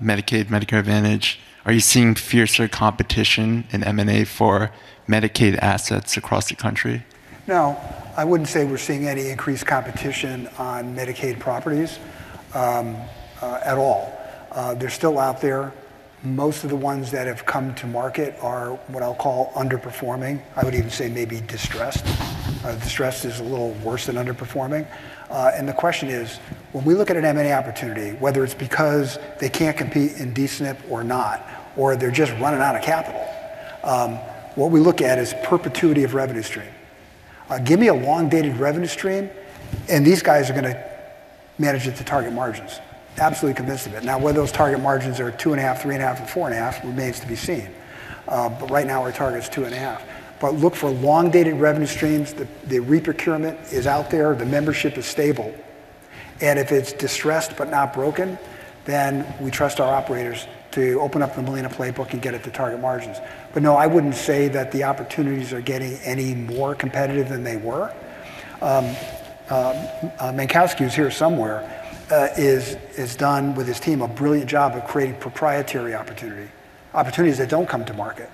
Medicaid, Medicare Advantage. Are you seeing fiercer competition in M&A for Medicaid assets across the country? No, I wouldn't say we're seeing any increased competition on Medicaid properties at all. They're still out there. Most of the ones that have come to market are what I'll call underperforming. I would even say maybe distressed. Distressed is a little worse than underperforming. The question is, when we look at an M&A opportunity, whether it's because they can't compete in D-SNP or not, or they're just running out of capital, what we look at is perpetuity of revenue stream. Give me a long-dated revenue stream, and these guys are gonna manage it to target margins. Absolutely convinced of it. Now, whether those target margins are 2.5%, 3.5%, or 4.5% remains to be seen. Right now our target is 2.5%. Look for long-dated revenue streams that the re-procurement is out there, the membership is stable, and if it's distressed but not broken, then we trust our operators to open up the Molina playbook and get it to target margins. No, I wouldn't say that the opportunities are getting any more competitive than they were. Menkowski, who's here somewhere, is, has done, with his team, a brilliant job of creating proprietary opportunities that don't come to market.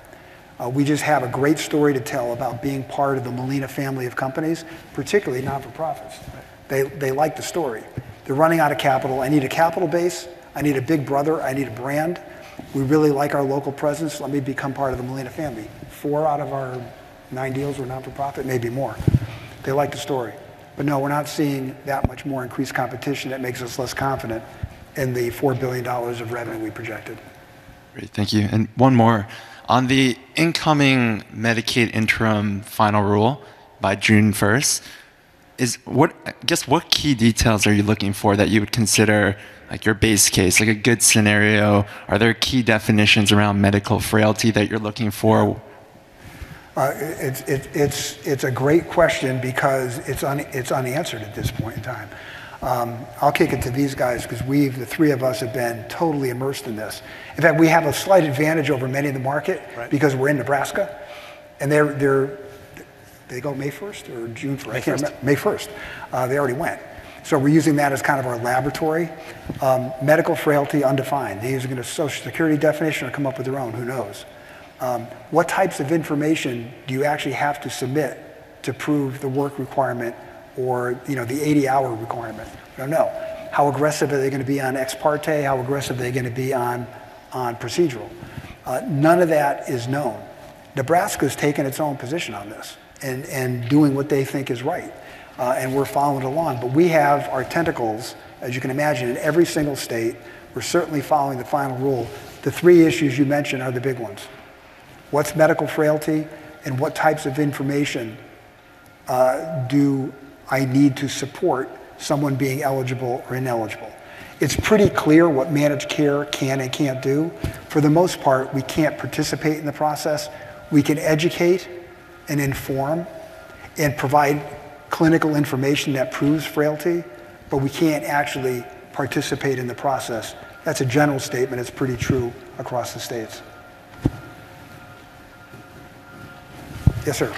We just have a great story to tell about being part of the Molina family of companies, particularly not-for-profits. They like the story. They're running out of capital. I need a capital base. I need a big brother. I need a brand. We really like our local presence. Let me become part of the Molina family. Four out of our nine deals were not-for-profit, maybe more. They like the story. No, we're not seeing that much more increased competition that makes us less confident in the $4 billion of revenue we projected. Great. Thank you. One more. On the incoming Medicaid interim final rule by June 1st, what key details are you looking for that you would consider, like, your base case, like a good scenario? Are there key definitions around medical frailty that you're looking for? It's a great question because it's unanswered at this point in time. I'll kick it to these guys because the three of us have been totally immersed in this. In fact, we have a slight advantage over many in the market. Right because we're in Nebraska, and they're They go May 1st or June 1st? May 1st. I can't remember. May 1st. They already went. We're using that as kind of our laboratory. Medical frailty, undefined. Are they using a Social Security definition or come up with their own? Who knows? What types of information do you actually have to submit to prove the work requirement or, you know, the 80-hour requirement? Don't know. How aggressive are they gonna be on ex parte? How aggressive are they gonna be on procedural? None of that is known. Nebraska's taken its own position on this and doing what they think is right, and we're following along. We have our tentacles, as you can imagine, in every single state. We're certainly following the final rule. The three issues you mentioned are the big ones. What's medical frailty, and what types of information do I need to support someone being eligible or ineligible? It's pretty clear what managed care can and can't do. For the most part, we can't participate in the process. We can educate and inform and provide clinical information that proves frailty, but we can't actually participate in the process. That's a general statement. It's pretty true across the states. Yes, sir.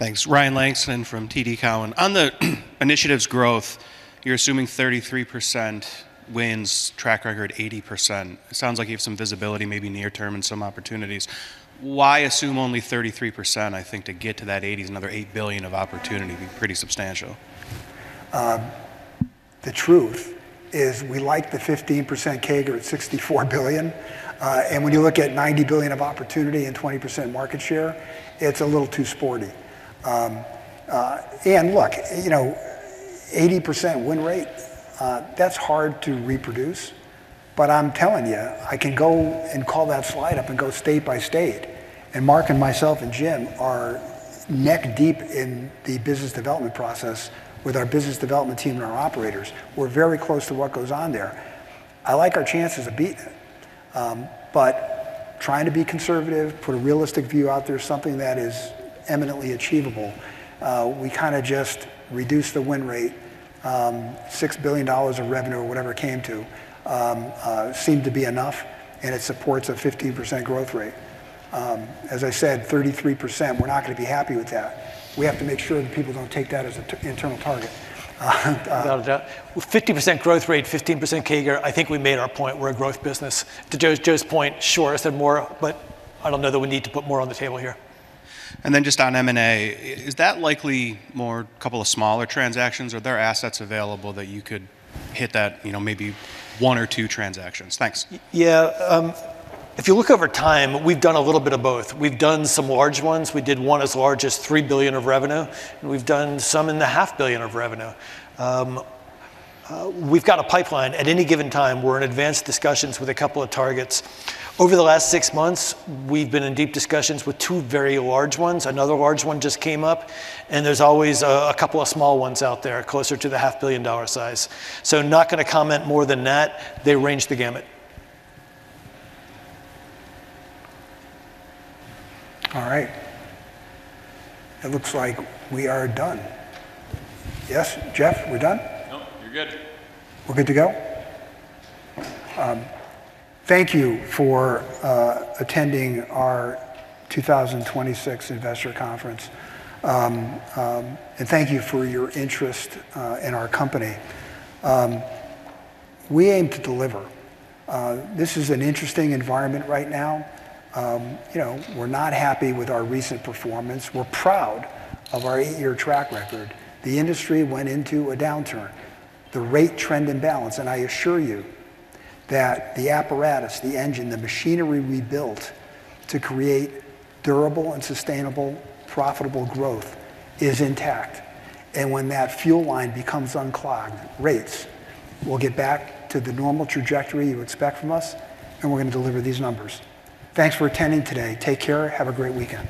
Thanks. Ryan Langston from TD Cowen. On the initiative's growth, you're assuming 33% wins, track record 80%. It sounds like you have some visibility maybe near term and some opportunities. Why assume only 33%? I think to get to that 80 is another $8 billion of opportunity, be pretty substantial. The truth is we like the 15% CAGR at $64 billion. When you look at $90 billion of opportunity and 20% market share, it's a little too sporty. Look, you know, 80% win rate, that's hard to reproduce. I'm telling you, I can go and call that slide up and go state by state, and Mark and myself and Jim are neck deep in the business development process with our business development team and our operators. We're very close to what goes on there. I like our chances of beat. Trying to be conservative, put a realistic view out there, something that is eminently achievable. We kind of just reduced the win rate, $6 billion of revenue or whatever it came to, seemed to be enough, and it supports a 15% growth rate. As I said, 33%, we're not gonna be happy with that. We have to make sure that people don't take that as an internal target. Without a doubt. 50% growth rate, 15% CAGR, I think we made our point. We're a growth business. To Joe's point, sure, I said more, but I don't know that we need to put more on the table here. Just on M&A, is that likely more couple of smaller transactions, or are there assets available that you could hit that, you know, maybe one or two transactions? Thanks. Yeah. If you look over time, we've done a little bit of both. We've done some large ones. We did one as large as $3 billion of revenue, and we've done some in the half billion of revenue. We've got a pipeline. At any given time, we're in advanced discussions with a couple of targets. Over the last six months, we've been in deep discussions with two very large ones. Another large one just came up, and there's always a couple of small ones out there closer to the half billion dollar size. Not gonna comment more than that. They range the gamut. All right. It looks like we are done. Yes, Jeff, we're done? Nope, you're good. We're good to go? Thank you for attending our 2026 Investor conference. Thank you for your interest in our company. We aim to deliver. This is an interesting environment right now. You know, we're not happy with our recent performance. We're proud of our eight-year track record. The industry went into a downturn. The rate trend and balance, I assure you that the apparatus, the engine, the machinery we built to create durable and sustainable, profitable growth is intact. When that fuel line becomes unclogged, rates will get back to the normal trajectory you expect from us, and we're gonna deliver these numbers. Thanks for attending today. Take care. Have a great weekend.